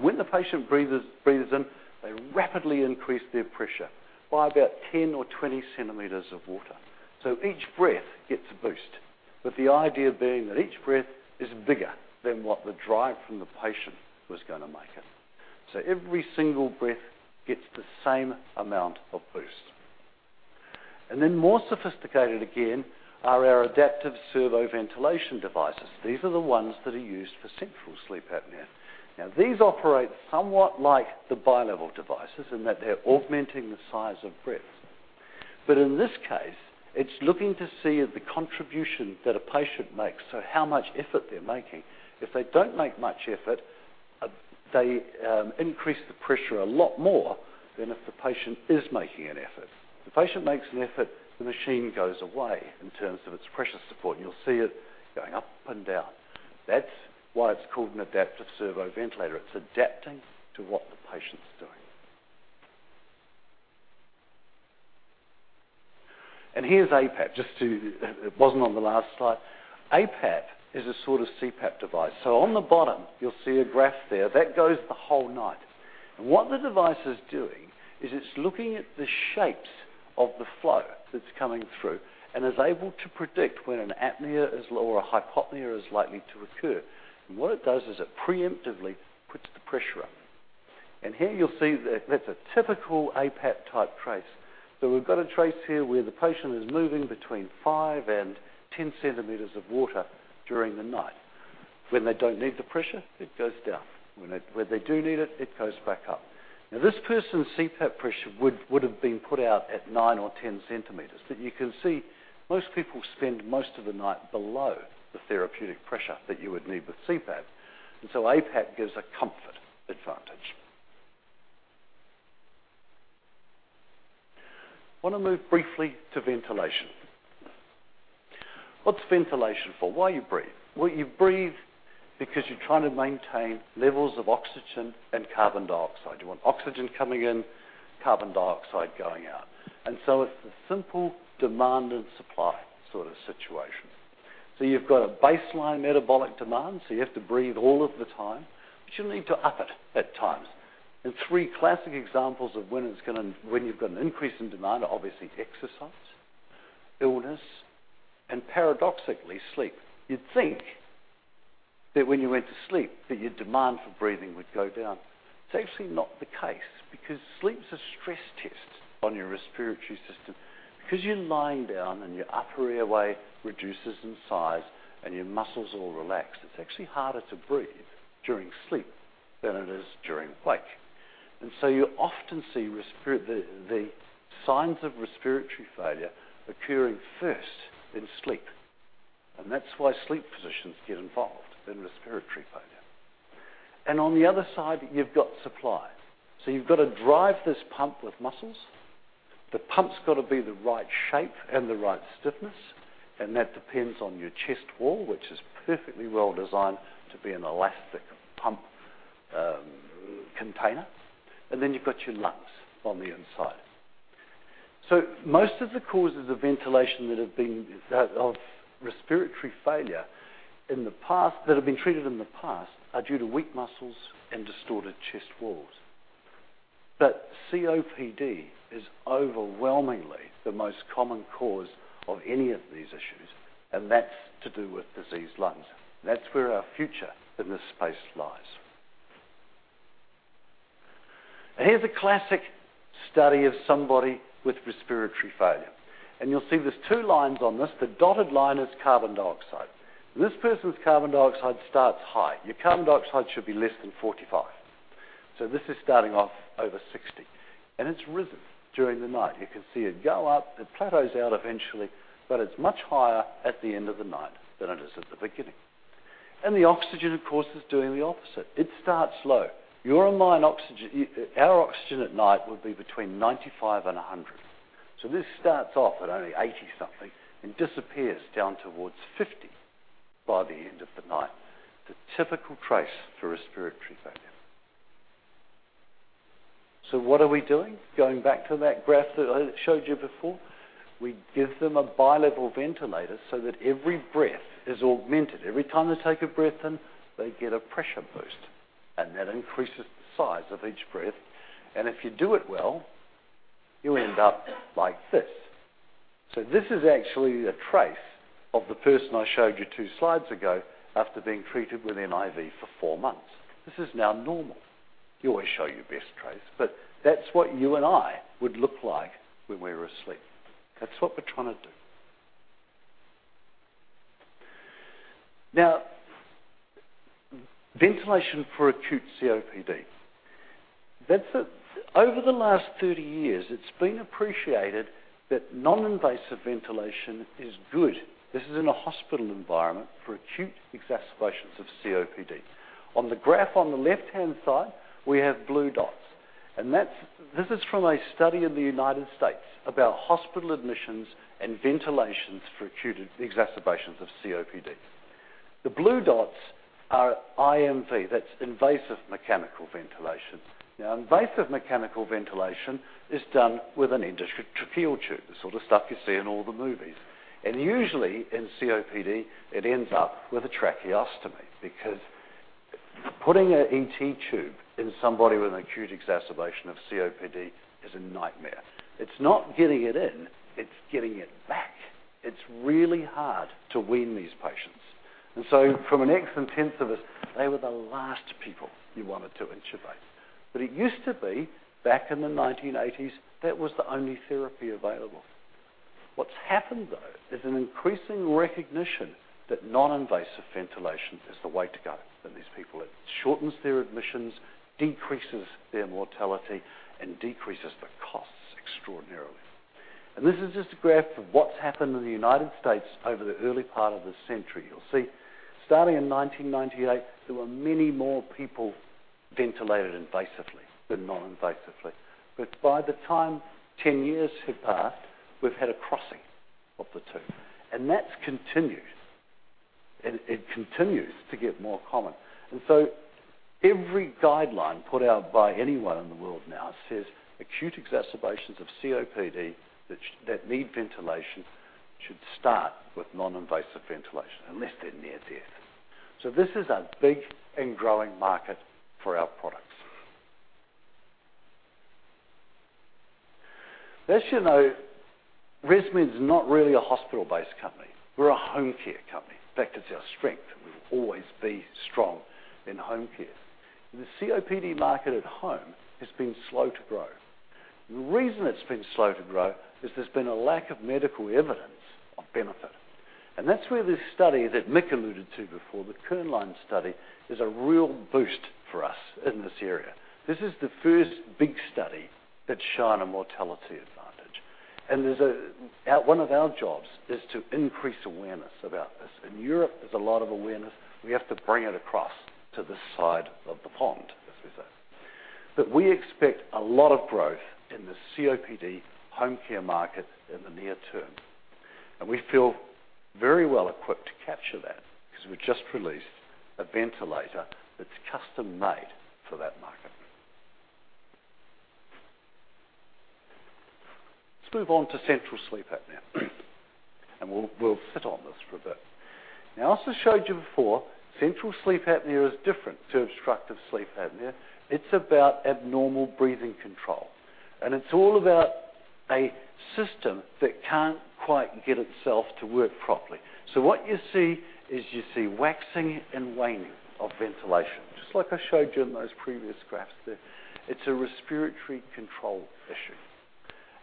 S6: when the patient breathes in, they rapidly increase their pressure by about 10 or 20 centimeters of water. Each breath gets a boost, with the idea being that each breath is bigger than what the drive from the patient was going to make it. Every single breath gets the same amount of boost. More sophisticated again are our adaptive servo-ventilation devices. These are the ones that are used for central sleep apnea. These operate somewhat like the bilevel devices in that they're augmenting the size of breaths. In this case, it's looking to see the contribution that a patient makes, so how much effort they're making. If they don't make much effort, they increase the pressure a lot more than if the patient is making an effort. If the patient makes an effort, the machine goes away in terms of its pressure support, you'll see it going up and down. That's why it's called an adaptive servo-ventilator. It's adapting to what the patient's doing. Here's APAP. It wasn't on the last slide. APAP is a sort of CPAP device. On the bottom, you'll see a graph there. That goes the whole night. What the device is doing is it's looking at the shapes of the flow that's coming through and is able to predict when an apnea or a hypopnea is likely to occur. What it does is it preemptively puts the pressure up. Here you'll see that that's a typical APAP type trace. We've got a trace here where the patient is moving between five and 10 centimeters of water during the night. When they don't need the pressure, it goes down. When they do need it goes back up. This person's CPAP pressure would've been put out at nine or 10 centimeters. You can see most people spend most of the night below the therapeutic pressure that you would need with CPAP. APAP gives a comfort advantage. I want to move briefly to ventilation. What's ventilation for? Why you breathe? You breathe because you're trying to maintain levels of oxygen and carbon dioxide. You want oxygen coming in, carbon dioxide going out. It's the simple demand and supply sort of situation. You've got a baseline metabolic demand, so you have to breathe all of the time. You'll need to up it at times. Three classic examples of when you've got an increase in demand are obviously exercise, illness, and paradoxically, sleep. You'd think that when you went to sleep, that your demand for breathing would go down. It's actually not the case because sleep's a stress test on your respiratory system. Because you're lying down and your upper airway reduces in size and your muscles all relax, it's actually harder to breathe during sleep than it is during wake. You often see the signs of respiratory failure occurring first in sleep. That's why sleep physicians get involved in respiratory failure. On the other side, you've got supply. You've got to drive this pump with muscles. The pump's got to be the right shape and the right stiffness, and that depends on your chest wall, which is perfectly well designed to be an elastic pump container. You've got your lungs on the inside. Most of the causes of respiratory failure that have been treated in the past are due to weak muscles and distorted chest walls. COPD is overwhelmingly the most common cause of any of these issues, and that's to do with diseased lungs. That's where our future in this space lies. Here's a classic study of somebody with respiratory failure. You'll see there's two lines on this. The dotted line is carbon dioxide. This person's carbon dioxide starts high. Your carbon dioxide should be less than 45. This is starting off over 60. It's risen during the night. You can see it go up. It plateaus out eventually, but it's much higher at the end of the night than it is at the beginning. The oxygen, of course, is doing the opposite. It starts low. Our oxygen at night would be between 95 and 100. This starts off at only 80 something and disappears down towards 50 by the end of the night. The typical trace for respiratory failure. What are we doing? Going back to that graph that I showed you before. We give them a bilevel ventilator so that every breath is augmented. Every time they take a breath in, they get a pressure boost, and that increases the size of each breath. If you do it well, you end up like this. This is actually a trace of the person I showed you two slides ago after being treated with NIV for four months. This is now normal. You always show your best trace. That's what you and I would look like when we're asleep. That's what we're trying to do. Now, ventilation for acute COPD. Over the last 30 years, it's been appreciated that non-invasive ventilation is good. This is in a hospital environment for acute exacerbations of COPD. On the graph on the left-hand side, we have blue dots. This is from a study in the United States about hospital admissions and ventilations for acute exacerbations of COPD. The blue dots are IMV, that's invasive mechanical ventilation. Now, invasive mechanical ventilation is done with an endotracheal tube, the sort of stuff you see in all the movies. Usually in COPD, it ends up with a tracheostomy because putting an ET tube in somebody with an acute exacerbation of COPD is a nightmare. It's not getting it in, it's getting it back. It's really hard to wean these patients. From an ex-intensivist, they were the last people you wanted to intubate. It used to be, back in the 1980s, that was the only therapy available. What's happened, though, is an increasing recognition that non-invasive ventilation is the way to go for these people. It shortens their admissions, decreases their mortality, and decreases the costs extraordinarily. This is just a graph of what's happened in the United States over the early part of this century. You'll see, starting in 1998, there were many more people ventilated invasively than non-invasively. By the time 10 years had passed, we've had a crossing of the two, and that's continued. It continues to get more common. Every guideline put out by anyone in the world now says acute exacerbations of COPD that need ventilation should start with non-invasive ventilation unless they're near death. This is a big and growing market for our products. ResMed's not really a hospital-based company. We're a home care company. In fact, it's our strength, and we will always be strong in home care. The COPD market at home has been slow to grow. The reason it's been slow to grow is there's been a lack of medical evidence of benefit. That's where this study that Mick alluded to before, the Köhnlein study, is a real boost for us in this area. This is the first big study that shown a mortality advantage. One of our jobs is to increase awareness about this. In Europe, there's a lot of awareness. We have to bring it across to this side of the pond, as we say. We expect a lot of growth in the COPD home care market in the near term. We feel very well equipped to capture that because we just released a ventilator that's custom-made for that market. Let's move on to central sleep apnea. We'll sit on this for a bit. As I showed you before, central sleep apnea is different to obstructive sleep apnea. It's about abnormal breathing control, and it's all about a system that can't quite get itself to work properly. What you see is you see waxing and waning of ventilation. Just like I showed you in those previous graphs there, it's a respiratory control issue.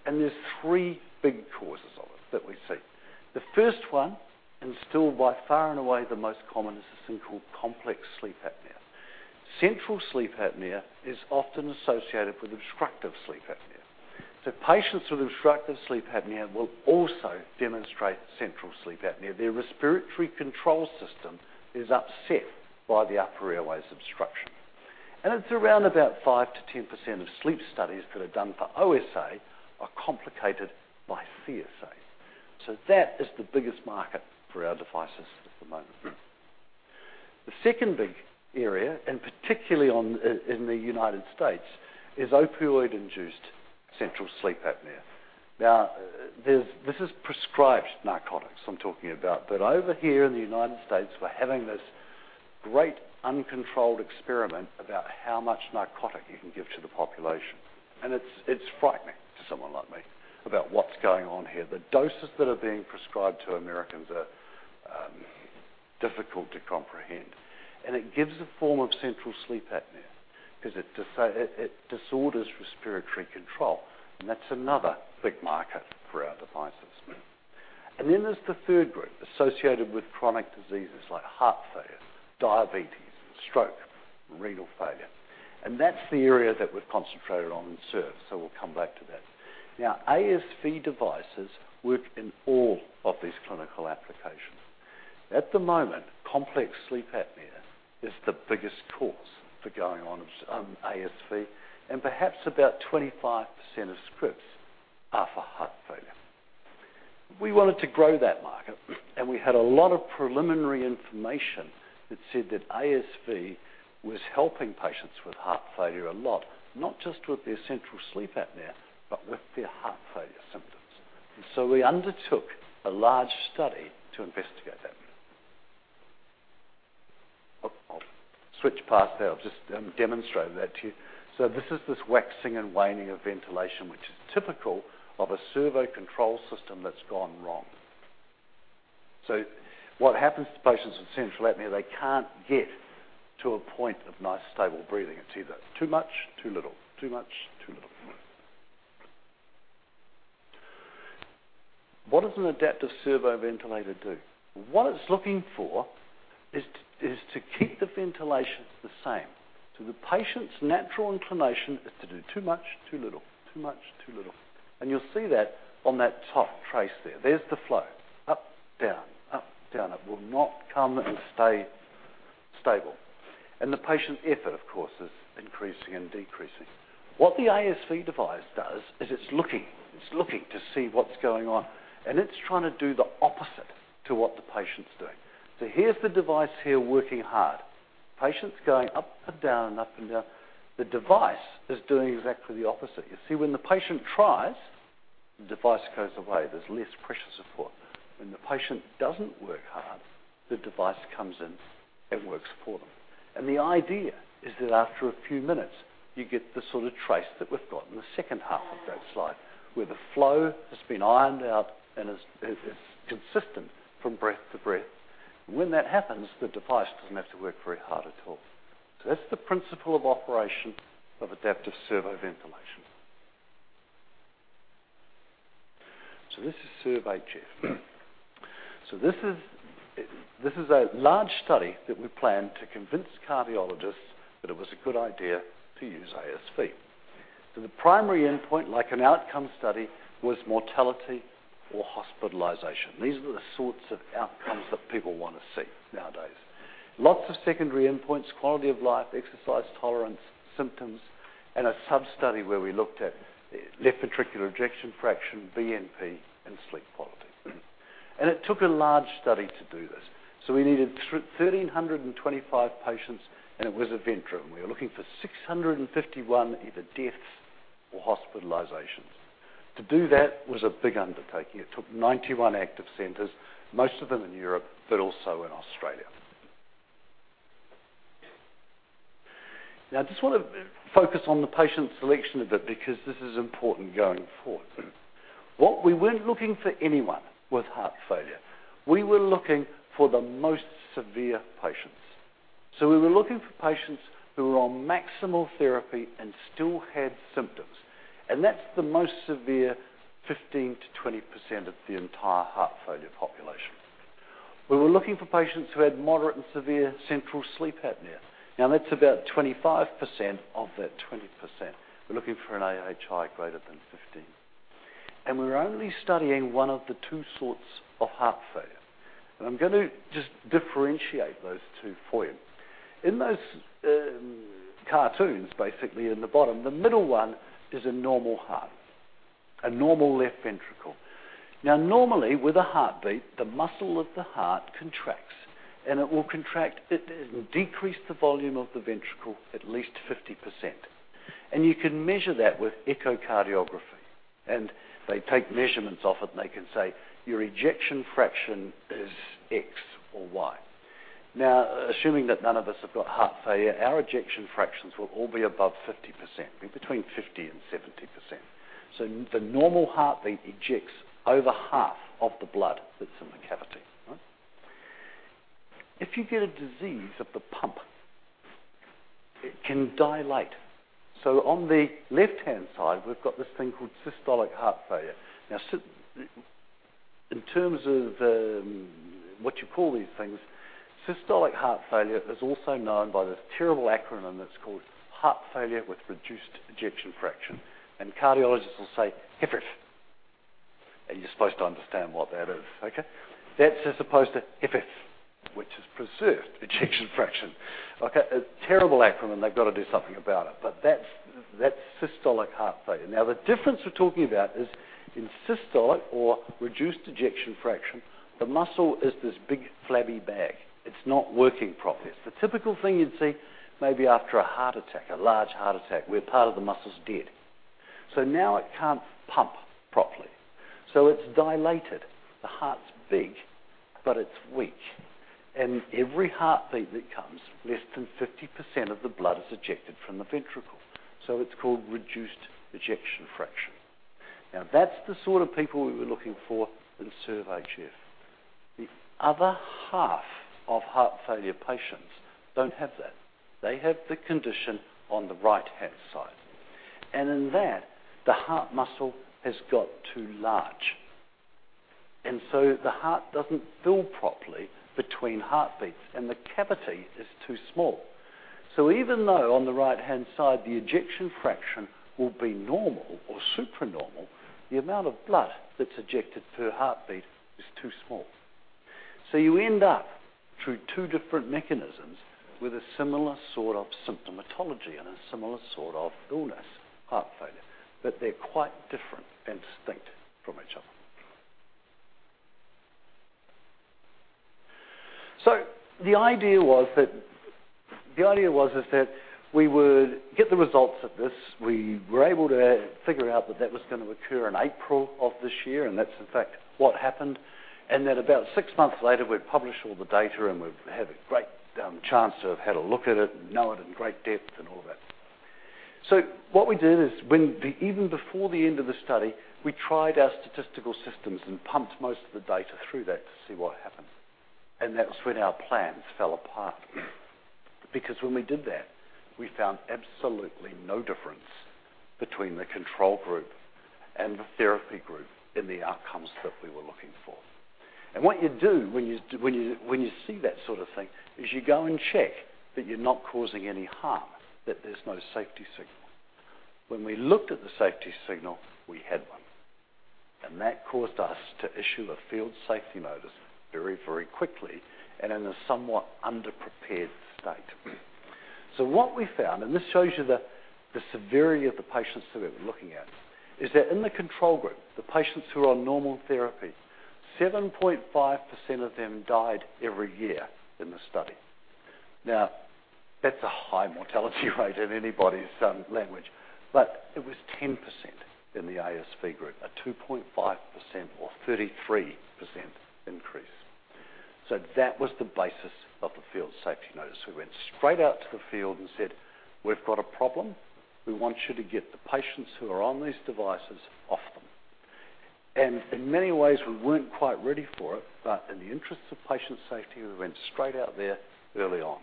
S6: There's three big causes of it that we see. The first one, and still by far and away the most common, is this thing called complex sleep apnea. Central sleep apnea is often associated with obstructive sleep apnea. Patients with obstructive sleep apnea will also demonstrate central sleep apnea. Their respiratory control system is upset by the upper airway's obstruction. It's around about 5%-10% of sleep studies that are done for OSA are complicated by CSA. That is the biggest market for our devices at the moment. The second big area, and particularly in the U.S., is opioid-induced central sleep apnea. This is prescribed narcotics I'm talking about. Over here in the U.S., we're having this great uncontrolled experiment about how much narcotic you can give to the population. It's frightening to someone like me about what's going on here. The doses that are being prescribed to Americans are difficult to comprehend. It gives a form of central sleep apnea because it disorders respiratory control, and that's another big market for our devices. There's the third group associated with chronic diseases like heart failure, diabetes, and stroke, renal failure. That's the area that we've concentrated on in service. We'll come back to that. ASV devices work in all of these clinical applications. At the moment, complex sleep apnea is the biggest cause for going on ASV, and perhaps about 25% of scripts are for heart failure. We wanted to grow that market, and we had a lot of preliminary information that said that ASV was helping patients with heart failure a lot, not just with their central sleep apnea, but with their heart failure symptoms. We undertook a large study to investigate that. I'll switch past there. I'll just demonstrate that to you. This is this waxing and waning of ventilation, which is typical of a servo control system that's gone wrong. What happens to patients with central apnea, they can't get to a point of nice, stable breathing. It's either too much, too little, too much, too little. What does an adaptive servo-ventilator do? What it's looking for is to keep the ventilations the same. The patient's natural inclination is to do too much, too little, too much, too little. You'll see that on that top trace there. There's the flow. Up, down, up, down. It will not come and stay stable. The patient's effort, of course, is increasing and decreasing. What the ASV device does is it's looking to see what's going on, and it's trying to do the opposite to what the patient's doing. Here's the device here working hard. Patient's going up and down, up and down. The device is doing exactly the opposite. You see, when the patient tries, the device goes away. There's less pressure support. When the patient doesn't work hard, the device comes in and works for them. The idea is that after a few minutes, you get the sort of trace that we've got in the second half of that slide, where the flow has been ironed out and is consistent from breath to breath. When that happens, the device doesn't have to work very hard at all. That's the principle of operation of adaptive servo-ventilation. This is SERVE-HF. This is a large study that we planned to convince cardiologists that it was a good idea to use ASV. The primary endpoint, like an outcome study, was mortality or hospitalization. These are the sorts of outcomes that people want to see nowadays. Lots of secondary endpoints: quality of life, exercise tolerance, symptoms, and a sub-study where we looked at left ventricular ejection fraction, BNP, and sleep quality. It took a large study to do this. We needed 1,325 patients, and it was a vent room. We were looking for 651 either deaths or hospitalizations. To do that was a big undertaking. It took 91 active centers, most of them in Europe, but also in Australia. I just want to focus on the patient selection a bit because this is important going forward. We weren't looking for anyone with heart failure. We were looking for the most severe patients. We were looking for patients who were on maximal therapy and still had symptoms, and that's the most severe 15%-20% of the entire heart failure population. We were looking for patients who had moderate and severe central sleep apnea. That's about 25% of that 20%. We were looking for an AHI greater than 15. We were only studying one of the two sorts of heart failure. I'm going to just differentiate those two for you. In those cartoons, basically in the bottom, the middle one is a normal heart, a normal left ventricle. Normally, with a heartbeat, the muscle of the heart contracts, and it will decrease the volume of the ventricle at least 50%. You can measure that with echocardiography, and they take measurements off it, and they can say, "Your ejection fraction is X or Y." Assuming that none of us have got heart failure, our ejection fractions will all be above 50%, between 50%-70%. The normal heartbeat ejects over half of the blood that's in the cavity. If you get a disease of the pump, it can dilate. On the left-hand side, we've got this thing called systolic heart failure. In terms of what you call these things, systolic heart failure is also known by this terrible acronym that's called Heart Failure with reduced Ejection Fraction, and cardiologists will say HFrEF, and you're supposed to understand what that is. Okay. That's as opposed to HFpEF, which is preserved Ejection Fraction. Okay. A terrible acronym. They've got to do something about it. That's systolic heart failure. The difference we're talking about is in systolic or reduced Ejection Fraction, the muscle is this big flabby bag. It's not working properly. It's the typical thing you'd see maybe after a heart attack, a large heart attack, where part of the muscle is dead. Now it can't pump properly. It's dilated. The heart's big, but it's weak. Every heartbeat that comes, less than 50% of the blood is ejected from the ventricle. It's called reduced ejection fraction. That's the sort of people we were looking for in SERVE-HF. The other half of heart failure patients don't have that. They have the condition on the right-hand side. In that, the heart muscle has got too large. The heart doesn't fill properly between heartbeats, and the cavity is too small. Even though on the right-hand side, the ejection fraction will be normal or supernormal, the amount of blood that's ejected per heartbeat is too small. You end up, through two different mechanisms, with a similar sort of symptomatology and a similar sort of illness, heart failure. They're quite different and distinct from each other. The idea was is that we would get the results of this. We were able to figure out that that was going to occur in April of this year, and that's in fact what happened. About six months later, we'd publish all the data, and we'd have a great chance to have had a look at it and know it in great depth and all of that. What we did is, even before the end of the study, we tried our statistical systems and pumped most of the data through that to see what happened. That was when our plans fell apart. When we did that, we found absolutely no difference between the control group and the therapy group in the outcomes that we were looking for. What you do when you see that sort of thing is you go and check that you're not causing any harm, that there's no safety signal. When we looked at the safety signal, we had one. That caused us to issue a field safety notice very, very quickly and in a somewhat underprepared state. What we found, and this shows you the severity of the patients that we're looking at, is that in the control group, the patients who are on normal therapy, 7.5% of them died every year in the study. That's a high mortality rate in anybody's language, but it was 10% in the ASV group, a 2.5% or 33% increase. That was the basis of the field safety notice. We went straight out to the field and said, "We've got a problem. We want you to get the patients who are on these devices off them." In many ways, we weren't quite ready for it, but in the interest of patient safety, we went straight out there early on.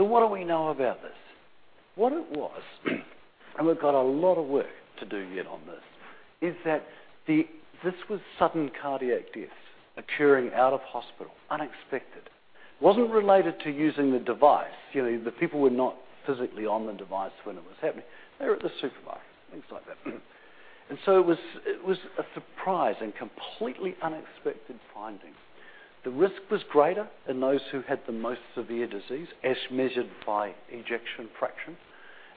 S6: What do we know about this? What it was, and we've got a lot of work to do yet on this, is that this was sudden cardiac death occurring out of hospital, unexpected. Wasn't related to using the device. The people were not physically on the device when it was happening. They were at the supervisor, things like that. It was a surprise and completely unexpected finding. The risk was greater in those who had the most severe disease as measured by ejection fraction,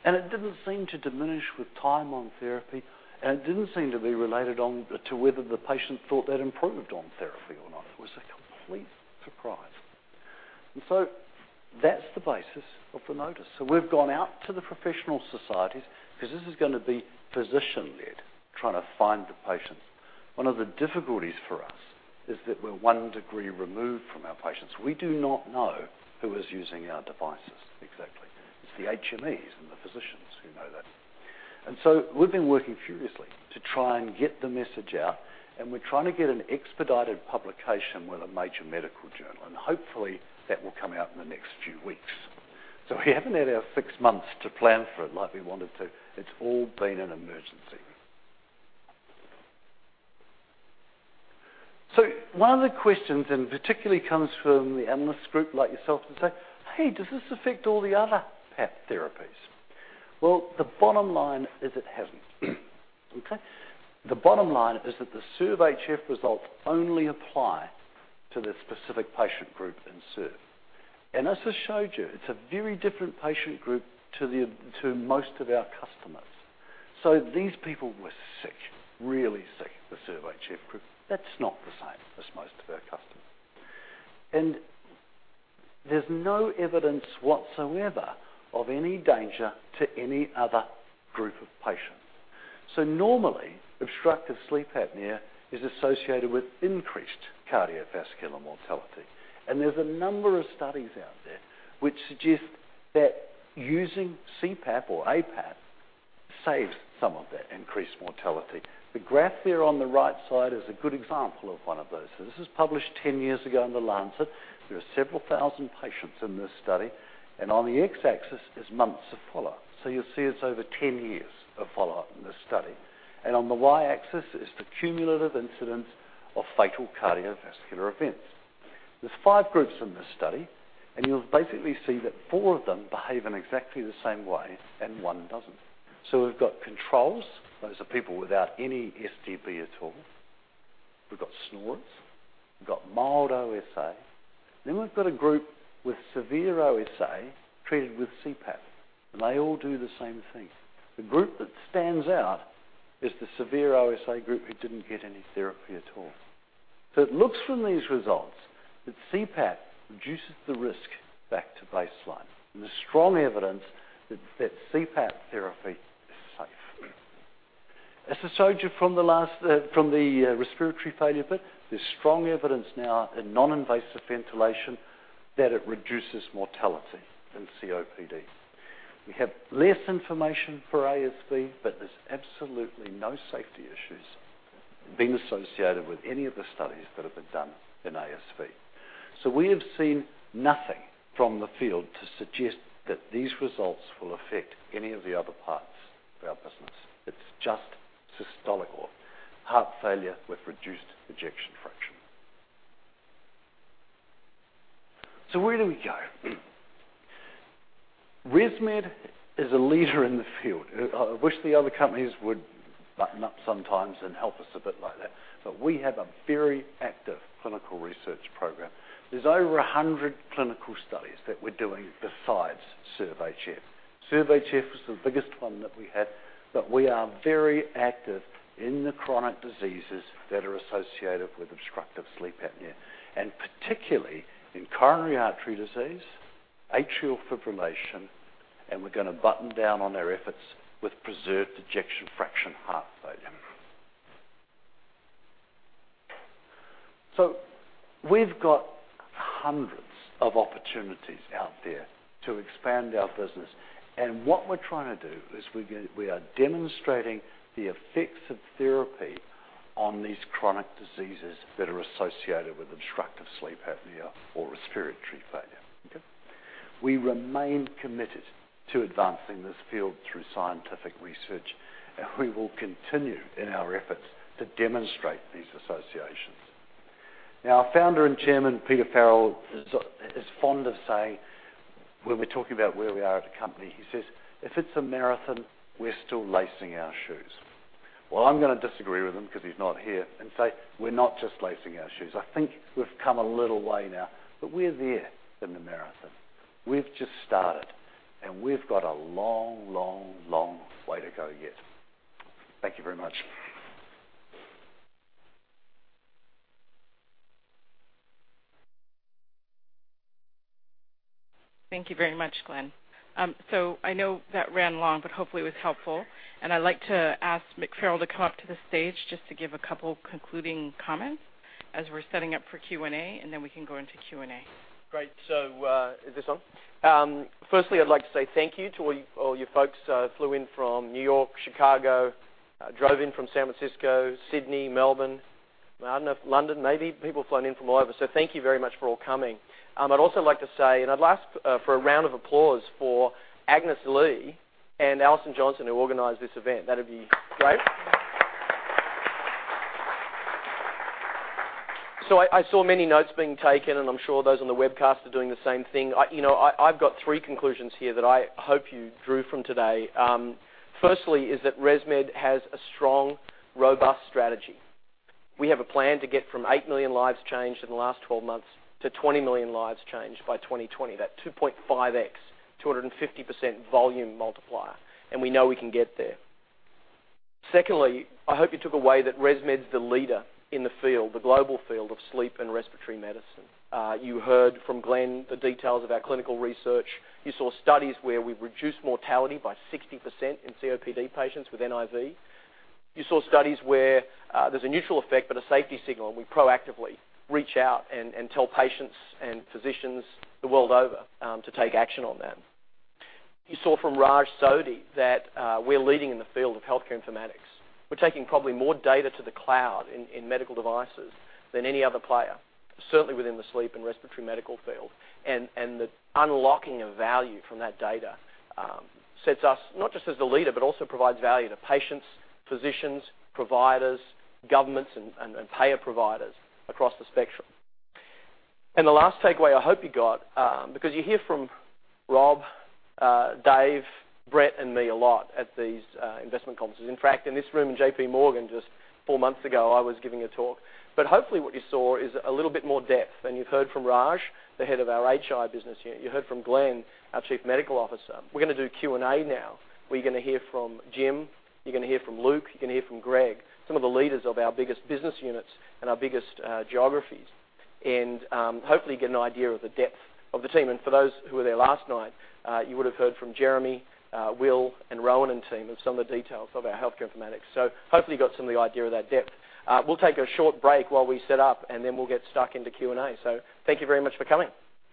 S6: and it didn't seem to diminish with time on therapy, and it didn't seem to be related to whether the patient thought they'd improved on therapy or not. It was a complete surprise. That's the basis of the notice. We've gone out to the professional societies because this is going to be physician-led, trying to find the patients. One of the difficulties for us is that we're one degree removed from our patients. We do not know who is using our devices exactly. It's the HMEs and the physicians who know that. We've been working furiously to try and get the message out, and we're trying to get an expedited publication with a major medical journal, and hopefully, that will come out in the next few weeks. We haven't had our six months to plan for it like we wanted to. It's all been an emergency. One of the questions, and particularly comes from the analyst group like yourself, and say, "Hey, does this affect all the other PAP therapies?" Well, the bottom line is it hasn't. Okay? The bottom line is that the SERVE-HF results only apply to the specific patient group in SURV. As I showed you, it's a very different patient group to most of our customers. These people were sick, really sick, the SERVE-HF group. That's not the same as most of our customers. There's no evidence whatsoever of any danger to any other group of patients. Normally, obstructive sleep apnea is associated with increased cardiovascular mortality. There's a number of studies out there which suggest that using CPAP or APAP saves some of that increased mortality. The graph there on the right side is a good example of one of those. This was published 10 years ago in The Lancet. There are several thousand patients in this study, and on the x-axis is months of follow-up. You'll see it's over 10 years of follow-up in this study. On the y-axis is the cumulative incidence of fatal cardiovascular events. There's five groups in this study, and you'll basically see that four of them behave in exactly the same way and one doesn't. We've got controls. Those are people without any SDB at all. We've got snorers. We've got mild OSA. Then we've got a group with severe OSA treated with CPAP, and they all do the same thing. The group that stands out is the severe OSA group who didn't get any therapy at all. It looks from these results that CPAP reduces the risk back to baseline, and there's strong evidence that CPAP therapy is safe. As I showed you from the respiratory failure bit, there's strong evidence now in non-invasive ventilation that it reduces mortality in COPD. We have less information for ASV, but there's absolutely no safety issues being associated with any of the studies that have been done in ASV. We have seen nothing from the field to suggest that these results will affect any of the other parts of our business. It's just systolic or heart failure with reduced ejection fraction. Where do we go? ResMed is a leader in the field. I wish the other companies would button up sometimes and help us a bit like that. We have a very active clinical research program. There's over 100 clinical studies that we're doing besides SERVE-HF. SERVE-HF is the biggest one that we have, but we are very active in the chronic diseases that are associated with obstructive sleep apnea, and particularly in coronary artery disease, atrial fibrillation, and we're going to button down on our efforts with preserved ejection fraction heart failure. We've got hundreds of opportunities out there to expand our business, and what we're trying to do is we are demonstrating the effects of therapy on these chronic diseases that are associated with obstructive sleep apnea or respiratory failure. Okay? We remain committed to advancing this field through scientific research, and we will continue in our efforts to demonstrate these associations. Our founder and chairman, Peter Farrell, is fond of saying, when we're talking about where we are as a company, he says, "If it's a marathon, we're still lacing our shoes." I'm going to disagree with him because he's not here and say we're not just lacing our shoes. I think we've come a little way now, but we're there in the marathon. We've just started, and we've got a long way to go yet. Thank you very much.
S1: Thank you very much, Glenn. I know that ran long, but hopefully it was helpful, and I'd like to ask Mick Farrell to come up to the stage just to give a couple concluding comments as we're setting up for Q&A, and then we can go into Q&A.
S2: Is this on? Firstly, I'd like to say thank you to all you folks who flew in from New York, Chicago, drove in from San Francisco, Sydney, Melbourne. I don't know if London, maybe people have flown in from all over. Thank you very much for all coming. I'd also like to say, and I'd like for a round of applause for Agnes Lee and Allison Johnson, who organized this event. That'd be great. I saw many notes being taken, and I'm sure those on the webcast are doing the same thing. I've got three conclusions here that I hope you drew from today. Firstly is that ResMed has a strong, robust strategy. We have a plan to get from 8 million lives changed in the last 12 months to 20 million lives changed by 2020. That 2.5X, 250% volume multiplier. We know we can get there. Secondly, I hope you took away that ResMed's the leader in the field, the global field of sleep and respiratory medicine. You heard from Glenn the details of our clinical research. You saw studies where we've reduced mortality by 60% in COPD patients with NIV. You saw studies where there's a neutral effect, but a safety signal, and we proactively reach out and tell patients and physicians the world over to take action on them. You saw from Raj Sodhi that we're leading in the field of healthcare informatics. We're taking probably more data to the cloud in medical devices than any other player, certainly within the sleep and respiratory medical field. The unlocking of value from that data sets us, not just as the leader, but also provides value to patients, physicians, providers, governments, and payer providers across the spectrum. The last takeaway I hope you got, because you hear from Rob, Dave, Brett, and me a lot at these investment conferences. In fact, in this room in JP Morgan, just four months ago, I was giving a talk. Hopefully what you saw is a little bit more depth, and you've heard from Raj, the head of our HI business unit. You heard from Glenn, our Chief Medical Officer. We're going to do Q&A now, where you're going to hear from Jim, you're going to hear from Luke, you're going to hear from Greg, some of the leaders of our biggest business units and our biggest geographies. Hopefully you get an idea of the depth of the team. For those who were there last night, you would have heard from Jeremy, Will, and Rowan and team of some of the details of our healthcare informatics. Hopefully you got some of the idea of that depth. We'll take a short break while we set up, and then we'll get stuck into Q&A. Thank you very much for coming.